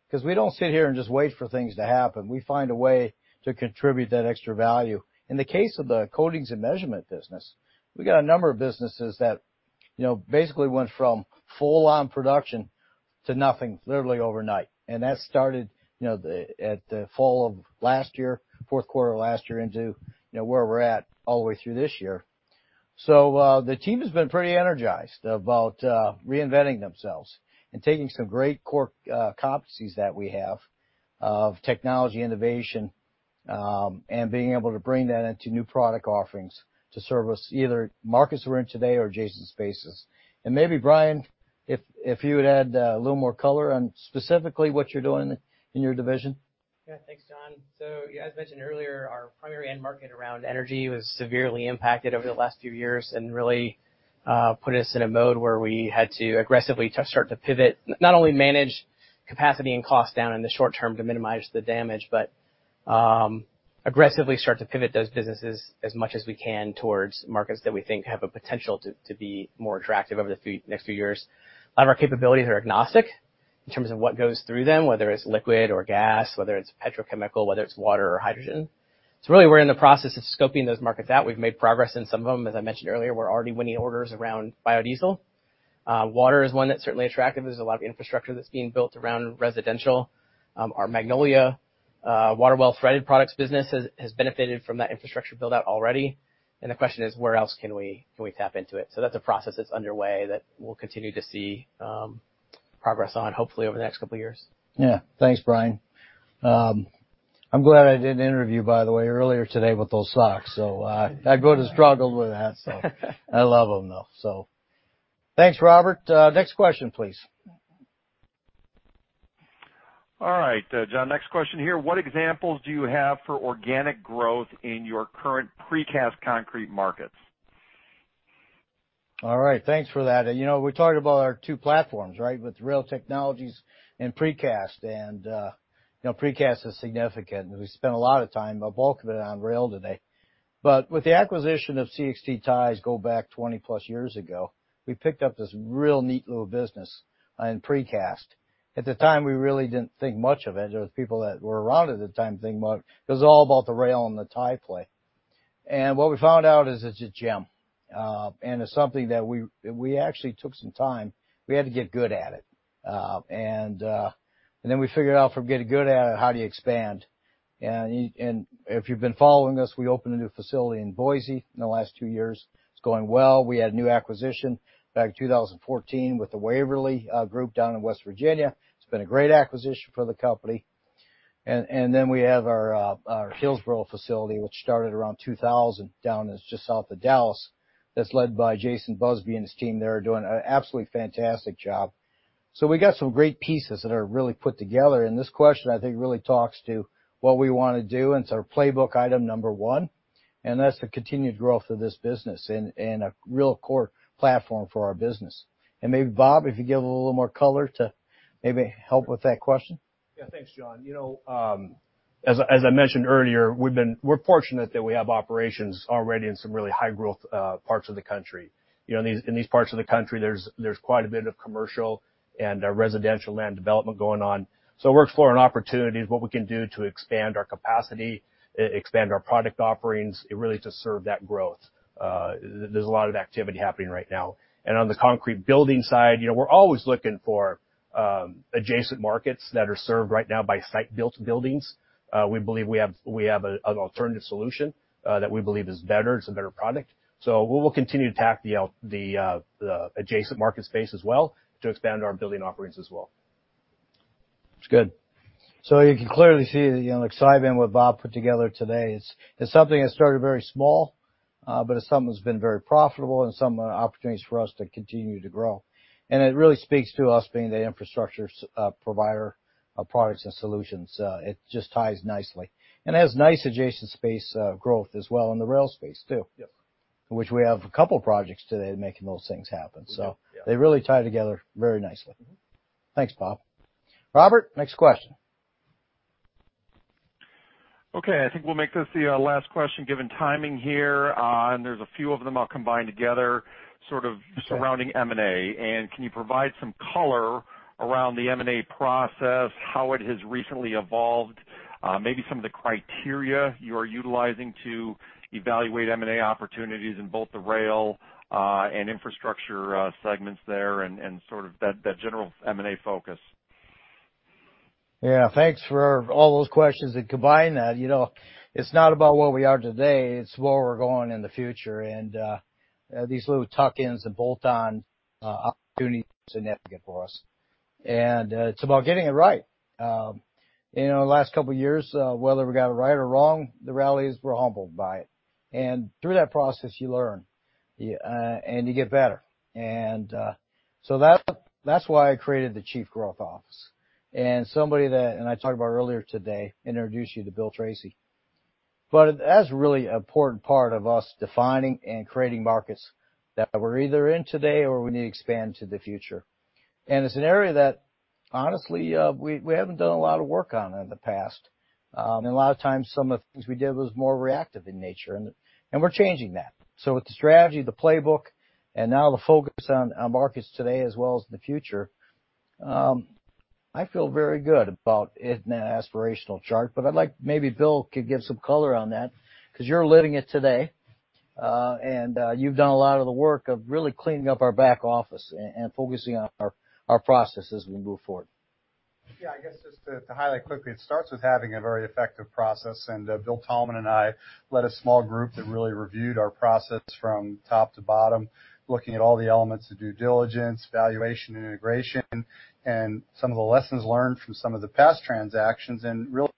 'cause we don't sit here and just wait for things to happen. We find a way to contribute that extra value. In the case of the coatings and measurement business, we've got a number of businesses that basically went from full-on production to nothing literally overnight. That started at the fall of last year, fourth quarter of last year into where we're at all the way through this year. The team has been pretty energized about reinventing themselves and taking some great core competencies that we have of technology innovation and being able to bring that into new product offerings to service either markets we're in today or adjacent spaces. Maybe, Brian, if you would add a little more color on specifically what you're doing in your division.
Yeah. Thanks, John. As mentioned earlier, our primary end market around energy was severely impacted over the last few years and really put us in a mode where we had to aggressively start to pivot, not only manage capacity and cost down in the short term to minimize the damage, but aggressively start to pivot those businesses as much as we can towards markets that we think have a potential to be more attractive over the next few years. A lot of our capabilities are agnostic in terms of what goes through them, whether it's liquid or gas, whether it's petrochemical, whether it's water or hydrogen. Really, we're in the process of scoping those markets out. We've made progress in some of them. As I mentioned earlier, we're already winning orders around biodiesel. Water is one that's certainly attractive. There's a lot of infrastructure that's being built around residential. Our Magnolia water well threaded products business has benefited from that infrastructure build-out already. The question is: where else can we tap into it? That's a process that's underway that we'll continue to see progress on hopefully over the next couple of years.
Yeah. Thanks Brian. I'm glad I did an interview, by the way, earlier today with those socks. I could have struggled with that. I love them, though. Thanks, Robert. Next question please.
All right, John next question here. What examples do you have for organic growth in your current Precast Concrete markets?
All right. Thanks for that. You know, we talked about our two platforms, right? With rail technologies and precast. You know, precast is significant. We spent a lot of time, the bulk of it, on rail today. With the acquisition of CXT Ties, go back 20+ years ago, we picked up this real neat little business in precast. At the time, we really didn't think much of it. There was people that were around at the time thinking about it was all about the rail and the tie play. What we found out is it's a gem, and it's something that we actually took some time. We had to get good at it. And then we figured out from getting good at it, how do you expand? If you've been following us, we opened a new facility in Boise in the last two years. It's going well. We had a new acquisition back in 2014 with the Waverly group down in West Virginia. It's been a great acquisition for the company. Then we have our Hillsboro facility, which started around 2000. It's just south of Dallas. That's led by Jason Busby and his team. They are doing an absolutely fantastic job. We got some great pieces that are really put together. This question, I think, really talks to what we wanna do, and it's our playbook item number one, and that's the continued growth of this business and a real core platform for our business. Maybe, Bob, if you give a little more color to maybe help with that question.
Yeah. Thanks John. You know, as I mentioned earlier, we're fortunate that we have operations already in some really high growth parts of the country. You know, in these parts of the country, there's quite a bit of commercial and residential land development going on. So we're exploring opportunities, what we can do to expand our capacity, expand our product offerings, and really to serve that growth. There's a lot of activity happening right now. On the concrete building side, you know, we're always looking for adjacent markets that are served right now by site-built buildings. We believe we have an alternative solution that we believe is better. It's a better product. We will continue to attack the adjacent market space as well to expand our building offerings as well.
That's good. You can clearly see, you know, like, excitement and what Bob put together today is something that started very small, but it's something that's been very profitable and some opportunities for us to continue to grow. It really speaks to us being the infrastructure provider of products and solutions. It just ties nicely and has nice adjacent space growth as well in the rail space too.
Yes.
Which we have a couple of projects today making those things happen. They really tie together very nicely. Thanks Bob. Robert, next question.
Okay. I think we'll make this the last question given timing here, and there's a few of them I'll combine together, sort of surrounding M&A. Can you provide some color around the M&A process, how it has recently evolved, maybe some of the criteria you are utilizing to evaluate M&A opportunities in both the rail and infrastructure segments there and sort of that general M&A focus?
Yeah, thanks for all those questions that combine that. You know, it's not about where we are today, it's where we're going in the future. These little tuck-ins and bolt-on opportunities are significant for us. It's about getting it right. You know, in the last couple of years, whether we got it right or wrong, the rallies were humbled by it. Through that process, you learn and you get better. That's why I created the chief growth office. Somebody I talked about earlier today introduced you to Bill Treacy. That's really important part of us defining and creating markets that we're either in today or we need to expand to the future. It's an area that, honestly, we haven't done a lot of work on in the past. A lot of times some of the things we did was more reactive in nature, and we're changing that. With the strategy, the playbook, and now the focus on markets today as well as in the future, I feel very good about it in that aspirational chart. I'd like maybe Bill could give some color on that because you're living it today, and you've done a lot of the work of really cleaning up our back office and focusing on our processes as we move forward.
Yeah. I guess just to highlight quickly, it starts with having a very effective process. Bill Thalman and I led a small group that really reviewed our process from top to bottom, looking at all the elements, the due diligence, valuation, and integration, and some of the lessons learned from some of the past transactions, really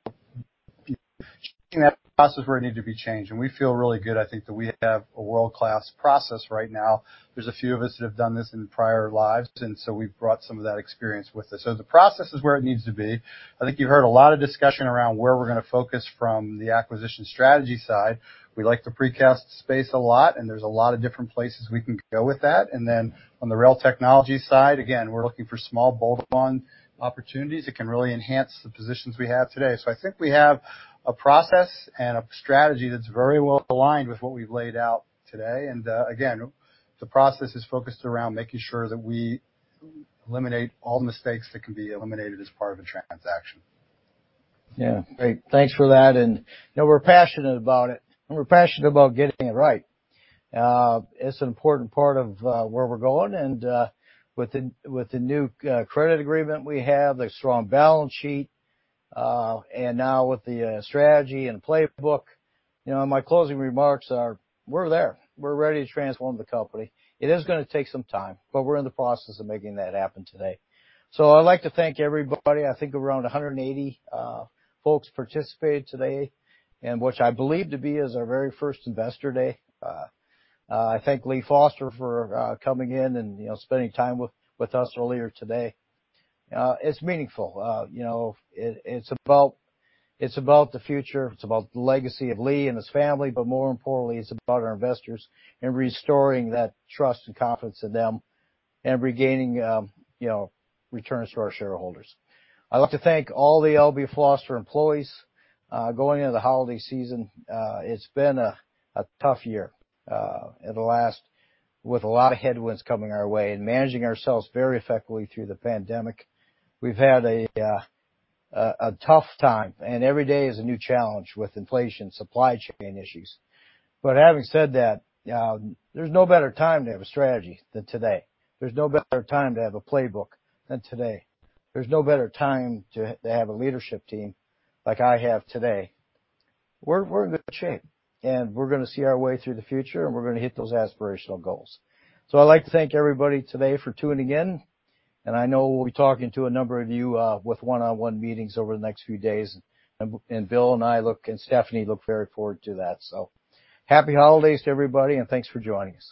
changing that process where it needed to be changed. We feel really good, I think, that we have a world-class process right now. There's a few of us that have done this in prior lives, and so we've brought some of that experience with us. The process is where it needs to be. I think you heard a lot of discussion around where we're gonna focus from the acquisition strategy side. We like the precast space a lot, and there's a lot of different places we can go with that. Then on the rail technology side, again, we're looking for small bolt-on opportunities that can really enhance the positions we have today. I think we have a process and a strategy that's very well aligned with what we've laid out today. Again, the process is focused around making sure that we eliminate all mistakes that can be eliminated as part of a transaction.
Yeah. Great. Thanks for that. You know, we're passionate about it, and we're passionate about getting it right. It's an important part of where we're going. With the new credit agreement we have, the strong balance sheet, and now with the strategy and playbook, you know, my closing remarks are we're there. We're ready to transform the company. It is gonna take some time, but we're in the process of making that happen today. I'd like to thank everybody. I think around 180 folks participated today, and which I believe to be is our very first Investor Day. I thank Lee Foster for coming in and, you know, spending time with us earlier today. It's meaningful. You know, it's about the future, it's about the legacy of Lee and his family, but more importantly, it's about our investors and restoring that trust and confidence in them and regaining, you know, returns to our shareholders. I'd like to thank all the L.B. Foster employees going into the holiday season. It's been a tough year with a lot of headwinds coming our way and managing ourselves very effectively through the pandemic. We've had a tough time, and every day is a new challenge with inflation, supply chain issues. Having said that, there's no better time to have a strategy than today. There's no better time to have a playbook than today. There's no better time to have a leadership team like I have today. We're in good shape, and we're gonna see our way through the future, and we're gonna hit those aspirational goals. I'd like to thank everybody today for tuning in, and I know we'll be talking to a number of you with one-on-one meetings over the next few days. Bill and I and Stephanie look very forward to that. Happy holidays to everybody, and thanks for joining us.